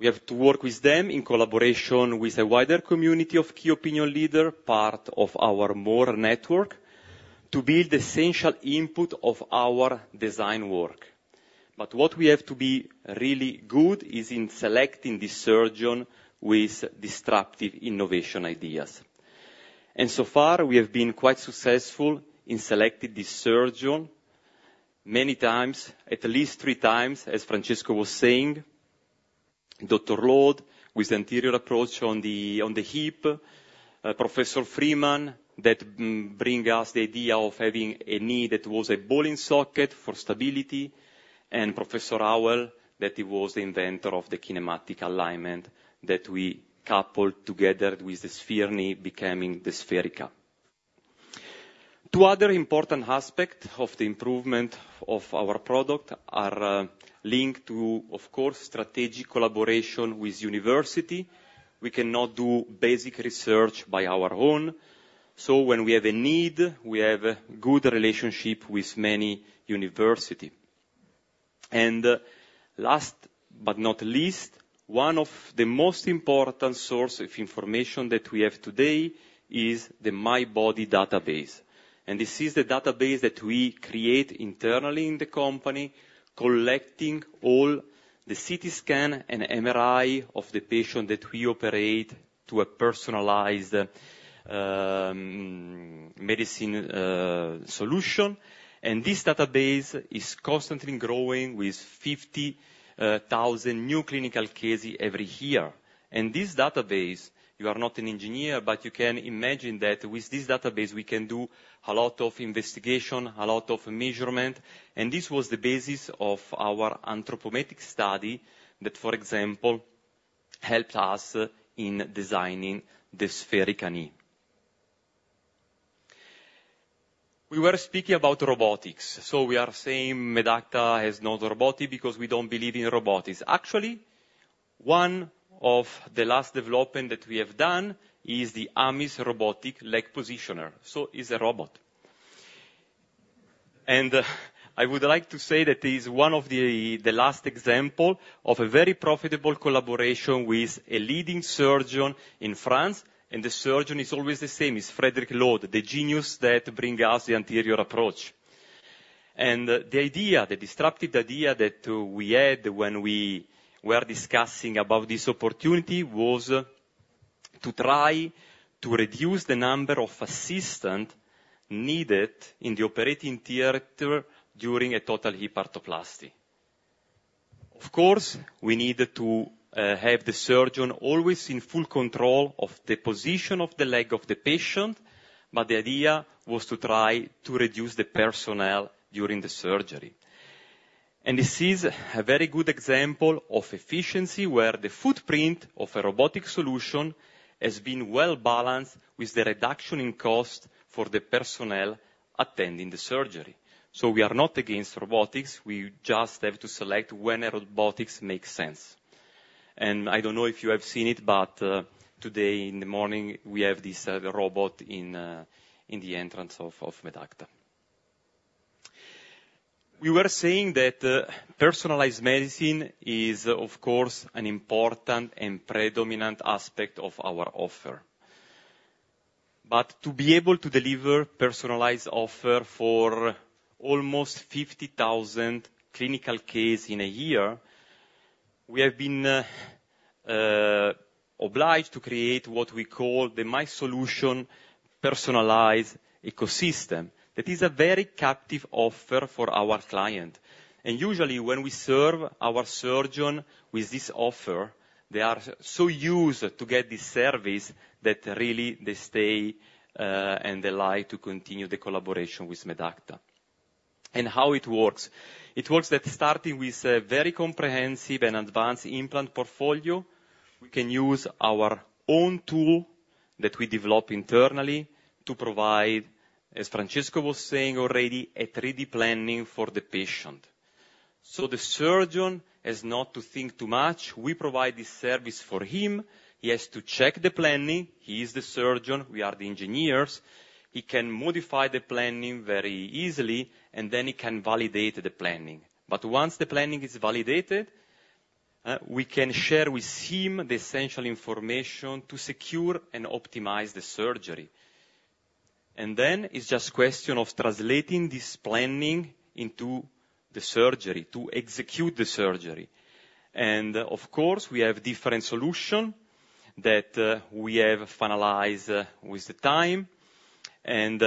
We have to work with them in collaboration with a wider commUNiD of key opinion leader, part of our M.O.R.E. network, to build essential input of our design work. But what we have to be really good is in selecting the surgeon with disruptive innovation ideas. And so far, we have been quite successful in selecting the surgeon. Many times, at least three times, as Francesco was saying, Dr. Laude with anterior approach on the hip, Professor Freeman, that bring us the idea of having a knee that was a ball and socket for stability, and Professor Howell, that he was the inventor of the kinematic alignment that we coupled together with the Sphere knee, becoming the spherical. Two other important aspects of the improvement of our product are linked to, of course, strategic collaboration with universities. We cannot do basic research on our own, so when we have a need, we have a good relationship with many universities. And last but not least, one of the most important sources of information that we have today is the MyBody database. And this is the database that we create internally in the company, collecting all the CT scans and MRIs of the patients that we operate to a personalized medicine solution. And this database is constantly growing with 50,000 new clinical cases every year. And this database, you are not an engineer, but you can imagine that with this database, we can do a lot of investigation, a lot of measurement, and this was the basis of our anthropometric study, that, for example, helped us in designing the spherical knee. We were speaking about robotics, so we are saying Medacta has no robotic because we don't believe in robotics actually, one of the last development that we have done is the AMIS robotic leg positioner, so is a robot. And I would like to say that is one of the, the last example of a very profitable collaboration with a leading surgeon in France, and the surgeon is always the same, is Frédéric Laude, the genius that bring us the anterior approach. The idea, the disruptive idea that we had when we were discussing about this opportUNiD, was to try to reduce the number of assistant needed in the operating theater during a total hip arthroplasty. Of course, we needed to have the surgeon always in full control of the position of the leg of the patient, but the idea was to try to reduce the personnel during the surgery. This is a very good example of efficiency, where the footprint of a robotic solution has been well-balanced with the reduction in cost for the personnel attending the surgery. We are not against robotics we just have to select when a robotics makes sense.... I don't know if you have seen it, but today, in the morning, we have this robot in the entrance of Medacta. We were saying that personalized medicine is, of course, an important and predominant aspect of our offer. To be able to deliver personalized offer for almost 50,000 clinical case in a year, we have been obliged to create what we call the MySolutions Personalized Ecosystem. That is a very captive offer for our client, and usually when we serve our surgeon with this offer, they are so used to get this service, that really they stay, and they like to continue the collaboration with Medacta. How it works? It works that starting with a very comprehensive and advanced implant portfolio, we can use our own tool that we develop internally to provide, as Francesco was saying already, a 3D planning for the patient. The surgeon has not to think too much we provide this service for him. He has to check the planning. He is the surgeon, we are the engineers. He can modify the planning very easily, and then he can validate the planning. But once the planning is validated, we can share with him the essential information to secure and optimize the surgery. And then it's just question of translating this planning into the surgery, to execute the surgery. And of course, we have different solution that, we have finalized with the time. And,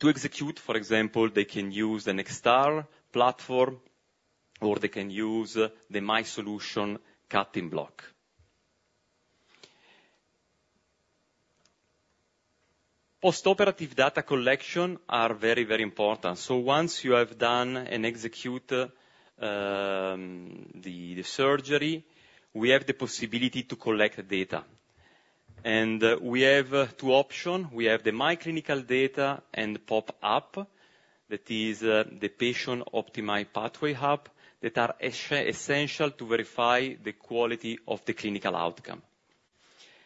to execute, for example, they can use the NextAR platform, or they can use the MySolutions cutting block. Post-operative data collection are very, very important so once you have done and execute the surgery, we have the possibility to collect the data. And, we have two option, We have the MyClinical data and POP Hub, that is, the Patient Optimized Pathway hub, that are essential to verify the quality of the clinical outcome.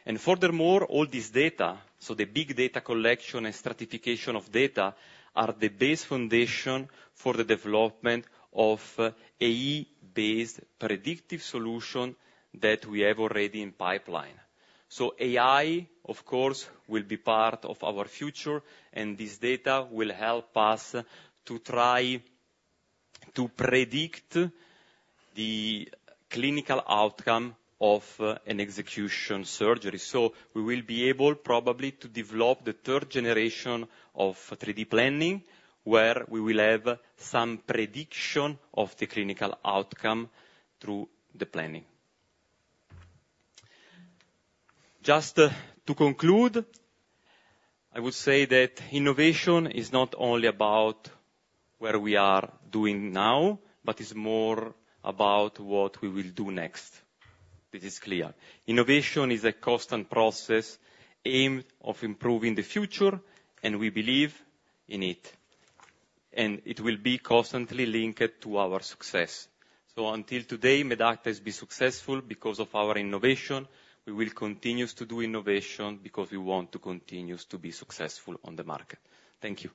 And furthermore, all this data, so the big data collection and stratification of data, are the best foundation for the development of AI-based predictive solution that we have already in pipeline. So AI, of course, will be part of our future, and this data will help us to try to predict the clinical outcome of an execution surgery so we will be able, probably, to develop the third generation of 3D planning, where we will have some prediction of the clinical outcome through the planning. Just to conclude, I would say that innovation is not only about where we are doing now, but is more about what we will do next. This is clear. Innovation is a constant process, aim of improving the future, and we believe in it, and it will be constantly linked to our success. So until today, Medacta has been successful because of our innovation. We will continue to do innovation because we want to continue to be successful on the market. Thank you.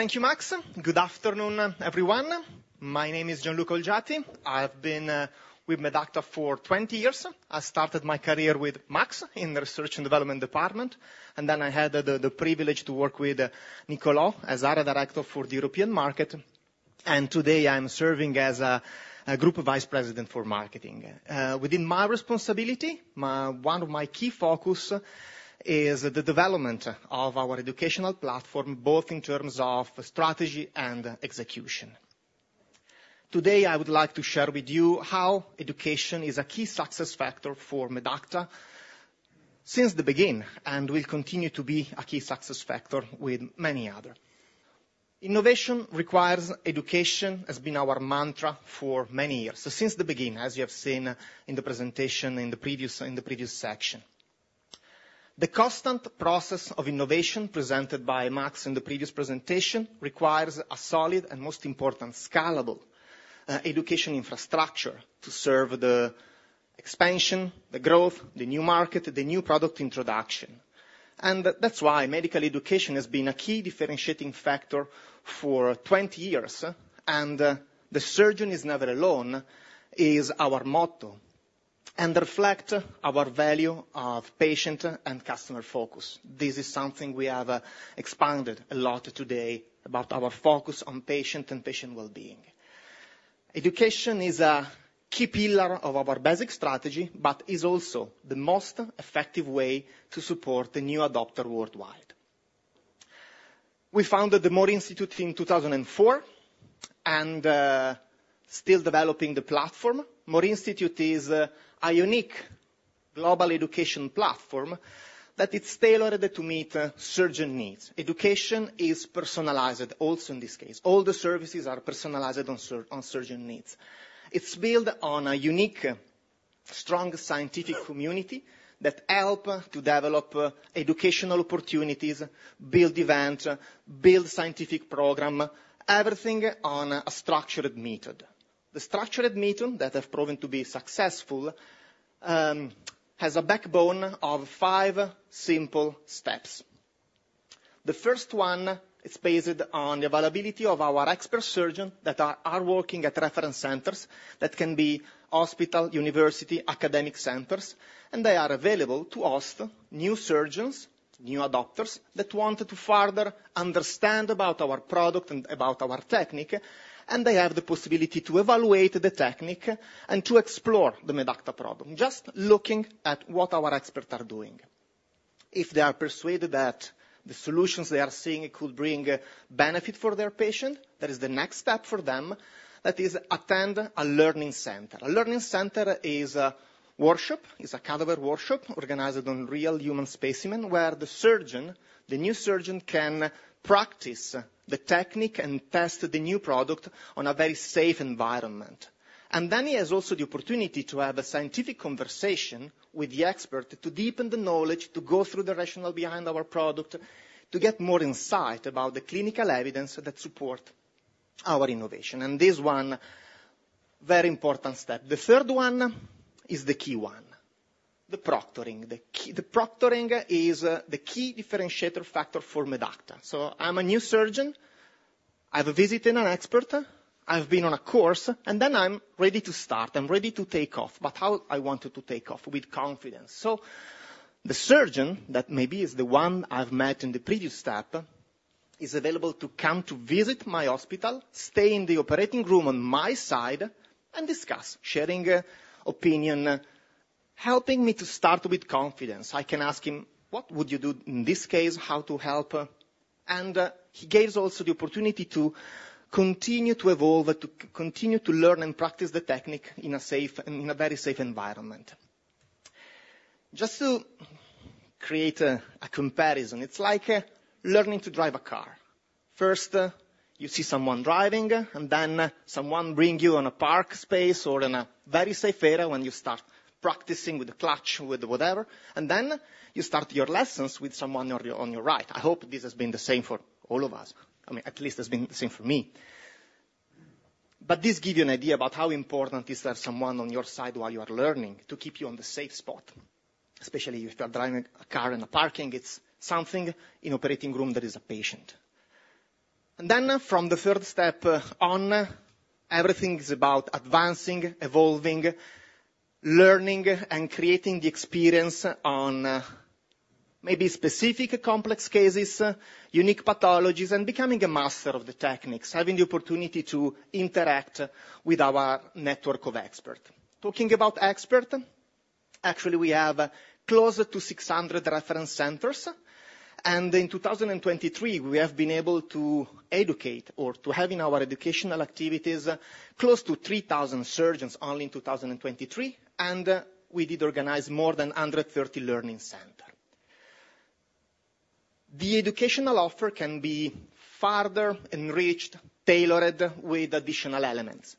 Question. Question. No question? Okay, keep going. So thank you, Mas. Good afternoon, everyone. My name is Gianluca Olgiati. I've been with Medacta for twenty years. I started my career with Max in the research and development department, and then I had the privilege to work with Niccolò as area director for the European market, and today I'm serving as a group vice president for marketing within my responsibility. One of my key focus is the development of our educational platform, both in terms of strategy and execution. Today, I would like to share with you how education is a key success factor for Medacta since the beginning, and will continue to be a key success factor with many other. Innovation requires education has been our mantra for many years, so since the beginning, as you have seen in the presentation in the previous section. The constant process of innovation presented by Mas in the previous presentation requires a solid and, most important, scalable education infrastructure to serve the expansion, the growth, the new market, the new product introduction. That's why medical education has been a key differentiating factor for 20 years. "The surgeon is never alone" is our motto, and reflect our value of patient and customer focus this is something we have expanded a lot today about our focus on patient well-being. Education is a key pillar of our basic strategy, but is also the most effective way to support the new adopter worldwide. We founded the M.O.R.E. Institute in 2004-... Still developing the platform. M.O.R.E. Institute is a unique global education platform that is tailored to meet surgeon needs. Education is personalized, also in this case, all the services are personalized on surgeon needs. It's built on a unique, strong scientific commUNiD, that help to develop educational opportunities, build event, build scientific program, everything on a structured method. The structured method, that have proven to be successful, has a backbone of five simple steps. The first one is based on the availability of our expert surgeon, that are working at reference centers, that can be hospital, university, academic centers, and they are available to ask new surgeons, new adopters, that want to further understand about our product and about our technique. They have the possibility to evaluate the technique, and to explore the Medacta portfolio, just looking at what our experts are doing. If they are persuaded that the solutions they are seeing could bring benefit for their patient, there is the next step for them, that is, attend a learning center. A learning center is a workshop, is a kind of a workshop organized on real human specimen, where the surgeon, the new surgeon, can practice the technique and test the new product on a very safe environment. And then he has also the opportUNiD to have a scientific conversation with the expert, to deepen the knowledge, to go through the rationale behind our product, to get more insight about the clinical evidence that support our innovation, and this one, very important step the third one is the key one. The proctoring. The proctoring is the key differentiator factor for Medacta. So I'm a new surgeon, I have a visit with an expert, I've been on a course, and then I'm ready to start, I'm ready to take off but how I wanted to take off? With confidence. So the surgeon that maybe is the one I've met in the previous step is available to come to visit my hospital, stay in the operating room on my side, and discuss sharing opinion, helping me to start with confidence i can ask him: "What would you do in this case? How to help?" And he gives also the opportUNiD to continue to evolve, to continue to learn and practice the technique in a safe, in a very safe environment. Just to create a comparison, it's like learning to drive a car. First, you see someone driving, and then someone bring you on a park space or in a very safe area when you start practicing with the clutch, with whatever, and then you start your lessons with someone on your, on your right i hope this has been the same for all of us i mean, at least it's been the same for me. But this give you an idea about how important is to have someone on your side while you are learning, to keep you on the safe spot, especially if you are driving a car in a parking, it's something. In operating room, there is a patient. And then from the third step on, everything is about advancing, evolving, learning, and creating the experience on maybe specific complex cases, unique pathologies, and becoming a master of the techniques, having the opportUNiD to interact with our network of experts. Talking about expert, actually, we have closer to 600 reference centers, and in 2023, we have been able to educate or to have in our educational activities, close to 3,000 surgeons, only in 2023, and we did organize more than 130 learning center. The educational offer can be further enriched, tailored with additional elements,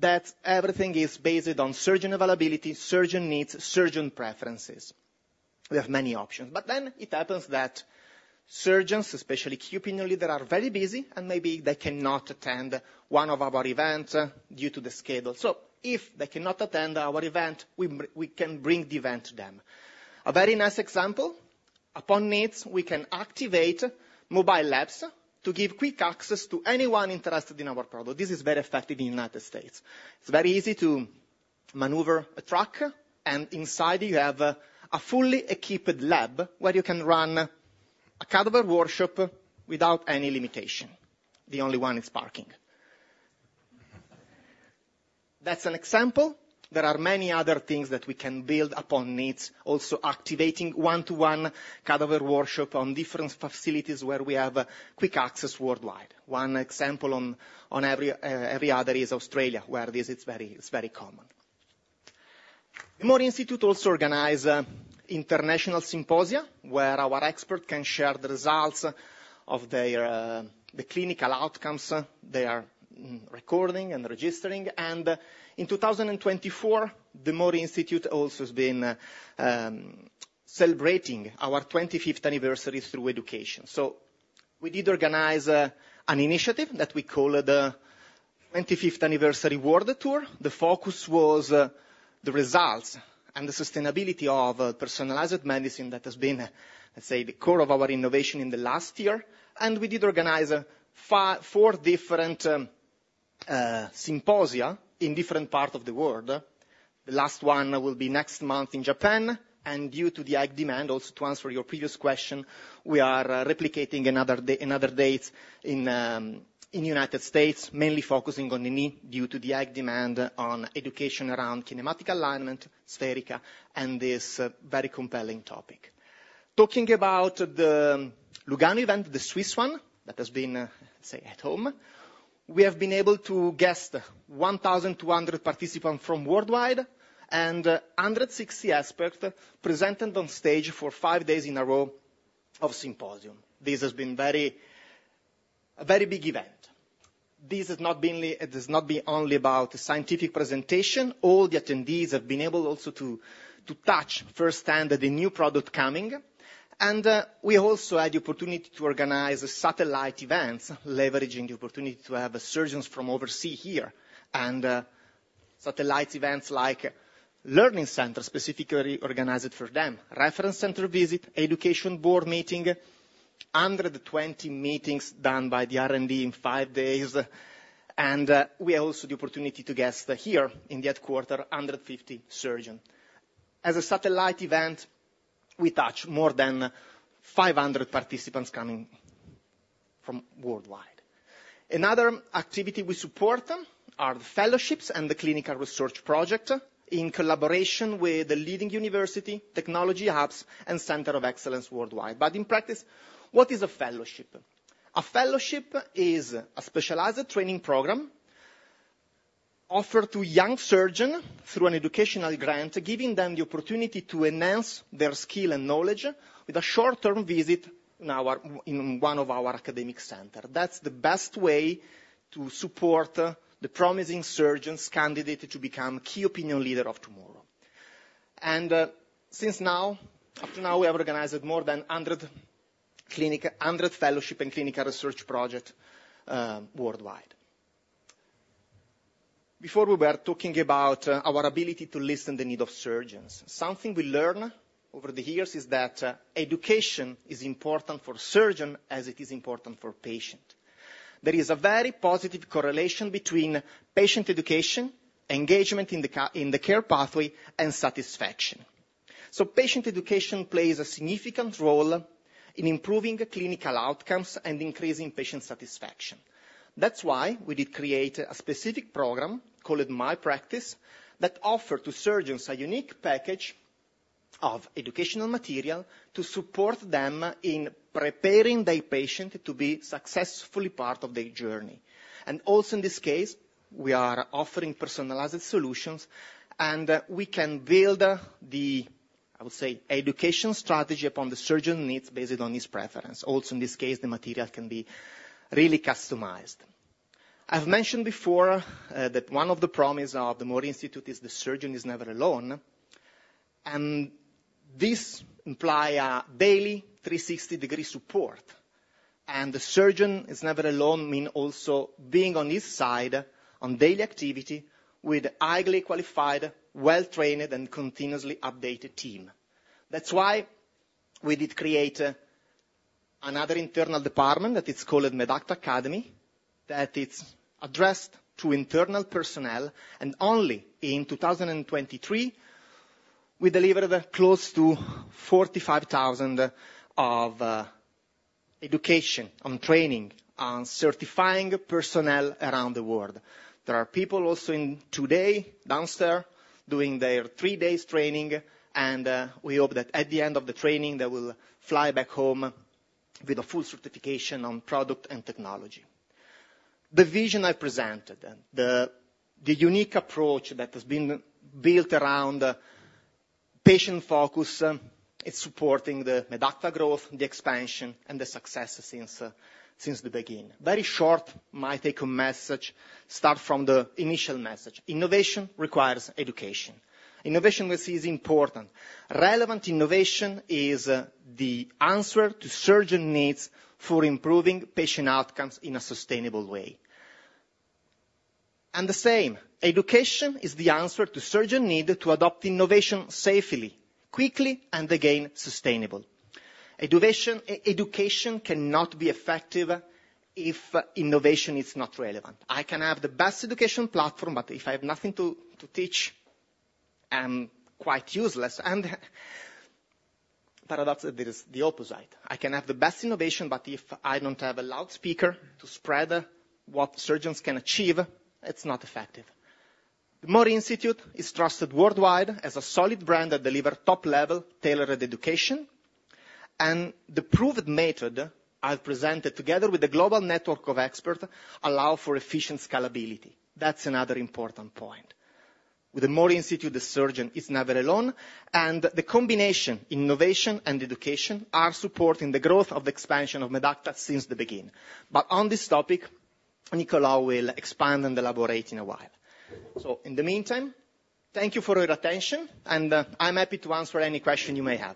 that everything is based on surgeon availability, surgeon needs, surgeon preferences. We have many options but then it happens that surgeons, especially key opinion leader, are very busy and maybe they cannot attend one of our events due to the schedule. So if they cannot attend our event, we can bring the event to them. A very nice example, upon needs, we can activate mobile labs to give quick access to anyone interested in our product this is very effective in United States. It's very easy to maneuver a truck, and inside you have a fully equipped lab, where you can run a kind of a workshop without any limitation. The only one is parking. That's an example. There are many other things that we can build upon needs, also activating one-to-one kind of a workshop on different facilities where we have quick access worldwide. One example on every other is Australia, where it's very common. The M.O.R.E. Institute also organize international symposia, where our expert can share the results of their clinical outcomes they are recording and registering and in 2024, the M.O.R.E. Institute also has been celebrating our25th anniversary through education. So we did organize an initiative that we call the 25th Anniversary World Tour the focus was, the results. And the sustainability of, personalized medicine that has been, let's say, the core of our innovation in the last year. We did organize four different symposia in different parts of the world. The last one will be next month in Japan, and due to the high demand, also to answer your previous question, we are replicating another date in the United States. Mainly focusing on the knee, due to the high demand on education around kinematic alignment, Spherica, and this very compelling topic. Talking about the Lugano event, the Swiss one, that has been, say, at home, we have been able to host 1,200 participants from worldwide, and 160 experts presented on stage for five days in a row of symposium. This has been a very big event. This has not been only about the scientific presentation. All the attendees have been able also to touch firsthand the new product coming, and we also had the opportUNiD to organize satellite events, leveraging the opportUNiD to have surgeons from overseas here, and satellite events like learning center, specifically organized for them. Reference center visit, education board meeting, 120 meetings done by the R&D in five days, and we had also the opportUNiD to host here in the headquarters, 150 surgeons. As a satellite event, we touch more than 500 participants coming from worldwide. Another activity we support are the fellowships and the clinical research project, in collaboration with the leading university, technology hubs, and center of excellence worldwide, but in practice, what is a fellowship? A fellowship is a specialized training program offered to young surgeon through an educational grant, giving them the opportUNiD to enhance their skill and knowledge with a short-term visit in one of our academic center that's the best way to support the promising surgeons candidate to become key opinion leader of tomorrow. Since now, up to now, we have organized more than 100 fellowship and clinical research project worldwide. Before we were talking about our ability to listen the need of surgeons something we learn over the years is that education is important for surgeon as it is important for patient. There is a very positive correlation between patient education, engagement in the care pathway, and satisfaction. Patient education plays a significant role in improving the clinical outcomes and increasing patient satisfaction. That's why we did create a specific program, called MyPractice, that offer to surgeons a unique package of educational material to support them in preparing their patient to be successfully part of their journey. Also in this case, we are offering personalized solutions, and we can build, I would say, education strategy upon the surgeon needs, based on his preference also, in this case, the material can be really customized. I've mentioned before, that one of the promise of the M.O.R.E. Institute is the surgeon is never alone, and this imply a daily 360-degree support. The surgeon is never alone, mean also being on his side on daily activity with highly qualified, well-trained, and continuously updated team. That's why we did create another internal department, that it's called Medacta Academy, that it's addressed to internal personnel, and only in 2023, we delivered close to 45,000 of education on training, on certifying personnel around the world. There are people also in today, downstairs, doing their three days training, and we hope that at the end of the training, they will fly back home with a full certification on product and technology. The vision I presented and the unique approach that has been built around patient focus, it's supporting the Medacta growth, the expansion, and the success since the beginning very short, my take-home message, start from the initial message: innovation requires education. Innovation, we see, is important. Relevant innovation is the answer to surgeon needs for improving patient outcomes in a sustainable way. The same, education is the answer to surgeons' need to adopt innovation safely, quickly, and, again, sustainably. Innovation-education cannot be effective if innovation is not relevant i can have the best education platform, but if I have nothing to teach, I'm quite useless. Paradoxically, there is the opposite. I can have the best innovation, but if I don't have a loudspeaker to spread what surgeons can achieve, it's not effective. The More Institute is trusted worldwide as a solid brand that delivers top-level, tailored education. The proven method I've presented, together with the global network of experts, allows for efficient scalability. That's another important point. With the More Institute, the surgeon is never alone, and the combination, innovation and education, supports the growth of the expansion of Medacta since the beginning. But on this topic, Niccolò will expand and elaborate in a while. In the meantime, thank you for your attention, and I'm happy to answer any question you may have.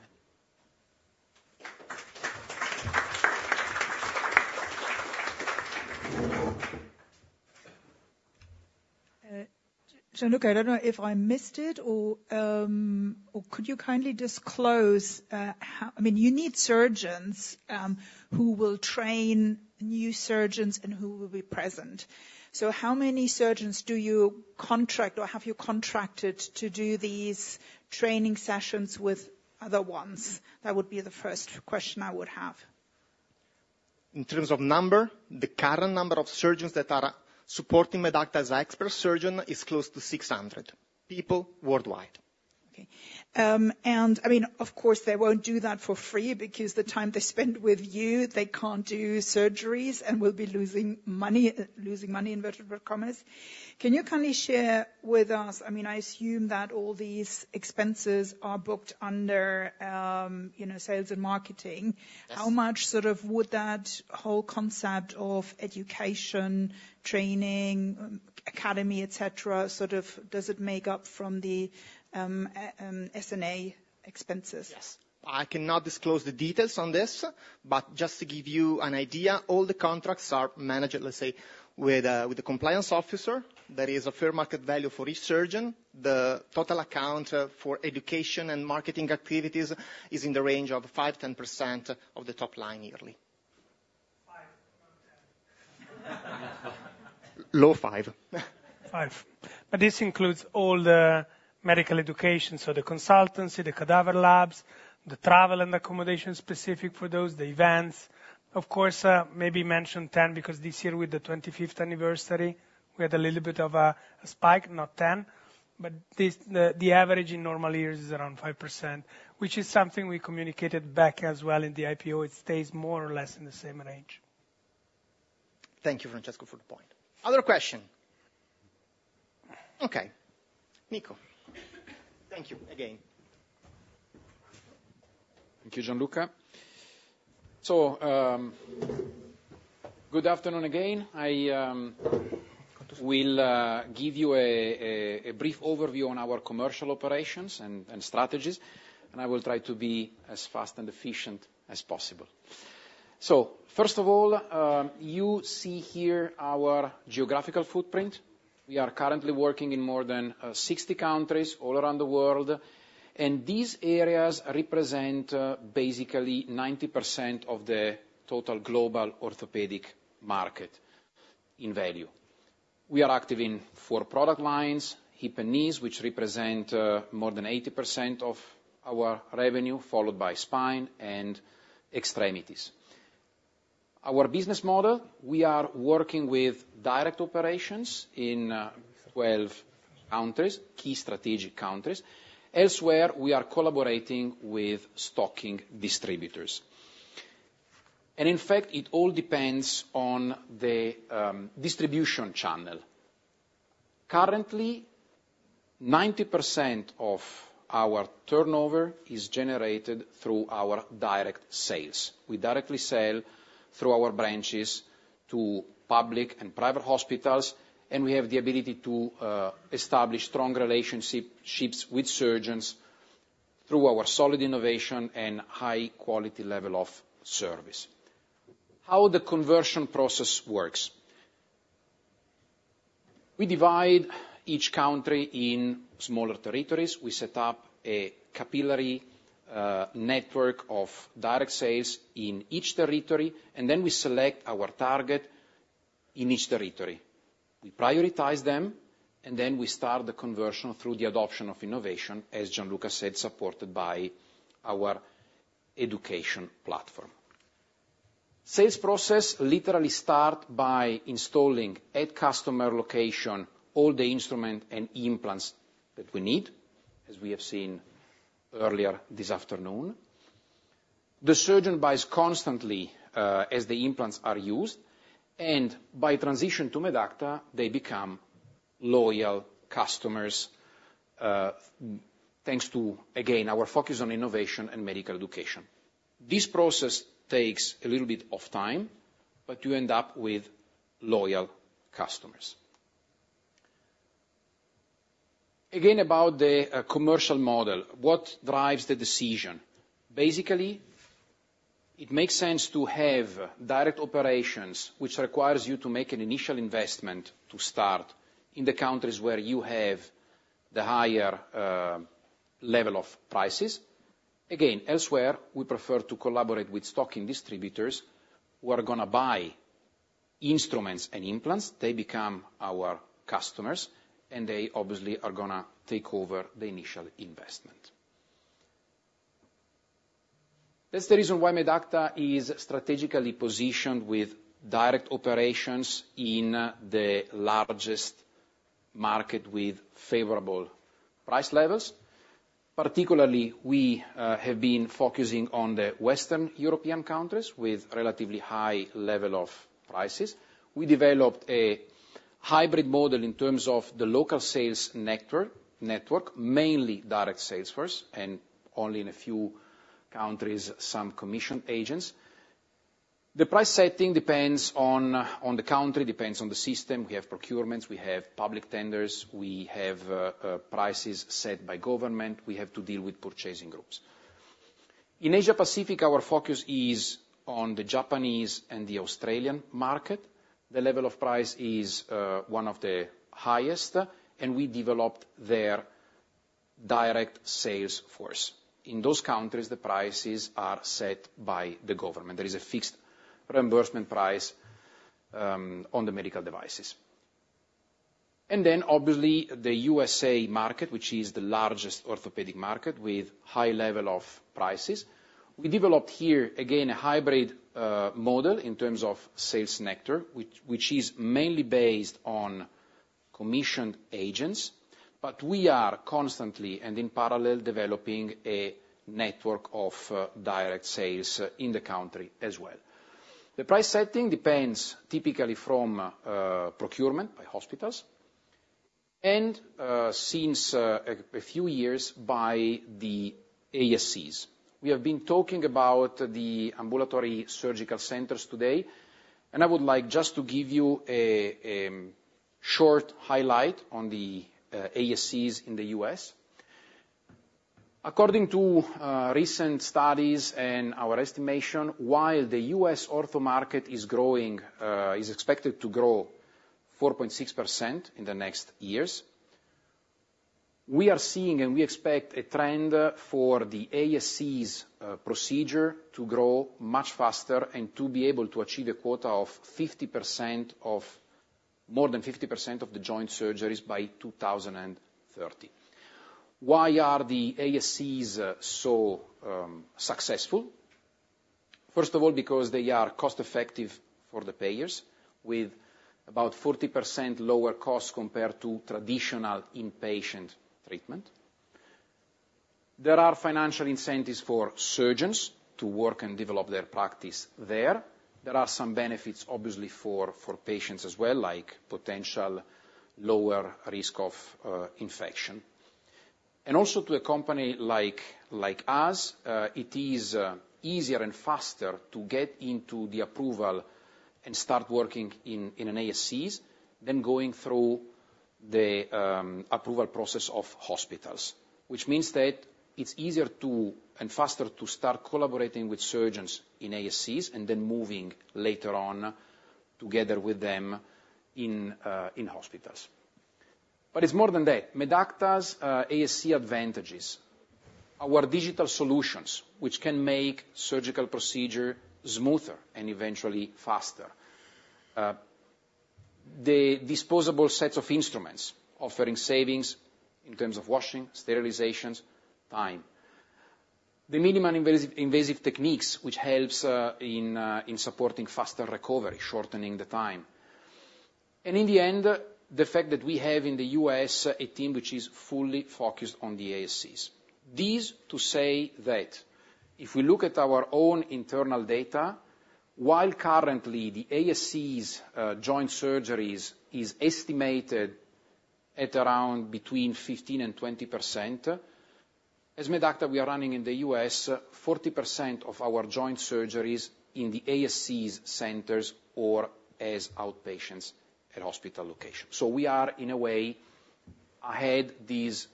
Gianluca, I don't know if I missed it, or could you kindly disclose how I mean, you need surgeons who will train new surgeons and who will be present. So how many surgeons do you contract or have you contracted to do these training sessions with other ones? That would be the first question I would have.... in terms of number, the current number of surgeons that are supporting Medacta as expert surgeon is close to 600 people worldwide. Okay. I mean, of course, they won't do that for free, because the time they spend with you, they can't do surgeries and will be losing money in verbal commerce. Can you kindly share with us? I mean, I assume that all these expenses are booked under, you know, sales and marketing- Yes. How much, sort of, would that whole concept of education, training, academy, et cetera, sort of, does it make up from the SG&A expenses? Yes. I cannot disclose the details on this, but just to give you an idea, all the contracts are managed, let's say, with the compliance officer. There is a fair market value for each surgeon. The total account for education and marketing activities is in the range of 5%-10% of the top line yearly. Five, not 10. Low five. 5%. But this includes all the medical education, so the consultancy, the cadaver labs, the travel and accommodation specific for those, the events. Of course, maybe mention 10%, because this year with the 25th anniversary, we had a little bit of a spike, not 10%. But this, the average in normal years is around 5%, which is something we communicated back as well in the IPO it stays more or less in the same range. Thank you, Francesco, for the point. Other question? Okay, Nico. Thank you again. Thank you, Gianluca. Good afternoon again. I will give you a brief overview on our commercial operations and strategies, and I will try to be as fast and efficient as possible. First of all, you see here our geographical footprint. We are currently working in more than 60 countries all around the world, and these areas represent basically 90% of the total global orthopedic market in value. We are active in four product lines, hip and knees, which represent more than 80% of our revenue, followed by spine and extremities. Our business model, we are working with direct operations in 12 countries, key strategic countries. Elsewhere, we are collaborating with stocking distributors. And in fact, it all depends on the distribution channel. Currently, 90% of our turnover is generated through our direct sales. We directly sell through our branches to public and private hospitals, and we have the ability to establish strong relationships with surgeons through our solid innovation and high quality level of service. How the conversion process works. We divide each country in smaller territories we set up a capillary network of direct sales in each territory, and then we select our target in each territory. We prioritize them, and then we start the conversion through the adoption of innovation, as Gianluca said, supported by our education platform. Sales process literally start by installing, at customer location, all the instrument and implants that we need, as we have seen earlier this afternoon. The surgeon buys constantly as the implants are used, and by transition to Medacta, they become loyal customers thanks to, again, our focus on innovation and medical education. This process takes a little bit of time, but you end up with loyal customers. Again, about the commercial model, what drives the decision? Basically, it makes sense to have direct operations, which requires you to make an initial investment to start in the countries where you have the higher level of prices. Again, elsewhere, we prefer to collaborate with stocking distributors who are gonna buy instruments and implants they become our customers, and they obviously are gonna take over the initial investment. That's the reason why Medacta is strategically positioned with direct operations in the largest market with favorable price levels. Particularly, we have been focusing on the Western European countries with relatively high level of prices. We developed a hybrid model in terms of the local sales network, mainly direct sales force, and only in a few countries, some commission agents. The price setting depends on, on the country, depends on the system we have procurements, we have public tenders, we have, prices set by government, we have to deal with purchasing groups. In Asia Pacific, our focus is on the Japanese and the Australian market. The level of price is, one of the highest, and we developed their direct sales force in those countries, the prices are set by the government there is a fixed reimbursement price, on the medical devices. And then obviously, the USA market, which is the largest orthopedic market, with high level of prices. We developed here, again, a hybrid, model in terms of sales sector, which is mainly based on commissioned agents, but we are constantly, and in parallel, developing a network of, direct sales in the country as well. The price setting depends typically from procurement by hospitals, and since a few years, by the ASCs. We have been talking about the ambulatory surgical centers today, and I would like just to give you a short highlight on the ASCs in the US. According to recent studies and our estimation, while the US ortho market is growing, is expected to grow 4.6% in the next years, we are seeing and we expect a trend for the ASCs procedure to grow much faster, and to be able to achieve a quota of 50% of- more than 50% of the joint surgeries by 2030. Why are the ASCs so successful? First of all, because they are cost-effective for the payers, with about 40% lower cost compared to traditional inpatient treatment. There are financial incentives for surgeons to work and develop their practice there. There are some benefits, obviously, for patients as well, like potential lower risk of infection. And also, to a company like us, it is easier and faster to get into the approval and start working in ASCs than going through the approval process of hospitals, which means that it's easier to, and faster to start collaborating with surgeons in ASCs, and then moving later on together with them in hospitals. But it's more than that. Medacta's ASC advantages, our digital solutions, which can make surgical procedure smoother and eventually faster. The disposable sets of instruments, offering savings in terms of washing, sterilizations, time. The minimally invasive techniques, which helps in supporting faster recovery, shortening the time. And in the end, the fact that we have in the US a team which is fully focused on the ASCs. This to say that if we look at our own internal data, while currently the ASCs joint surgeries is estimated at around between 15% and 20%, as Medacta, we are running in the US 40% of our joint surgeries in the ASCs centers or as outpatients at hospital location so we are, in a way, ahead these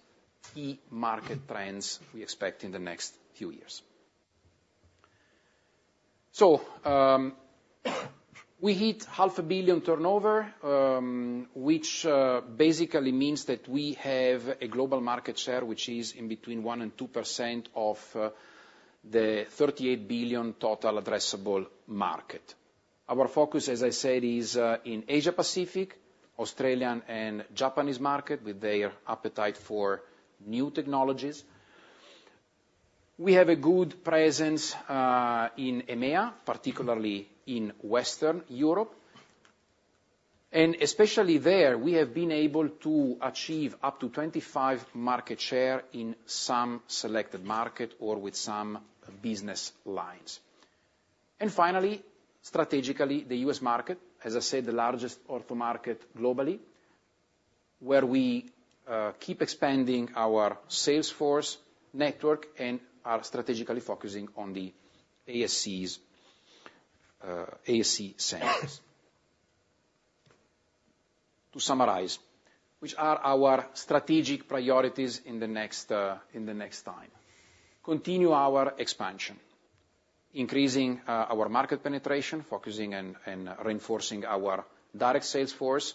key market trends we expect in the next few years. So, we hit 500 million turnover, which basically means that we have a global market share, which is in between 1% and 2% of the 38 billion total addressable market. Our focus, as I said, is in Asia Pacific, Australia, and Japanese market, with their appetite for new technologies. We have a good presence in EMEA, particularly in Western Europe, and especially there, we have been able to achieve up to 25% market share in some selected market or with some business lines. And finally, strategically, the US market, as I said, the largest ortho market globally, where we keep expanding our sales force network and are strategically focusing on the ASCs, ASC centers. To summarize, which are our strategic priorities in the next time? Continue our expansion, increasing our market penetration, focusing and reinforcing our direct sales force,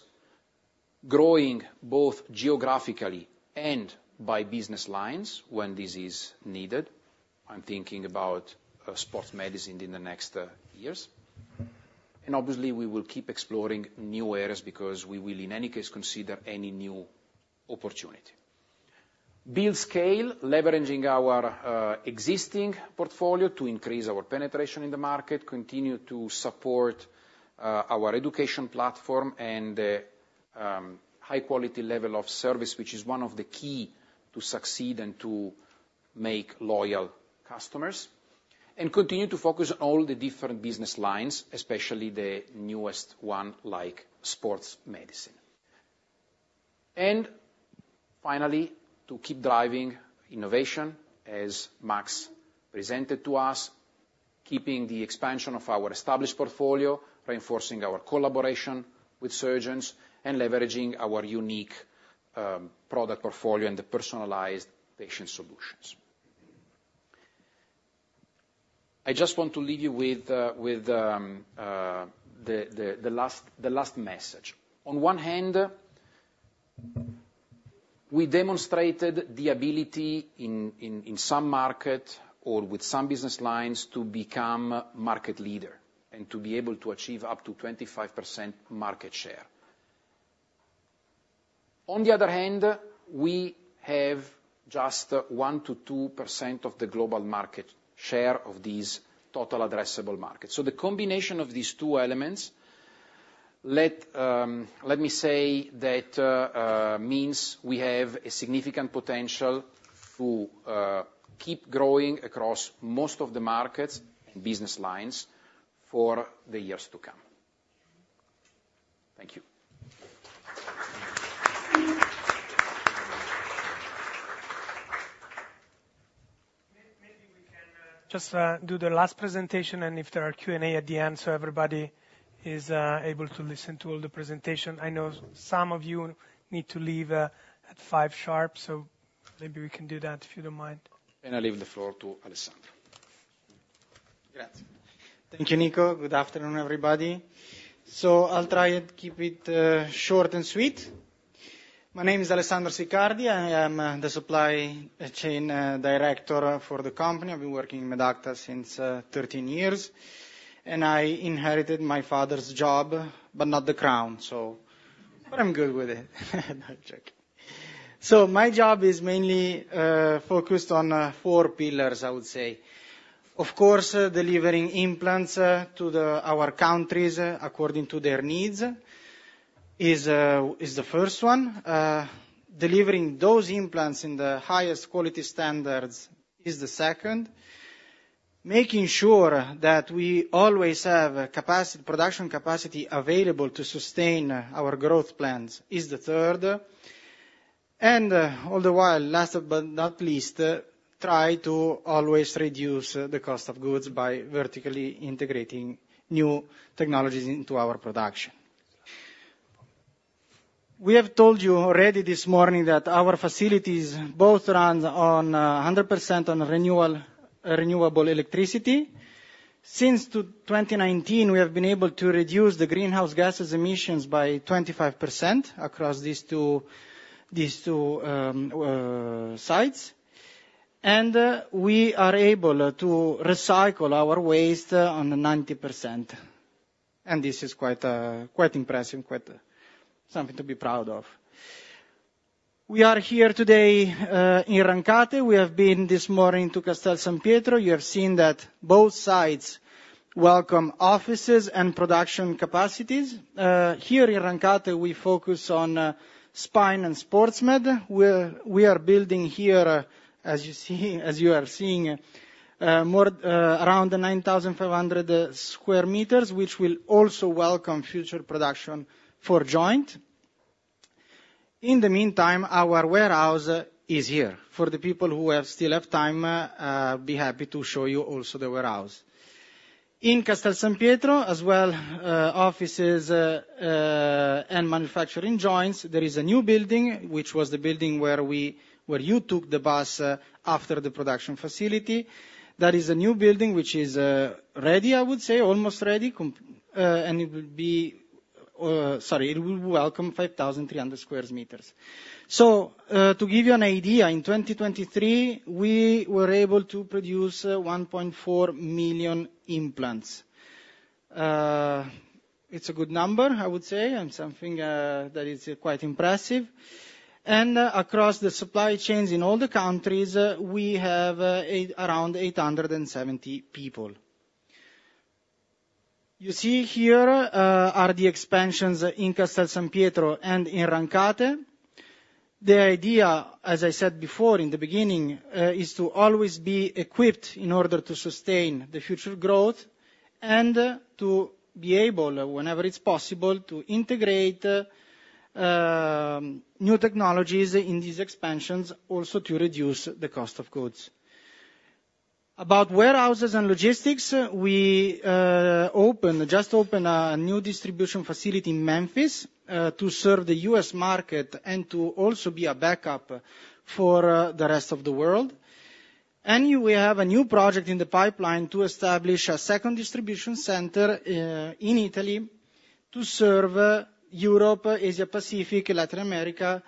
growing both geographically and by business lines when this is needed. I'm thinking about sports medicine in the next years. And obviously, we will keep exploring new areas, because we will, in any case, consider any new opportUNiD. Build scale, leveraging our existing portfolio to increase our penetration in the market, continue to support our education platform and high quality level of service, which is one of the key to succeed and to make loyal customers, and continue to focus on all the different business lines, especially the newest one, like sports medicine. And finally, to keep driving innovation, as Mas presented to us, keeping the expansion of our established portfolio, reinforcing our collaboration with surgeons, and leveraging our unique product portfolio and the personalized patient solutions. I just want to leave you with the last message. On one hand-... We demonstrated the ability in some market or with some business lines, to become market leader and to be able to achieve up to 25% market share. On the other hand, we have just 1-2% of the global market share of these total addressable markets so the combination of these two elements, let me say that, means we have a significant potential to keep growing across most of the markets and business lines for the years to come. Thank you. Maybe we can just do the last presentation, and if there are Q&A at the end, so everybody is able to listen to all the presentation. I know some of you need to leave at five sharp, so maybe we can do that, if you don't mind. I leave the floor to Alessandro. Thank you, Nico. Good afternoon, everybody. So I'll try and keep it short and sweet. My name is Alessandro Siccardi i am the supply chain director for the company i've been working in Medacta since 13 years, and I inherited my father's job, but not the crown, so. But I'm good with it. No, I'm joking. So my job is mainly focused on four pillars, I would say. Of course, delivering implants to our countries according to their needs is the first one. Delivering those implants in the highest quality standards is the second. Making sure that we always have capacity, production capacity available to sustain our growth plans is the third. And all the while, last but not least, try to always reduce the cost of goods by vertically integrating new technologies into our production. We have told you already this morning that our facilities both run on 100% renewable electricity. Since 2019, we have been able to reduce the greenhouse gas emissions by 25% across these two sites. And we are able to recycle our waste to 90%, and this is quite impressive, quite something to be proud of. We are here today in Rancate we have been this morning to Castel San Pietro you have seen that both sites welcome offices and production capacities. Here in Rancate, we focus on spine and sports med, where we are building here, as you see, around 9,500 square meters, which will also welcome future production for joint. In the meantime, our warehouse is here. For the people who still have time, I'll be happy to show you also the warehouse. In Castel San Pietro, as well, offices, and manufacturing joints, there is a new building, which was the building where you took the bus, after the production facility. There is a new building which is ready, I would say, almost ready, and it will be sorry, it will welcome 5,300 square meters. So, to give you an idea, in 2023, we were able to produce 1.4 million implants. It's a good number, I would say, and something that is quite impressive. Across the supply chains in all the countries, we have around 870 people. You see here are the expansions in Castel San Pietro and in Rancate. The idea, as I said before in the beginning, is to always be equipped in order to sustain the future growth and, to be able, whenever it's possible, to integrate new technologies in these expansions, also to reduce the cost of goods. About warehouses and logistics, we opened just opened a new distribution facility in Memphis to serve the U.S. market and to also be a backup for the rest of the world. And we have a new project in the pipeline to establish a second distribution center in Italy to serve Europe, Asia Pacific, Latin America,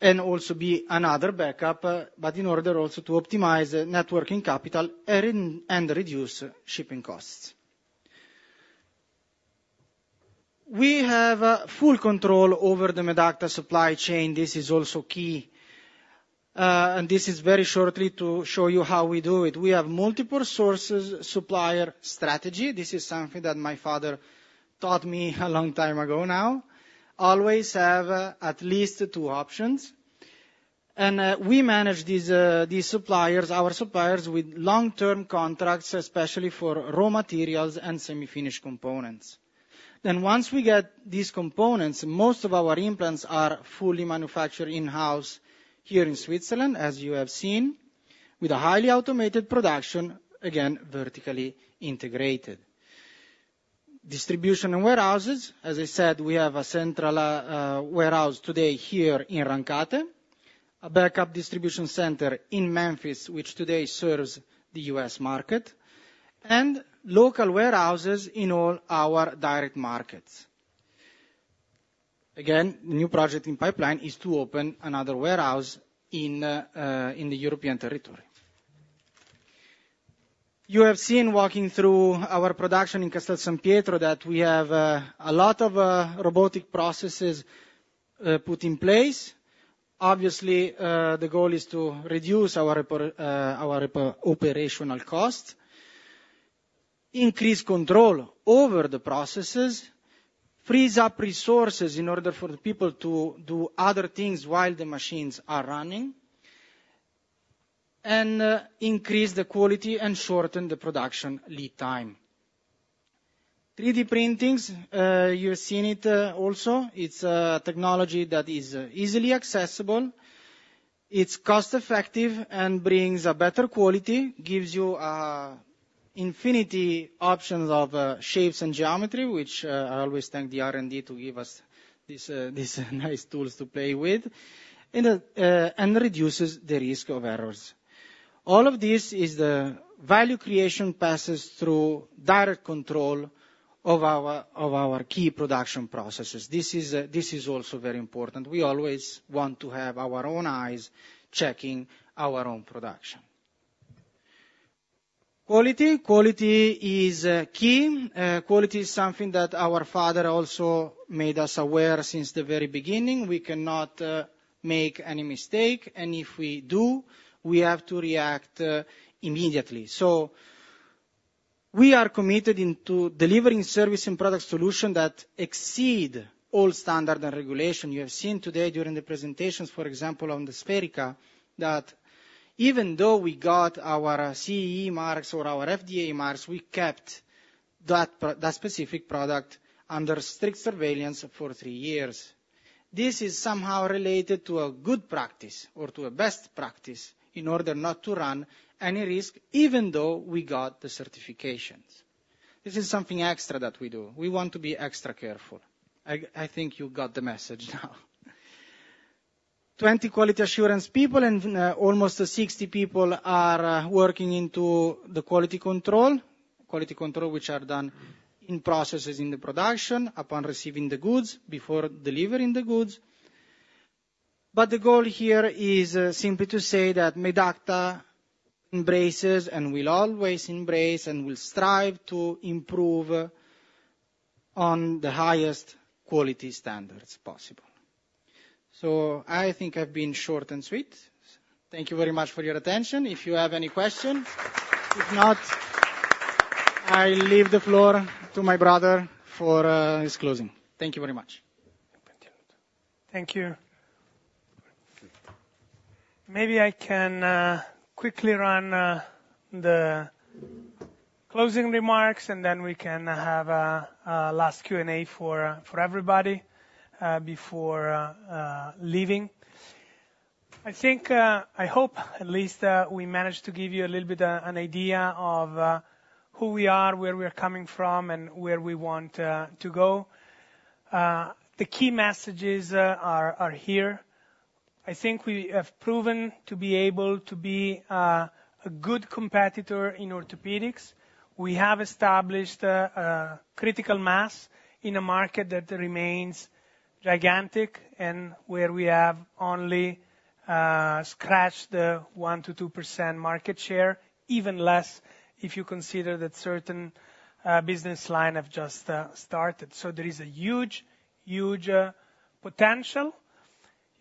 and also be another backup, but in order also to optimize net working capital and reduce shipping costs. We have full control over the Medacta supply chain this is also key, and this is very shortly to show you how we do it we have multiple sources, supplier strategy this is something that my father taught me a long time ago now. Always have at least two options. And, we manage these, these suppliers, our suppliers, with long-term contracts, especially for raw materials and semi-finished components. Then once we get these components, most of our implants are fully manufactured in-house here in Switzerland, as you have seen, with a highly automated production, again, vertically integrated. Distribution and warehouses, as I said, we have a central, warehouse today here in Rancate, a backup distribution center in Memphis, which today serves the U.S. market, and local warehouses in all our direct markets. Again, the new project in pipeline is to open another warehouse in, in the European territory. You have seen, walking through our production in Castel San Pietro, that we have a lot of robotic processes put in place. Obviously, the goal is to reduce our operational costs, increase control over the processes, freeze up resources in order for the people to do other things while the machines are running, and increase the quality and shorten the production lead time. 3D printings, you're seeing it also it's a technology that is easily accessible, it's cost-effective, and brings a better quality, gives you infinity options of shapes and geometry, which I always thank the R&D to give us these nice tools to play with, and reduces the risk of errors. All of this is the value creation passes through direct control of our key production processes this is also very important we always want to have our own eyes checking our own production. Quality. Quality is key. Quality is something that our father also made us aware since the very beginning we cannot make any mistake, and if we do, we have to react immediately. So we are committed into delivering service and product solution that exceed all standard and regulation you have seen today during the presentations, for example, on the Spherica, that even though we got our CE marks or our FDA marks, we kept that specific product under strict surveillance for three years. This is somehow related to a good practice or to a best practice in order not to run any risk, even though we got the certifications. This is something extra that we do we want to be extra careful. I think you got the message now. 20 quality assurance people and almost 60 people are working into the quality control. Quality control, which are done in processes in the production, upon receiving the goods, before delivering the goods. But the goal here is simply to say that Medacta embraces, and will always embrace, and will strive to improve on the highest quality standards possible. So I think I've been short and sweet. Thank you very much for your attention if you have any questions? If not, I leave the floor to my brother for his closing. Thank you very much. Thank you. Maybe I can quickly run the closing remarks, and then we can have a last Q&A for everybody before leaving. I think I hope at least we managed to give you a little bit an idea of who we are, where we're coming from, and where we want to go. The key messages are here. I think we have proven to be able to be a good competitor in orthopedics. We have established a critical mass in a market that remains gigantic and where we have only scratched the 1%-2% market share, even less if you consider that certain business line have just started so there is a huge, huge potential.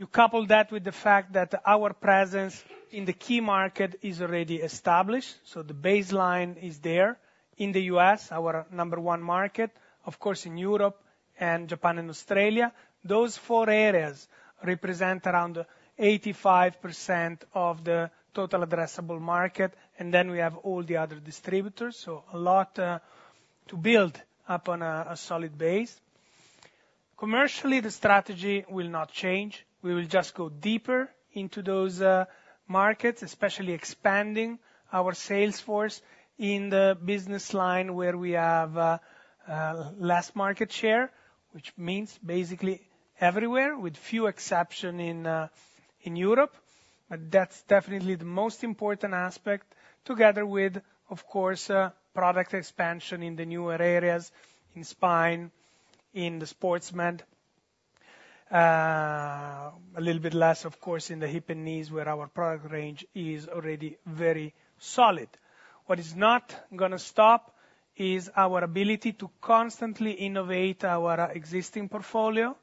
You couple that with the fact that our presence in the key market is already established, so the baseline is there. In the U.S., our number one market, of course, in Europe and Japan and Australia, those four areas represent around 85% of the total addressable market, and then we have all the other distributors, so a lot to build upon a solid base. Commercially, the strategy will not change we will just go deeper into those markets, especially expanding our sales force in the business line where we have less market share, which means basically everywhere, with few exception in Europe. But that's definitely the most important aspect, together with, of course, product expansion in the newer areas, in spine, in the sports med, a little bit less, of course, in the hip and knees, where our product range is already very solid. What is not gonna stop is our ability to constantly innovate our existing portfolio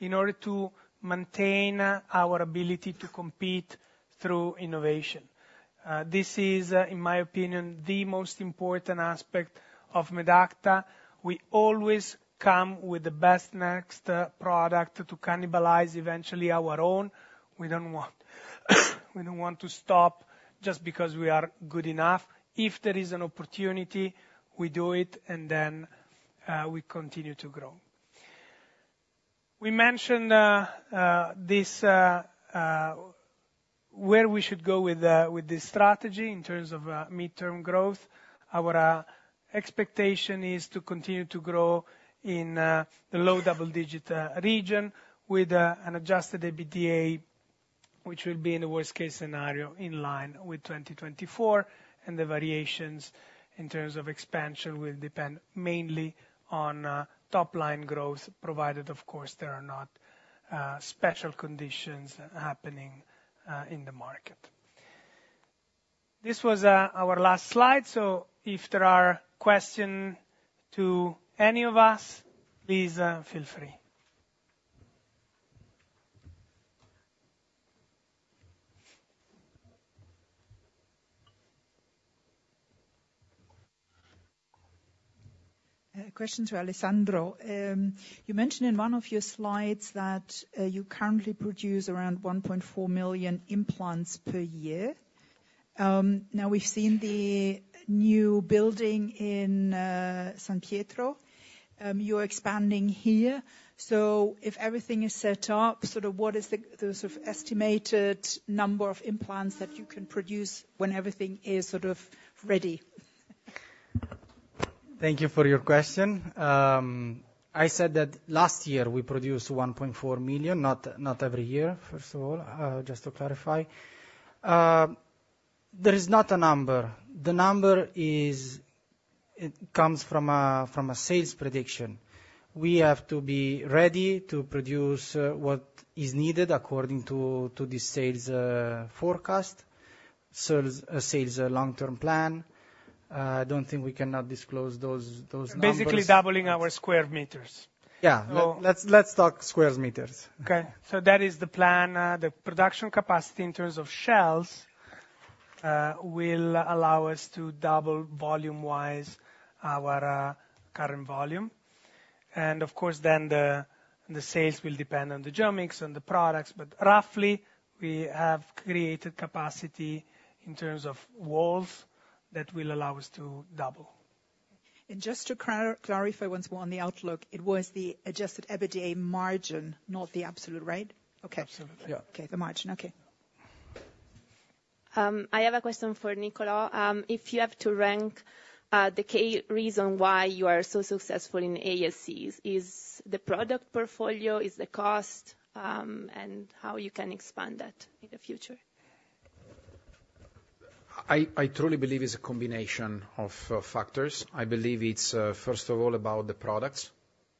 in order to maintain our ability to compete through innovation. This is, in my opinion, the most important aspect of Medacta. We always come with the best next product to cannibalize eventually our own. We don't want, we don't want to stop just because we are good enough. If there is an opportUNiD, we do it, and then we continue to grow. We mentioned where we should go with this strategy in terms of midterm growth. Our expectation is to continue to grow in the low double-digit region, with an adjusted EBITDA, which will be in the worst-case scenario, in line with 2024, and the variations in terms of expansion will depend mainly on top line growth, provided, of course, there are not special conditions happening in the market. This was our last slide, so if there are questions to any of us, please feel free. Question to Alessandro. You mentioned in one of your slides that you currently produce around one point four million implants per year. Now, we've seen the new building in San Pietro. You're expanding here, so if everything is set up, sort of, what is the sort of estimated number of implants that you can produce when everything is sort of ready? Thank you for your question. I said that last year we produced 1.4 million, not every year, first of all, just to clarify. There is not a number. The number is it comes from a sales prediction. We have to be ready to produce what is needed according to the sales forecast. So a sales long-term plan, I don't think we cannot disclose those numbers. Basically, doubling our square meters. Yeah. So- Let's talk square meters. Okay, so that is the plan. The production capacity in terms of shells will allow us to double volume-wise our current volume. And of course, then the sales will depend on the geo mix and the products, but roughly, we have created capacity in terms of balls that will allow us to double. Just to clarify once more on the outlook, it was the adjusted EBITDA margin, not the absolute rate? Okay. Absolutely, yeah. Okay. The margin. Okay. I have a question for Niccolò. If you have to rank the key reason why you are so successful in ASCs, is the product portfolio, is the cost, and how you can expand that in the future? I truly believe it's a combination of factors. I believe it's first of all about the products,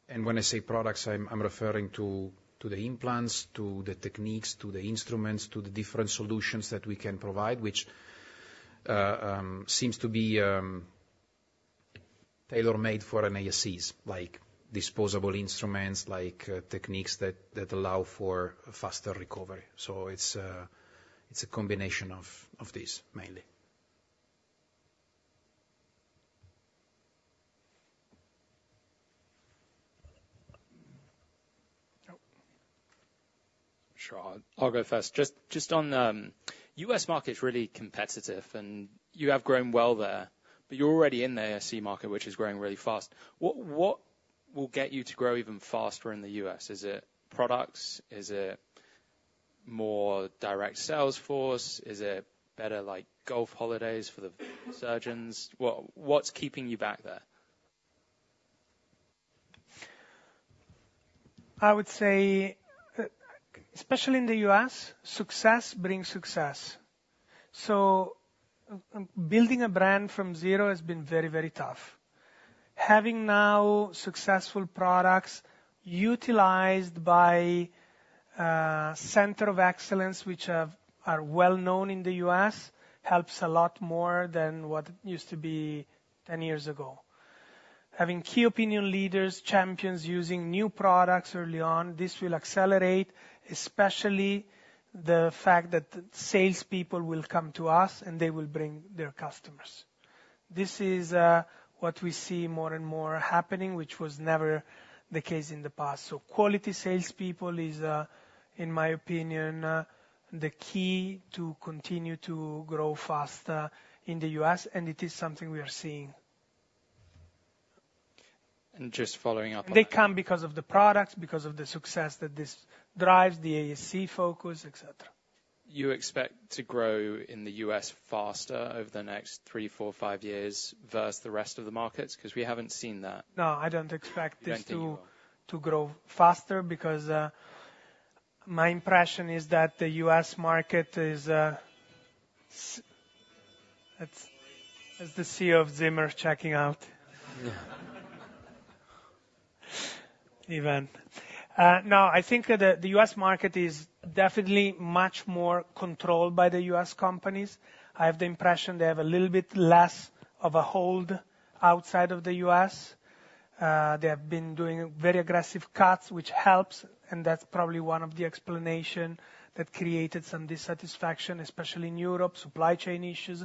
and when I say products, I'm referring to the implants, to the techniques, to the instruments, to the different solutions that we can provide, which seems to be tailor-made for ASCs, like disposable instruments, like techniques that allow for a faster recovery. So it's a combination of these, mainly. Oh. Sure, I'll go first. Just on, US market is really competitive, and you have grown well there, but you're already in the ASC market, which is growing really fast. What will get you to grow even faster in the US? Is it products? Is it more direct sales force? Is it better, like, golf holidays for the surgeons? What's keeping you back there? I would say, especially in the U.S., success brings success. So building a brand from zero has been very, very tough. Having now successful products utilized by centers of excellence, which are well known in the U.S., helps a lot more than what it used to be ten years ago. Having key opinion leaders, champions using new products early on, this will accelerate, especially the fact that salespeople will come to us, and they will bring their customers. This is what we see more and more happening, which was never the case in the past so quality salespeople is, in my opinion, the key to continue to grow faster in the U.S., and it is something we are seeing. Just following up on- They come because of the products, because of the success that this drives, the ASC focus, et cetera. You expect to grow in the U.S. faster over the next three, four, five years versus the rest of the markets? Because we haven't seen that. No, I dont expect this- You don't think you will. To grow faster because my impression is that the US market is. It's the CEO of Zimmer checking out. Event. No, I think that the US market is definitely much more controlled by the US companies. I have the impression they have a little bit less of a hold outside of the US. They have been doing very aggressive cuts, which helps, and that's probably one of the explanation that created some dissatisfaction, especially in Europe, supply chain issues.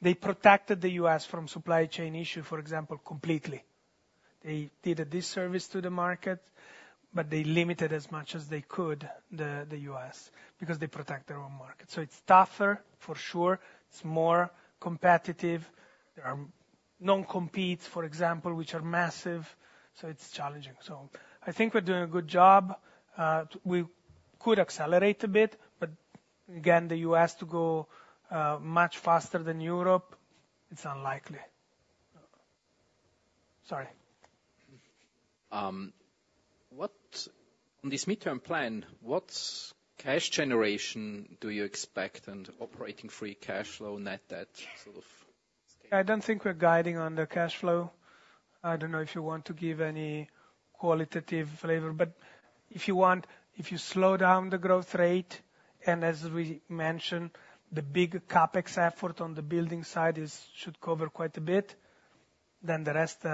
They protected the US from supply chain issue, for example, completely. They did a disservice to the market, but they limited as much as they could, the US, because they protect their own market. So it's tougher, for sure. It's more competitive. There are non-competes, for example, which are massive, so it's challenging. So I think we're doing a good job. We could accelerate a bit, but again, the U.S. to go much faster than Europe, it's unlikely. Sorry. What on this midterm plan, what cash generation do you expect, and operating free cash flow, net debt, sort of? I don't think we're guiding on the cash flow. I don't know if you want to give any qualitative flavor, but if you want, if you slow down the growth rate, and as we mentioned, the big CapEx effort on the building side is should cover quite a bit, then the rest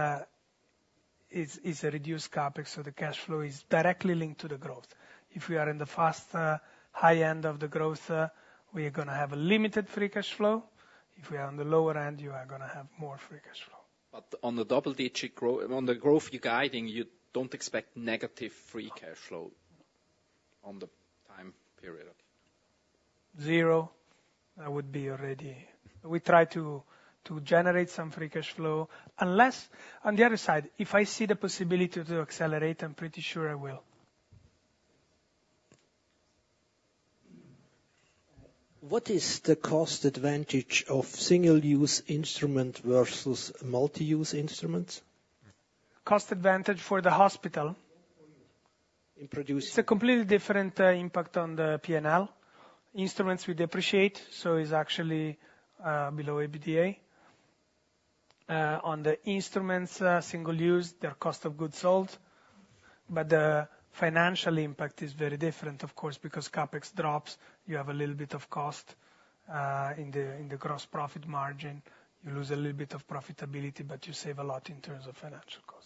is a reduced CapEx, so the cash flow is directly linked to the growth. If we are in the faster, high end of the growth, we are gonna have a limited free cash flow. If we are on the lower end, you are gonna have more free cash flow. But on the double-digit growth you're guiding, you don't expect negative free cash flow on the time period? Zero, that would be already... We try to generate some free cash flow. Unless, on the other side, if I see the possibility to accelerate, I'm pretty sure I will. What is the cost advantage of single-use instrument versus multi-use instruments? Cost advantage for the hospital? In producing. It's a completely different impact on the P&L. Instruments we depreciate, so it's actually below EBITDA. On the instruments, single use, their cost of goods sold, but the financial impact is very different, of course, because CapEx drops, you have a little bit of cost in the gross profit margin. You lose a little bit of profitability, but you save a lot in terms of financial cost.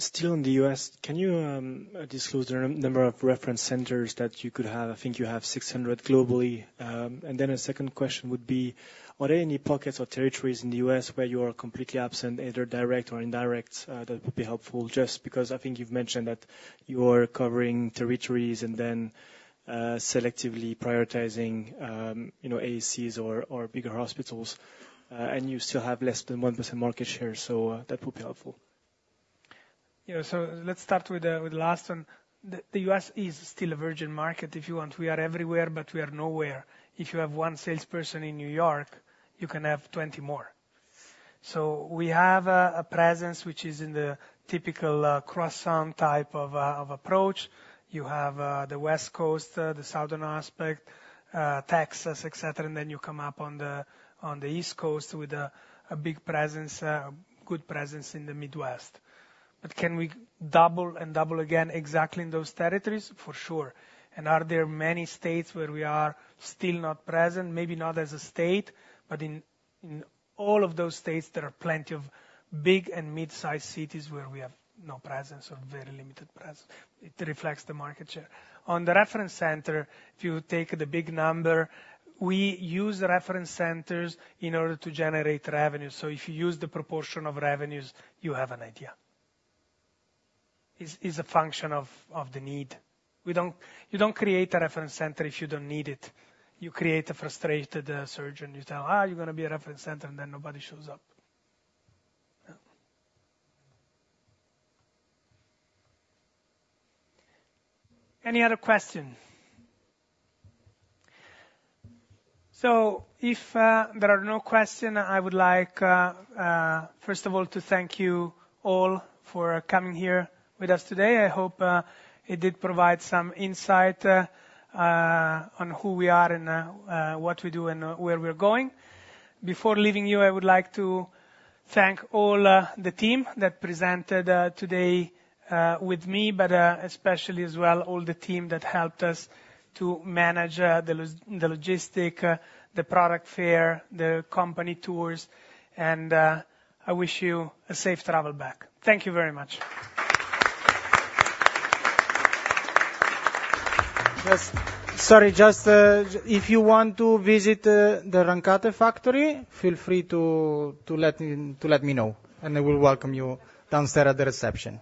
Still in the U.S., can you disclose the number of reference centers that you could have? I think you have 600 globally. And then a second question would be, are there any pockets or territories in the U.S. where you are completely absent, either direct or indirect, that would be helpful, just because I think you've mentioned that you are covering territories and then selectively prioritizing, you know, ASCs or bigger hospitals, and you still have less than 1% market share, so that would be helpful. Yeah, so let's start with, with the last one. The US is still a virgin market, if you want. We are everywhere, but we are nowhere. If you have one salesperson in New York, you can have 20 more. So we have a presence which is in the typical, crescent type of approach. You have the West Coast, the southern aspect, Texas, et cetera, and then you come up on the East Coast with a big presence, good presence in the Midwest. But can we double and double again exactly in those territories? For sure. And are there many states where we are still not present? Maybe not as a state, but in all of those states, there are plenty of big and mid-sized cities where we have no presence or very limited presence it reflects the market share. On the reference center, if you take the big number, we use the reference centers in order to generate revenue. So if you use the proportion of revenues, you have an idea. It is a function of the need. You don't create a reference center if you don't need it. You create a frustrated surgeon, you tell, "Ah, you're gonna be a reference center," and then nobody shows up. Any other question? So if there are no question, I would like first of all to thank you all for coming here with us today hope it did provide some insight on who we are and what we do and where we're going. Before leaving you, I would like to thank all the team that presented today with me, but especially as well all the team that helped us to manage the logistics, the product fair, the company tours, and I wish you a safe travel back. Thank you very much. Yes. Sorry, just if you want to visit the Rancate factory, feel free to let me know, and I will welcome you downstairs at the reception.